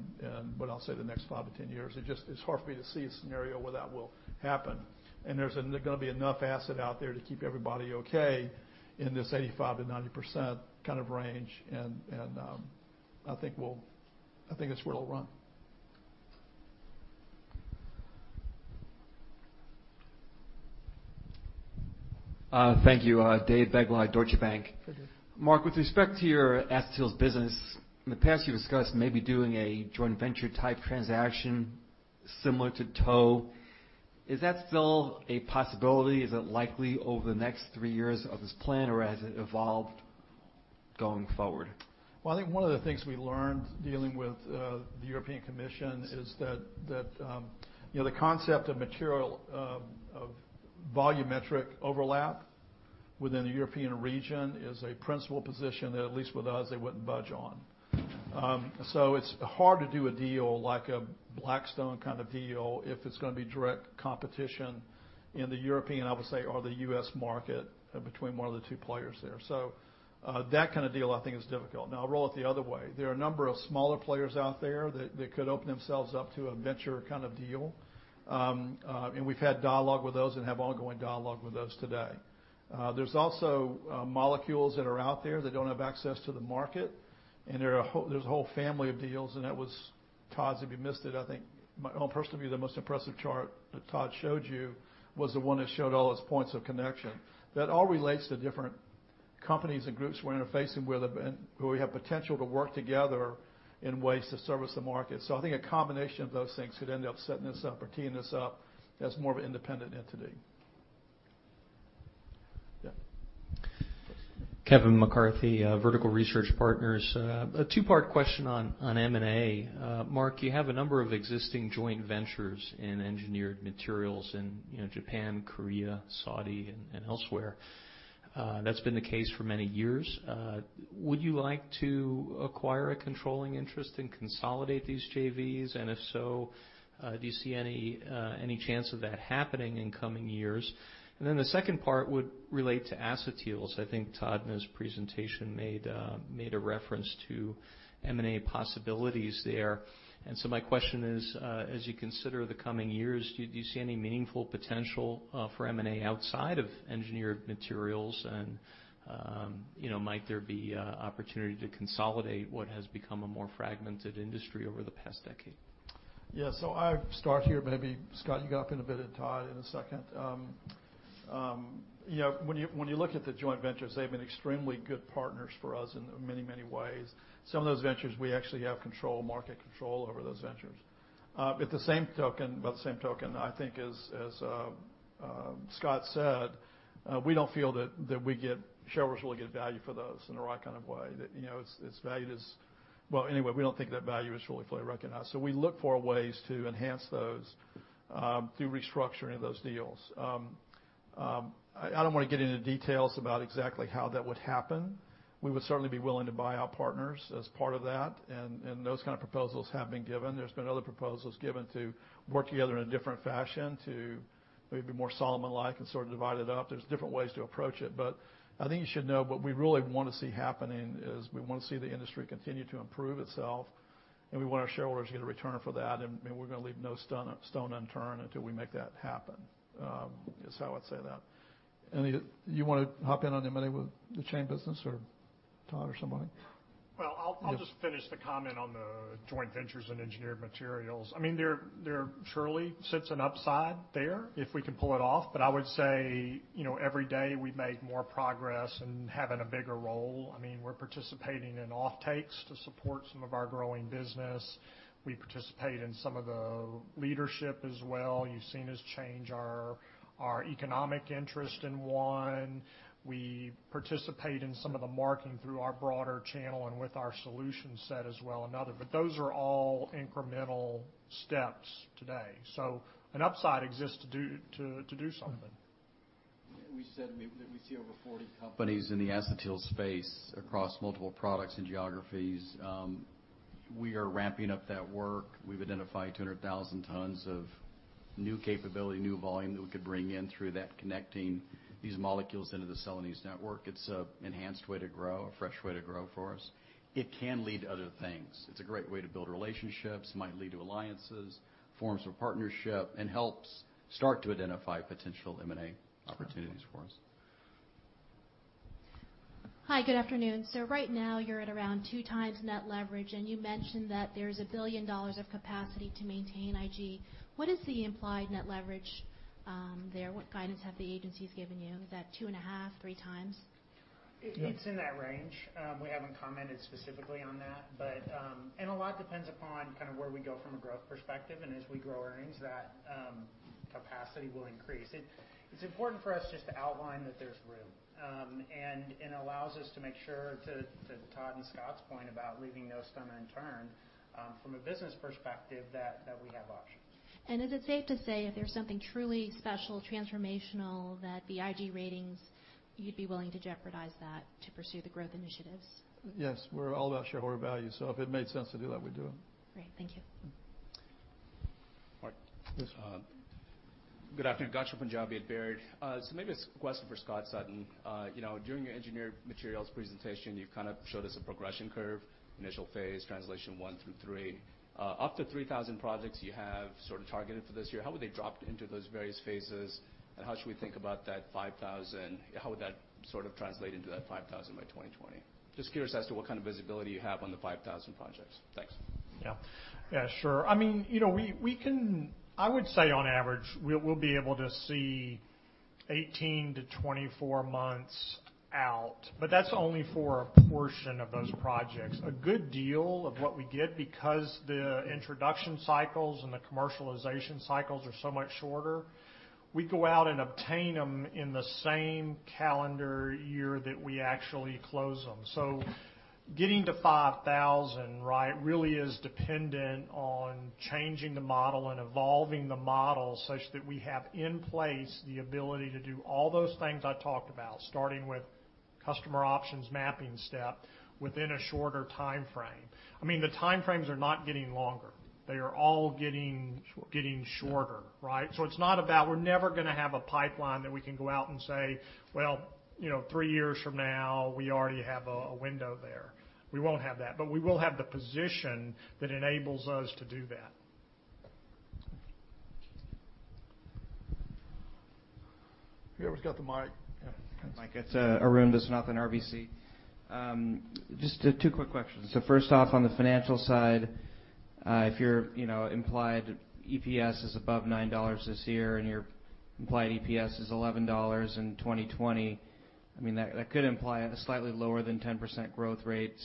but I'll say the next 5-10 years. It's hard for me to see a scenario where that will happen. There's going to be enough asset out there to keep everybody okay in this 85%-90% kind of range. I think it's where it'll run. Thank you. David Begleiter, Deutsche Bank. David. Mark, with respect to your acetyls business, in the past you've discussed maybe doing a joint venture type transaction similar to tow. Is that still a possibility? Is it likely over the next three years of this plan, or has it evolved going forward? Well, I think one of the things we learned dealing with the European Commission is that the concept of material of volumetric overlap within the European region is a principal position that, at least with us, they wouldn't budge on. It's hard to do a deal like a Blackstone kind of deal if it's going to be direct competition in the European, I would say, or the U.S. market between one of the two players there. That kind of deal I think is difficult. Now I'll roll it the other way. There are a number of smaller players out there that could open themselves up to a venture kind of deal. We've had dialogue with those and have ongoing dialogue with those today. There's also molecules that are out there that don't have access to the market, and there's a whole family of deals, and that was Todd's, if you missed it, I think my own personal view, the most impressive chart that Todd showed you was the one that showed all his points of connection. That all relates to different companies and groups we're interfacing with and who we have potential to work together in ways to service the market. I think a combination of those things could end up setting this up or teeing this up as more of an independent entity. Yeah. Kevin McCarthy, Vertical Research Partners. A two-part question on M&A. Mark, you have a number of existing joint ventures in Engineered Materials in Japan, Korea, Saudi, and elsewhere. That's been the case for many years. Would you like to acquire a controlling interest and consolidate these JVs? If so, do you see any chance of that happening in coming years? The second part would relate to Acetyls. I think Todd, in his presentation, made a reference to M&A possibilities there. My question is as you consider the coming years, do you see any meaningful potential for M&A outside of Engineered Materials? Might there be opportunity to consolidate what has become a more fragmented industry over the past decade? Yeah. I start here. Maybe, Scott, you hop in a bit, and Todd in a second. When you look at the joint ventures, they've been extremely good partners for us in many, many ways. Some of those ventures, we actually have control, market control over those ventures. By the same token, I think as Scott said we don't feel that shareholders really get value for those in the right kind of way. Well, anyway, we don't think that value is really fully recognized. We look for ways to enhance those through restructuring of those deals. I don't want to get into details about exactly how that would happen. We would certainly be willing to buy our partners as part of that, and those kind of proposals have been given. There's been other proposals given to work together in a different fashion to maybe be more Solomon-like and sort of divide it up. There's different ways to approach it. I think you should know what we really want to see happening is we want to see the industry continue to improve itself, and we want our shareholders to get a return for that, and we're going to leave no stone unturned until we make that happen. Is how I'd say that. You want to hop in on M&A with the chain business or Todd or somebody? Well, I'll just finish the comment on the joint ventures and Engineered Materials. There surely sits an upside there if we can pull it off, but I would say, every day we make more progress in having a bigger role. We're participating in off takes to support some of our growing business. We participate in some of the leadership as well. You've seen us change our economic interest in one. We participate in some of the marketing through our broader channel and with our solution set as well another. Those are all incremental steps today. An upside exists to do something. We said that we see over 40 companies in the Acetyl Chain space across multiple products and geographies. We are ramping up that work. We've identified 200,000 tons of new capability, new volume that we could bring in through that, connecting these molecules into the Celanese network. It's an enhanced way to grow, a fresh way to grow for us. It can lead to other things. It's a great way to build relationships, might lead to alliances, forms of partnership, and helps start to identify potential M&A opportunities for us. Right now you're at around two times net leverage, and you mentioned that there's $1 billion of capacity to maintain IG. What is the implied net leverage there? What guidance have the agencies given you? Is that 2.5, three times? It's in that range. We haven't commented specifically on that. A lot depends upon where we go from a growth perspective, and as we grow earnings, that capacity will increase. It's important for us just to outline that there's room. It allows us to make sure, to Todd and Scott's point about leaving no stone unturned, from a business perspective, that we have options. Is it safe to say if there's something truly special, transformational, that the IG ratings, you'd be willing to jeopardize that to pursue the growth initiatives? Yes. We're all about shareholder value. If it made sense to do that, we'd do it. Great. Thank you. Mark. Please. Good afternoon. Gotcha. Ghansham Panjabi at Baird. Maybe this is a question for Scott Sutton. During your Engineered Materials presentation, you showed us a progression curve, initial phase translation 1 through 3. Up to 3,000 projects you have targeted for this year. How would they drop into those various phases, and how should we think about that 5,000? How would that translate into that 5,000 by 2020? Just curious as to what kind of visibility you have on the 5,000 projects. Thanks. Yeah. Sure. I would say on average, we'll be able to see 18-24 months out, but that's only for a portion of those projects. A good deal of what we get, because the introduction cycles and the commercialization cycles are so much shorter, we go out and obtain them in the same calendar year that we actually close them. Getting to 5,000 really is dependent on changing the model and evolving the model such that we have in place the ability to do all those things I talked about, starting with Customer Options Mapping step within a shorter timeframe. The timeframes are not getting longer. They are all getting shorter. It's not about we're never going to have a pipeline that we can go out and say, "Well, three years from now, we already have a window there." We won't have that, but we will have the position that enables us to do that. Whoever's got the mic. Mark, it's Arun Viswanathan, RBC. Just two quick questions. First off, on the financial side, if your implied EPS is above $9 this year and your implied EPS is $11 in 2020, that could imply a slightly lower than 10% growth rate.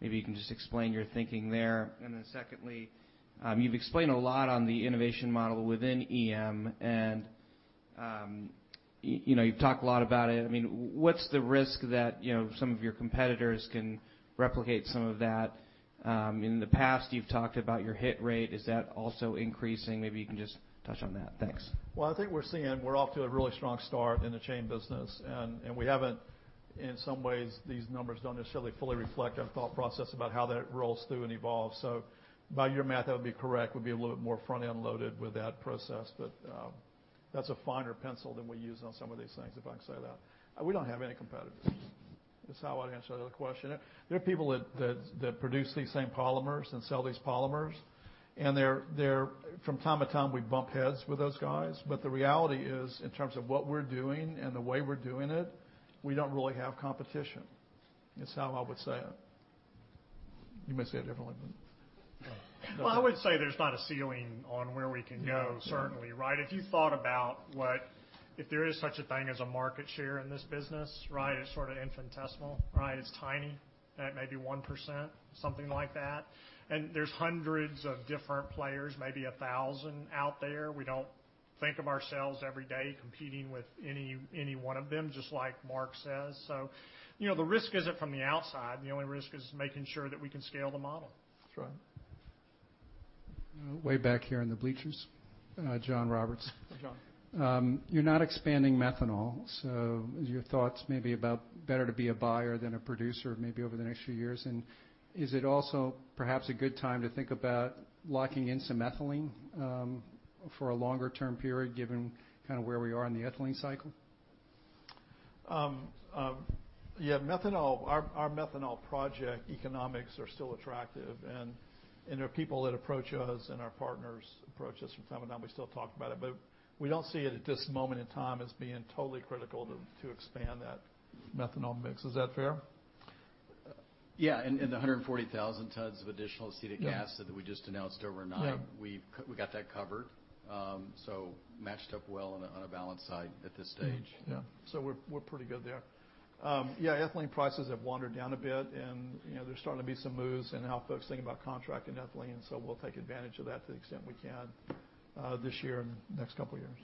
Maybe you can just explain your thinking there. Secondly, you've explained a lot on the innovation model within EM and you've talked a lot about it. What is the risk that some of your competitors can replicate some of that? In the past, you've talked about your hit rate. Is that also increasing? Maybe you can just touch on that. Thanks. Well, I think we're seeing we're off to a really strong start in the Acetyl Chain business, we haven't, in some ways, these numbers don't necessarily fully reflect our thought process about how that rolls through and evolves. By your math, that would be correct. We'll be a little bit more front-end loaded with that process, but that's a finer pencil than we use on some of these things, if I can say that. We don't have any competitors. That's how I'd answer the question. There are people that produce these same polymers and sell these polymers, and from time to time, we bump heads with those guys. The reality is, in terms of what we're doing and the way we're doing it, we don't really have competition. It's how I would say it. You may say it differently. Well, I would say there's not a ceiling on where we can go, certainly. If you thought about what if there is such a thing as a market share in this business, it's sort of infinitesimal. It's tiny. It may be 1%, something like that. There's hundreds of different players, maybe a thousand out there. We don't think of ourselves every day competing with any one of them, just like Mark says. The risk isn't from the outside. The only risk is making sure that we can scale the model. That's right. Way back here in the bleachers. John Roberts. John. You're not expanding methanol, your thoughts maybe about better to be a buyer than a producer maybe over the next few years. Is it also perhaps a good time to think about locking in some ethylene for a longer-term period, given where we are in the ethylene cycle? Yeah. Our methanol project economics are still attractive, there are people that approach us, and our partners approach us from time to time. We still talk about it, we don't see it at this moment in time as being totally critical to expand that methanol mix. Is that fair? Yeah, the 140,000 tons of additional acetic acid that we just announced overnight- Yeah We've got that covered. Matched up well on a balanced side at this stage. Yeah. We're pretty good there. Yeah, ethylene prices have wandered down a bit, and there's starting to be some moves in how folks think about contracting ethylene. We'll take advantage of that to the extent we can this year and next couple of years.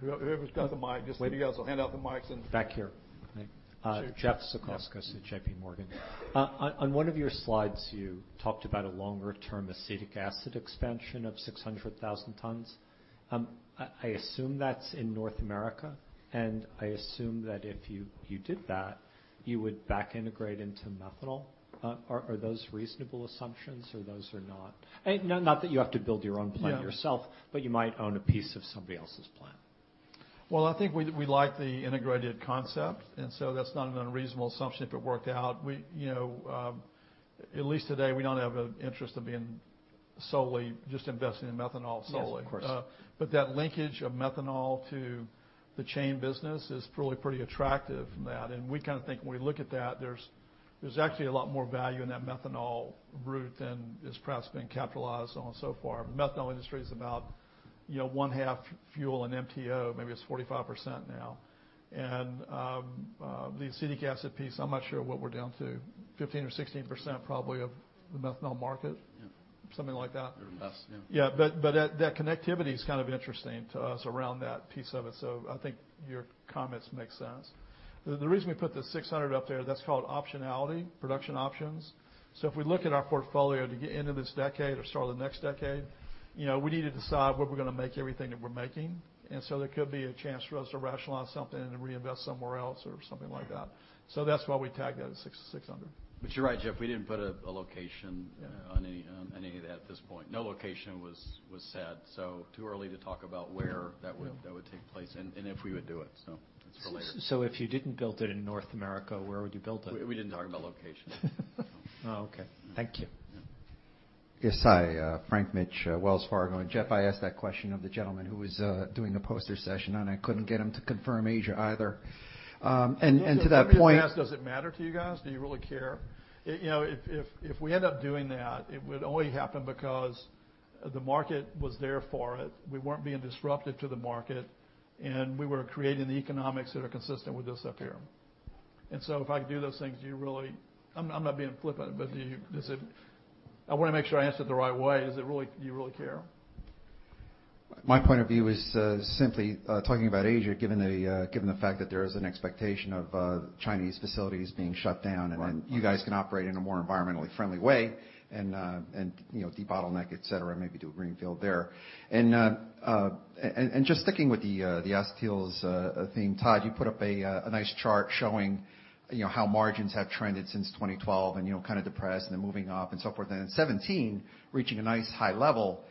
Whoever's got the mic, just so I'll hand out the mics and- Back here. Okay. Jeff Zekauskas, JPMorgan. On one of your slides, you talked about a longer-term acetic acid expansion of 600,000 tons. I assume that's in North America, and I assume that if you did that, you would back integrate into methanol. Are those reasonable assumptions, or those are not? Not that you have to build your own plant yourself- Yeah You might own a piece of somebody else's plant. I think we like the integrated concept, and so that's not an unreasonable assumption if it worked out. At least today, we don't have an interest in being solely just investing in methanol solely. Yes. Of course. That linkage of methanol to the chain business is really pretty attractive from that. We think when we look at that, there's actually a lot more value in that methanol route than is perhaps being capitalized on so far. Methanol industry is about one-half fuel and MTO, maybe it's 45% now. The acetic acid piece, I'm not sure what we're down to, 15% or 16% probably of the methanol market. Yeah. Something like that. Little less, yeah. Yeah. That connectivity is kind of interesting to us around that piece of it. I think your comments make sense. The reason we put the 600 up there, that's called optionality, production options. If we look at our portfolio to get into this decade or start of the next decade, we need to decide where we're going to make everything that we're making. There could be a chance for us to rationalize something and reinvest somewhere else or something like that. That's why we tagged that at 600. You're right, Jeff, we didn't put a location on any of that at this point. No location was said, so too early to talk about where that would take place and if we would do it. It's for later. If you didn't build it in North America, where would you build it? We didn't talk about location. Oh, okay. Thank you. Yeah. Yes. Hi, Frank Mitsch, Wells Fargo. Jeff, I asked that question of the gentleman who was doing the poster session, and I couldn't get him to confirm Asia either. Let me ask, does it matter to you guys? Do you really care? If we end up doing that, it would only happen because the market was there for it, we weren't being disruptive to the market, and we were creating the economics that are consistent with this up here. If I can do those things, I'm not being flippant, but I want to make sure I answer it the right way. Do you really care? My point of view is simply talking about Asia, given the fact that there is an expectation of Chinese facilities being shut down- Right You guys can operate in a more environmentally friendly way and de-bottleneck, et cetera, maybe do a greenfield there. Just sticking with the acetyls theme, Todd, you put up a nice chart showing how margins have trended since 2012, and kind of depressed and then moving up and so forth. In 2017, reaching a nice high level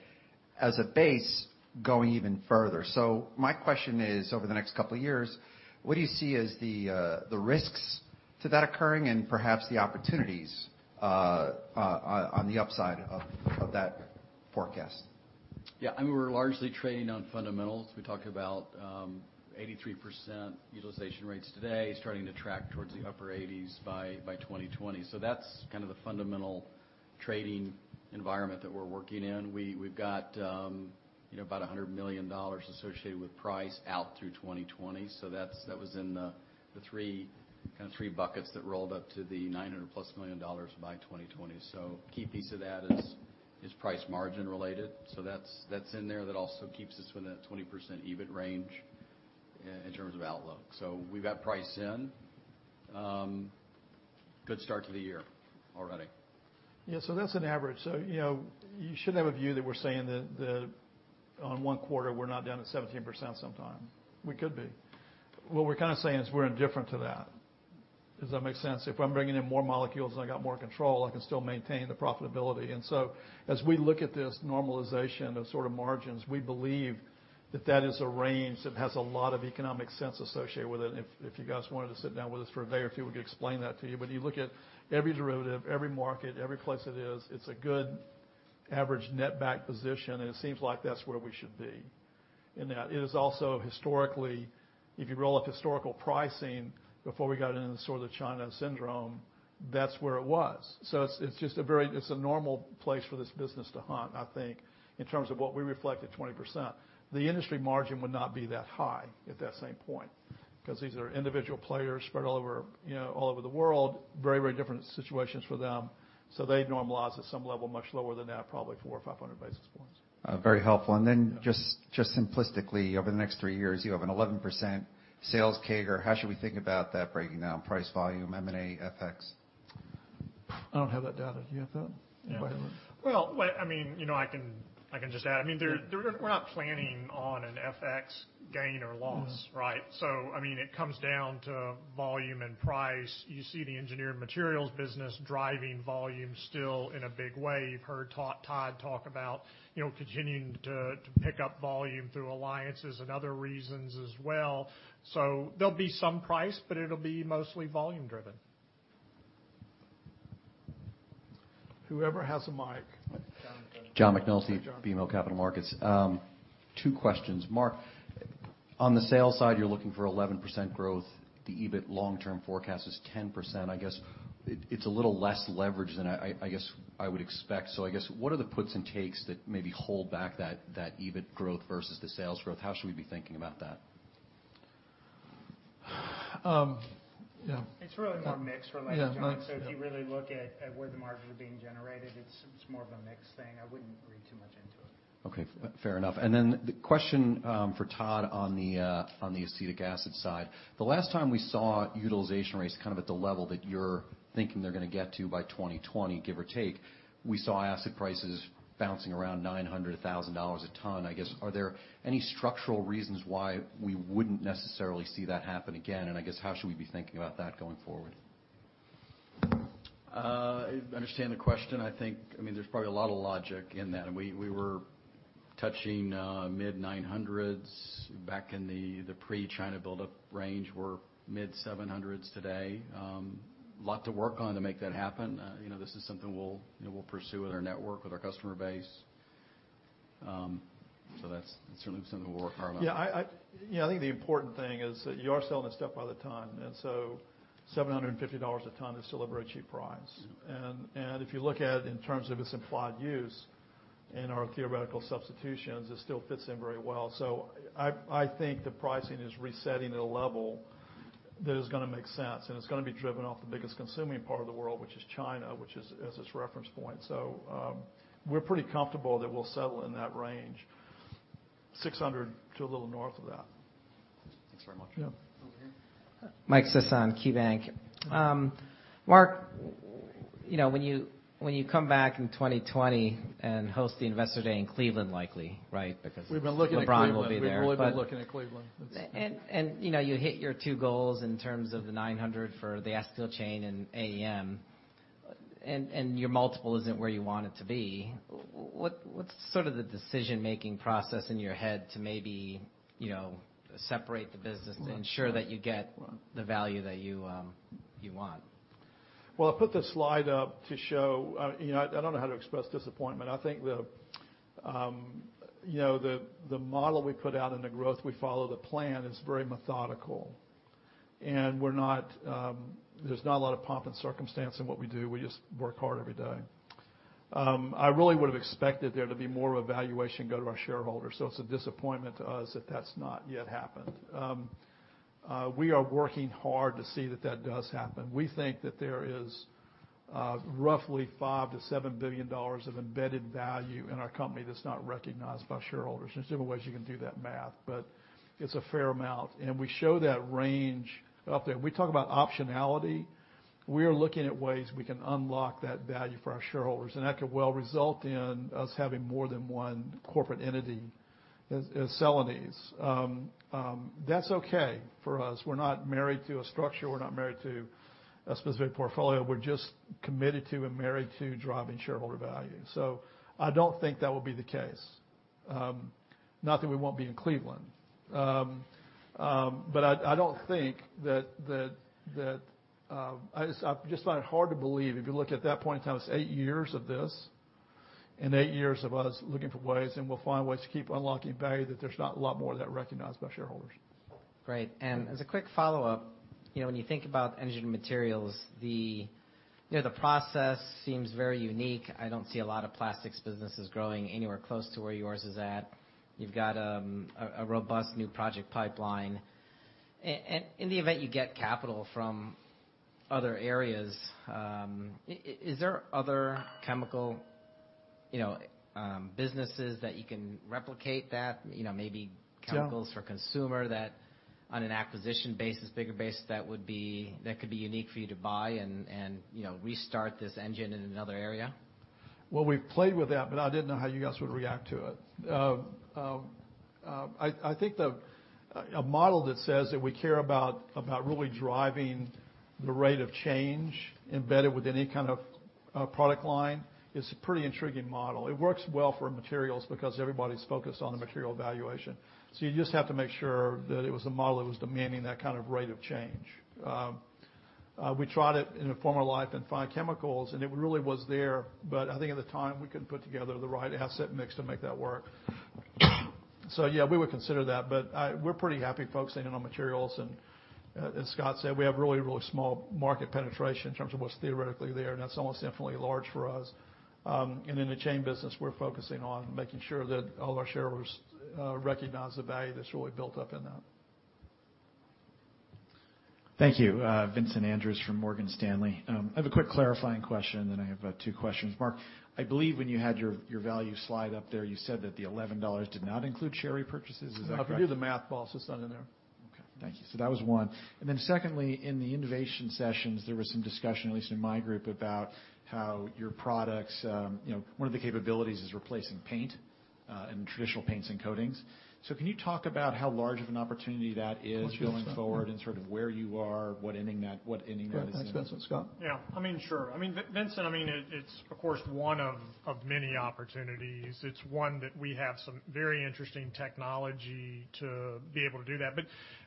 as a base going even further. My question is, over the next couple of years, what do you see as the risks to that occurring and perhaps the opportunities on the upside of that forecast? Yeah. We're largely trading on fundamentals. We talked about 83% utilization rates today, starting to track towards the upper 80s by 2020. That's the fundamental trading environment that we're working in. We've got about $100 million associated with price out through 2020. That was in the three buckets that rolled up to the $900-plus million by 2020. Key piece of that is price margin related. That's in there. That also keeps us within that 20% EBIT range in terms of outlook. We've got price in. Good start to the year already. Yeah. That's an average. You shouldn't have a view that we're saying that on one quarter, we're not down to 17% sometime. We could be. What we're kind of saying is we're indifferent to that. Does that make sense? If I'm bringing in more molecules and I got more control, I can still maintain the profitability. As we look at this normalization of margins, we believe that that is a range that has a lot of economic sense associated with it. If you guys wanted to sit down with us for a day or two, we could explain that to you. You look at every derivative, every market, every place it is, it's a good average net back position, and it seems like that's where we should be in that. It is also historically, if you roll up historical pricing before we got into sort of the China syndrome, that's where it was. It's a normal place for this business to hunt, I think, in terms of what we reflect at 20%. The industry margin would not be that high at that same point because these are individual players spread all over the world. Very different situations for them. They'd normalize at some level much lower than that, probably 4 or 500 basis points. Very helpful. Just simplistically, over the next three years, you have an 11% sales CAGR. How should we think about that breaking down price volume, M&A, FX? I don't have that data. Do you have that? I can just add, we're not planning on an FX gain or loss, right? It comes down to volume and price. You see the Engineered Materials business driving volume still in a big way. You've heard Todd talk about continuing to pick up volume through alliances and other reasons as well. There'll be some price, but it'll be mostly volume driven. Whoever has a mic. John McNulty. Hi, John. BMO Capital Markets. Two questions. Mark, on the sales side, you're looking for 11% growth. The EBIT long-term forecast is 10%. I guess it's a little less leverage than I would expect. I guess, what are the puts and takes that maybe hold back that EBIT growth versus the sales growth? How should we be thinking about that? Yeah. It's really more mix related, John. If you really look at where the margins are being generated, it's more of a mix thing. I wouldn't read too much into it. Okay, fair enough. The question for Todd on the acetic acid side. The last time we saw utilization rates at the level that you're thinking they're going to get to by 2020, give or take, we saw acid prices bouncing around $900 a ton. I guess, are there any structural reasons why we wouldn't necessarily see that happen again? I guess how should we be thinking about that going forward? I understand the question. I think there's probably a lot of logic in that. We were touching mid-900s back in the pre-China buildup range. We're mid-700s today. Lot to work on to make that happen. This is something we'll pursue with our network, with our customer base. That's certainly something we'll work hard on. Yeah, I think the important thing is that you are selling this stuff by the ton. $750 a ton is still a very cheap price. If you look at it in terms of its implied use in our theoretical substitutions, it still fits in very well. I think the pricing is resetting at a level that is going to make sense, and it's going to be driven off the biggest consuming part of the world, which is China, which is its reference point. We're pretty comfortable that we'll settle in that range, 600 to a little north of that. Thanks very much. Yeah. Over here. Mike Sison, KeyBanc. Mark, when you come back in 2020 and host the Investor Day in Cleveland, likely, right? We've been looking at Cleveland Oberon will be there. We've really been looking at Cleveland. You hit your two goals in terms of the 900 for the Acetyl Chain and EM, and your multiple isn't where you want it to be. What's the decision-making process in your head to maybe separate the business to ensure that you get the value that you want? Well, I put this slide up to show. I don't know how to express disappointment. I think the model we put out and the growth we follow, the plan is very methodical. There's not a lot of pomp and circumstance in what we do. We just work hard every day. I really would've expected there to be more of a valuation go to our shareholders. It's a disappointment to us that that's not yet happened. We are working hard to see that that does happen. We think that there is roughly $5 billion-$7 billion of embedded value in our company that's not recognized by shareholders. There's different ways you can do that math, but it's a fair amount. We show that range up there. We talk about optionality. We are looking at ways we can unlock that value for our shareholders, that could well result in us having more than one corporate entity as Celanese. That's okay for us. We're not married to a structure. We're not married to a specific portfolio. We're just committed to and married to driving shareholder value. I don't think that will be the case. Not that we won't be in Cleveland. I just find it hard to believe, if you look at that point in time, it's eight years of this and eight years of us looking for ways, and we'll find ways to keep unlocking value, that there's not a lot more that recognized by shareholders. Great. As a quick follow-up, when you think about Engineered Materials, the process seems very unique. I don't see a lot of plastics businesses growing anywhere close to where yours is at. You've got a robust new project pipeline. In the event you get capital from other areas, is there other chemical businesses that you can replicate that, maybe chemicals for consumer, that on an acquisition basis, bigger basis, that could be unique for you to buy and restart this engine in another area? Well, we've played with that, but I didn't know how you guys would react to it. I think a model that says that we care about really driving the rate of change embedded with any kind of product line is a pretty intriguing model. It works well for materials because everybody's focused on the material valuation. You just have to make sure that it was the model that was demanding that kind of rate of change. We tried it in a former life in fine chemicals, it really was there, but I think at the time, we couldn't put together the right asset mix to make that work. Yeah, we would consider that, but we're pretty happy focusing in on materials. As Scott said, we have really small market penetration in terms of what's theoretically there, and that's almost infinitely large for us. In the Acetyl Chain business, we're focusing on making sure that all our shareholders recognize the value that's really built up in that. Thank you. Vincent Andrews from Morgan Stanley. I have a quick clarifying question, then I have two questions. Mark, I believe when you had your value slide up there, you said that the $11 did not include share repurchases. Is that correct? If you do the math, it's also not in there. Okay, thank you. That was one. Secondly, in the innovation sessions, there was some discussion, at least in my group, about how your products, one of the capabilities is replacing paint and traditional paints and coatings. Can you talk about how large of an opportunity that is going forward and sort of where you are, what ending that is? Thanks, Vincent. Scott? Yeah. Sure. Vincent, it's of course one of many opportunities. It's one that we have some very interesting technology to be able to do that.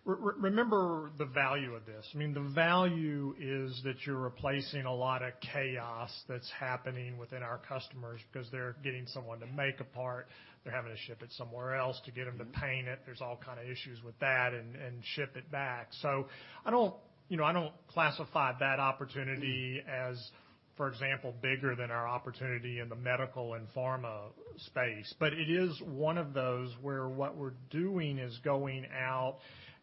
Remember the value of this. The value is that you're replacing a lot of chaos that's happening within our customers because they're getting someone to make a part. They're having to ship it somewhere else to get them to paint it. There's all kind of issues with that, and ship it back. I don't classify that opportunity as, for example, bigger than our opportunity in the medical and pharma space. It is one of those where what we're doing is going out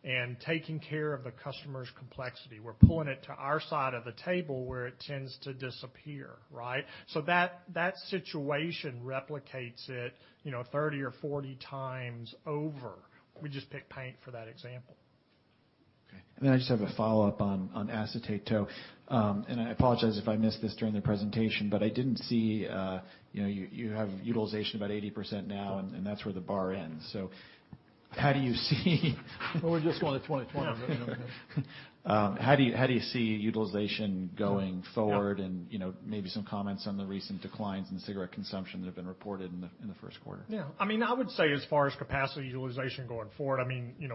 and taking care of the customer's complexity. We're pulling it to our side of the table where it tends to disappear, right? That situation replicates it 30 or 40 times over. We just picked paint for that example. Okay. I just have a follow-up on acetate tow. I apologize if I missed this during the presentation, I didn't see, you have utilization about 80% now, and that's where the bar ends. How do you see Well, we just wanted 2020. How do you see utilization going forward, and maybe some comments on the recent declines in cigarette consumption that have been reported in the first quarter? I would say as far as capacity utilization going forward,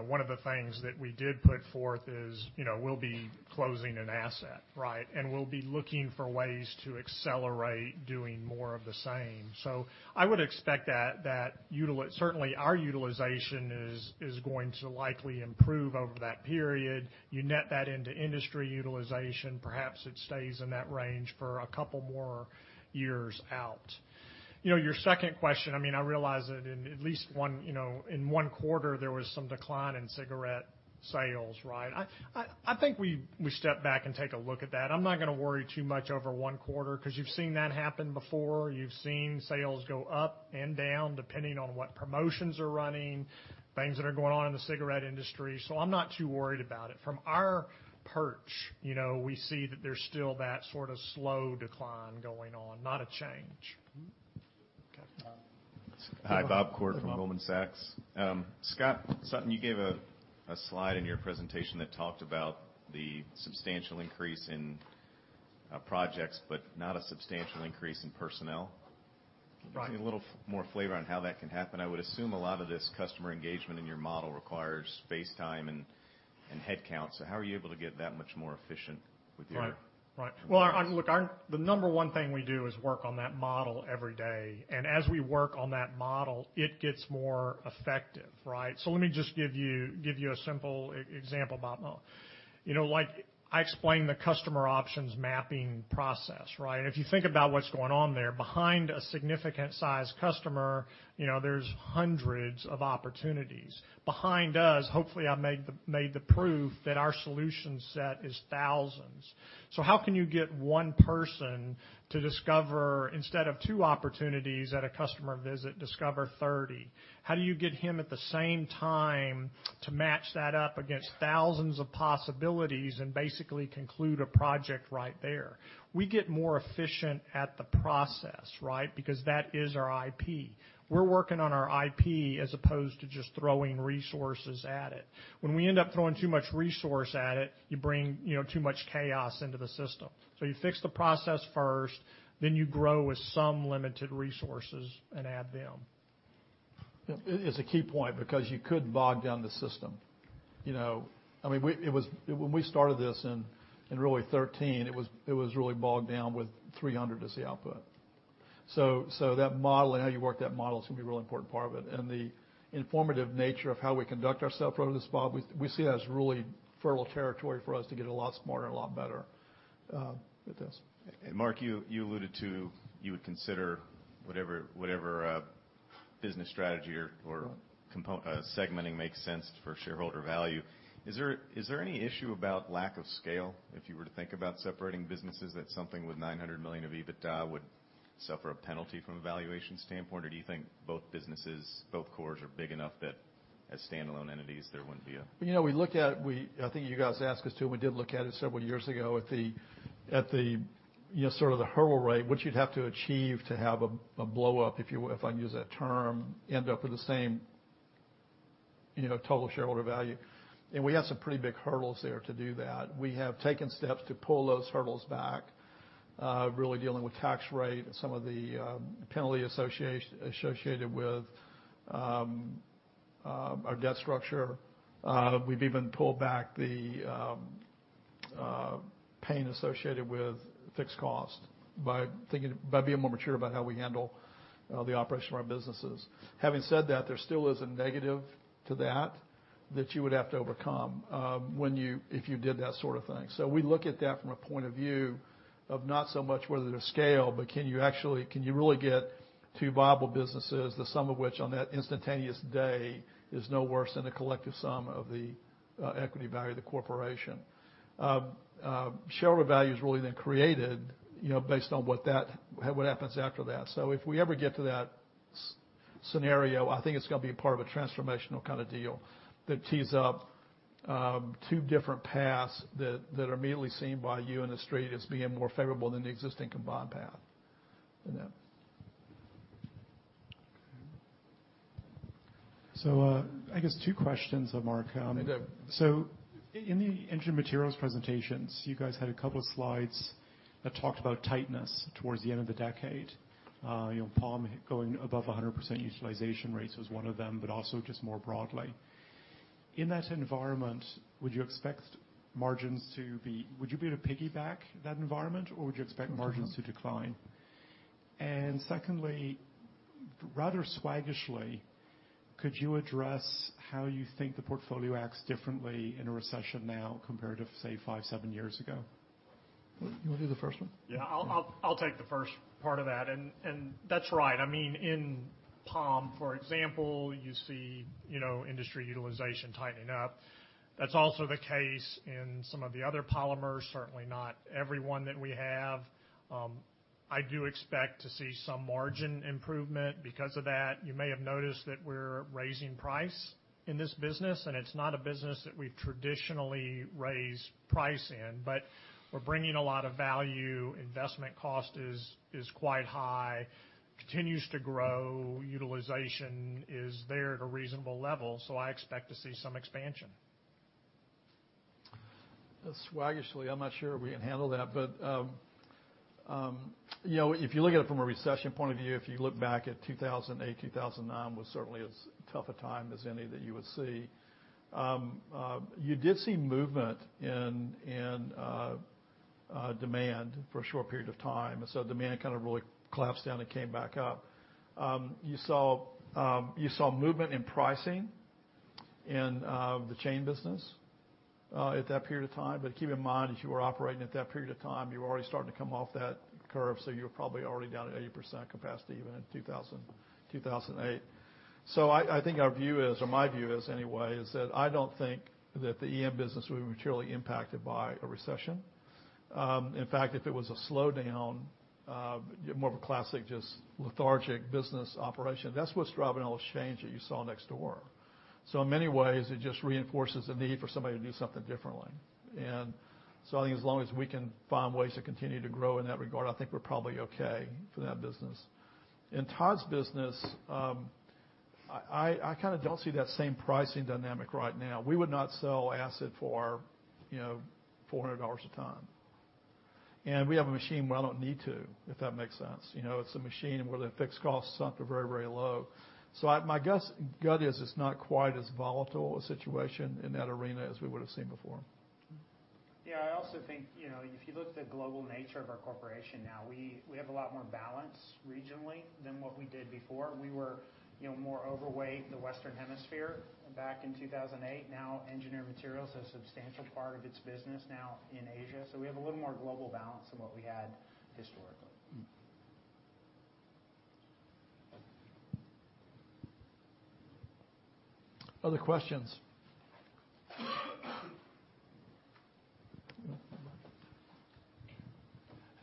one of the things that we did put forth is, we'll be closing an asset, right? We'll be looking for ways to accelerate doing more of the same. I would expect that certainly our utilization is going to likely improve over that period. You net that into industry utilization, perhaps it stays in that range for a couple more years out. Your second question, I realize that in at least one quarter, there was some decline in cigarette sales, right? I think we step back and take a look at that. I'm not going to worry too much over one quarter because you've seen that happen before. You've seen sales go up and down, depending on what promotions are running, things that are going on in the cigarette industry. I'm not too worried about it. From our perch, we see that there's still that sort of slow decline going on, not a change. Okay. Scott? Hi, Bob Koort from Goldman Sachs. Scott, something you gave a slide in your presentation that talked about the substantial increase in projects, not a substantial increase in personnel. Right. Can you give me a little more flavor on how that can happen? I would assume a lot of this customer engagement in your model requires space, time, and head count. How are you able to get that much more efficient? Well, look, the number one thing we do is work on that model every day. As we work on that model, it gets more effective, right? Let me just give you a simple example, Bob. Like I explained, the Customer Options Mapping process, right? If you think about what's going on there, behind a significant size customer, there's hundreds of opportunities. Behind us, hopefully, I made the proof that our solution set is thousands. How can you get one person to discover, instead of two opportunities at a customer visit, discover 30? How do you get him at the same time to match that up against thousands of possibilities and basically conclude a project right there? We get more efficient at the process, right? Because that is our IP. We're working on our IP as opposed to just throwing resources at it. When we end up throwing too much resource at it, you bring too much chaos into the system. You fix the process first, you grow with some limited resources and add them. It's a key point because you could bog down the system. When we started this in really 2013, it was really bogged down with 300 as the output. That model and how you work that model is going to be a really important part of it. The informative nature of how we conduct ourselves relative to this, Bob, we see that as really fertile territory for us to get a lot smarter, a lot better at this. Mark, you alluded to you would consider whatever business strategy or component segmenting makes sense for shareholder value. Is there any issue about lack of scale if you were to think about separating businesses, that something with $900 million of EBITDA would suffer a penalty from a valuation standpoint? Or do you think both businesses, both cores, are big enough that as standalone entities, there wouldn't be a We look at, I think you guys asked us too, we did look at it several years ago at the sort of the hurdle rate, what you'd have to achieve to have a blow-up, if I can use that term, end up with the same total shareholder value. We had some pretty big hurdles there to do that. We have taken steps to pull those hurdles back, really dealing with tax rate and some of the penalty associated with our debt structure. We've even pulled back the pain associated with fixed cost by being more mature about how we handle the operation of our businesses. Having said that, there still is a negative to that you would have to overcome if you did that sort of thing. We look at that from a point of view of not so much whether they're scale, but can you really get two viable businesses, the sum of which on that instantaneous day is no worse than the collective sum of the equity value of the corporation. Shareholder value is really then created based on what happens after that. If we ever get to that scenario, I think it's going to be a part of a transformational kind of deal that tees up two different paths that are immediately seen by you and the street as being more favorable than the existing combined path. I guess two questions of Mark. Yeah. In the engineered materials presentations, you guys had a couple of slides that talked about tightness towards the end of the decade. POM going above 100% utilization rates was one of them, but also just more broadly. In that environment, would you be able to piggyback that environment, or would you expect margins to decline? Secondly, rather swaggishly, could you address how you think the portfolio acts differently in a recession now compared to, say, five, seven years ago? You want to do the first one? Yeah. I'll take the first part of that. That's right. In POM, for example, you see industry utilization tightening up. That's also the case in some of the other polymers, certainly not every one that we have. I do expect to see some margin improvement because of that. You may have noticed that we're raising price in this business, and it's not a business that we've traditionally raised price in, but we're bringing a lot of value. Investment cost is quite high, continues to grow. Utilization is there at a reasonable level, so I expect to see some expansion. The swaggishly, I'm not sure we can handle that. If you look at it from a recession point of view, if you look back at 2008, 2009, was certainly as tough a time as any that you would see. You did see movement in demand for a short period of time, Demand kind of really collapsed down and came back up. You saw movement in pricing in the Acetyl Chain business at that period of time. Keep in mind, as you were operating at that period of time, you were already starting to come off that curve, so you were probably already down at 80% capacity even in 2008. I think our view is, or my view is anyway, is that I don't think that the EM business will be materially impacted by a recession. In fact, if it was a slowdown, more of a classic, just lethargic business operation. That's what's driving all this change that you saw next door. In many ways, it just reinforces the need for somebody to do something differently. I think as long as we can find ways to continue to grow in that regard, I think we're probably okay for that business. In Todd's business, I kind of don't see that same pricing dynamic right now. We would not sell acetic acid for $400 a ton. We have a machine where I don't need to, if that makes sense. It's a machine where the fixed costs are very low. My gut is it's not quite as volatile a situation in that arena as we would've seen before. Yeah, I also think, if you look at the global nature of our corporation now, we have a lot more balance regionally than what we did before. We were more overweight in the Western Hemisphere back in 2008. Now Engineered Materials is a substantial part of its business now in Asia. We have a little more global balance than what we had historically. Other questions?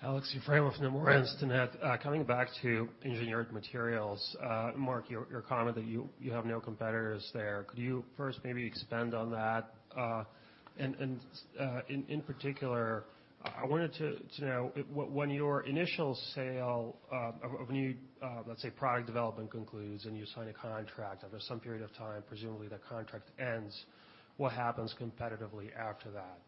Aleksey Yefremov of Nomura Instinet. Coming back to Engineered Materials, Mark, your comment that you have no competitors there, could you first maybe expand on that? In particular, I wanted to know when your initial sale of new, let's say, product development concludes and you sign a contract, after some period of time, presumably that contract ends, what happens competitively after that?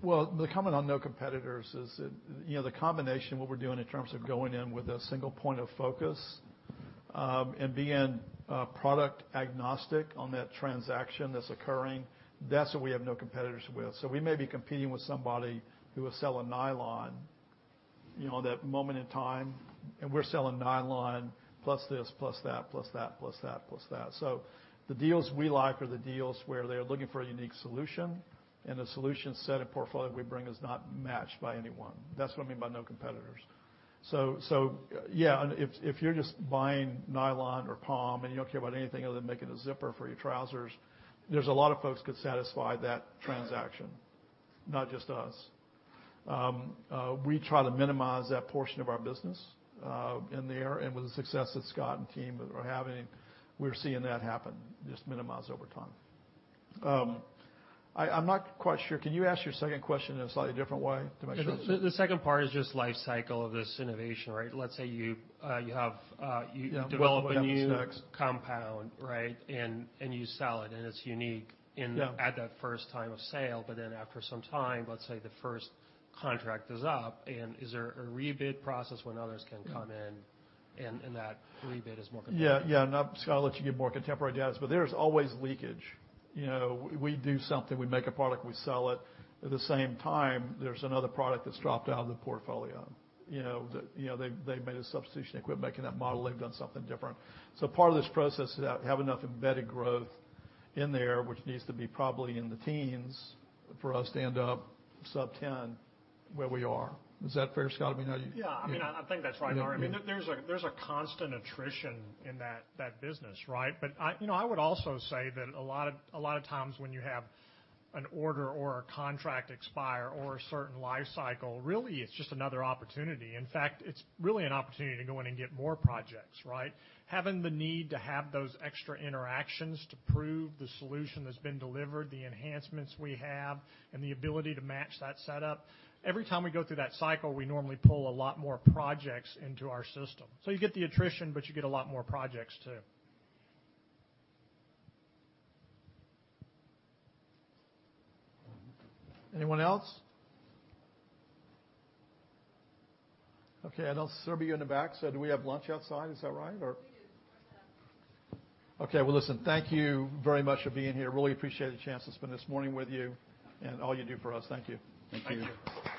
Well, the comment on no competitors is the combination of what we're doing in terms of going in with a single point of focus, and being product agnostic on that transaction that's occurring. That's what we have no competitors with. We may be competing with somebody who will sell a nylon that moment in time, and we're selling nylon plus this, plus that. The deals we like are the deals where they're looking for a unique solution, and the solution set and portfolio we bring is not matched by anyone. That's what I mean by no competitors. Yeah, if you're just buying nylon or POM and you don't care about anything other than making a zipper for your trousers, there's a lot of folks could satisfy that transaction, not just us. We try to minimize that portion of our business in there, with the success that Scott and team are having, we're seeing that happen, just minimized over time. I'm not quite sure. Can you ask your second question in a slightly different way to make sure that The second part is just life cycle of this innovation, right? Let's say Yeah. What happens next developed a new compound, right? You sell it's unique Yeah at that first time of sale. After some time, let's say the first contract is up, is there a rebid process when others can come in, that rebid is more competitive? Yeah. I'll let you give more contemporary guidance, there's always leakage. We do something, we make a product, we sell it. At the same time, there's another product that's dropped out of the portfolio. They've made a substitution. They quit making that model. They've done something different. Part of this process is have enough embedded growth in there, which needs to be probably in the teens for us to end up sub-10 where we are. Is that fair, Scott, to maybe how you- Yeah. I think that's right, Mark. There's a constant attrition in that business, right? I would also say that a lot of times when you have an order or a contract expire or a certain life cycle, really, it's just another opportunity. In fact, it's really an opportunity to go in and get more projects, right? Having the need to have those extra interactions to prove the solution that's been delivered, the enhancements we have, and the ability to match that setup. Every time we go through that cycle, we normally pull a lot more projects into our system. You get the attrition, but you get a lot more projects, too. Anyone else? Okay. I'll serve you in the back. Do we have lunch outside? Is that right, or- We do. Okay. Well, listen, thank you very much for being here. Really appreciate the chance to spend this morning with you and all you do for us. Thank you. Thank you. Thank you.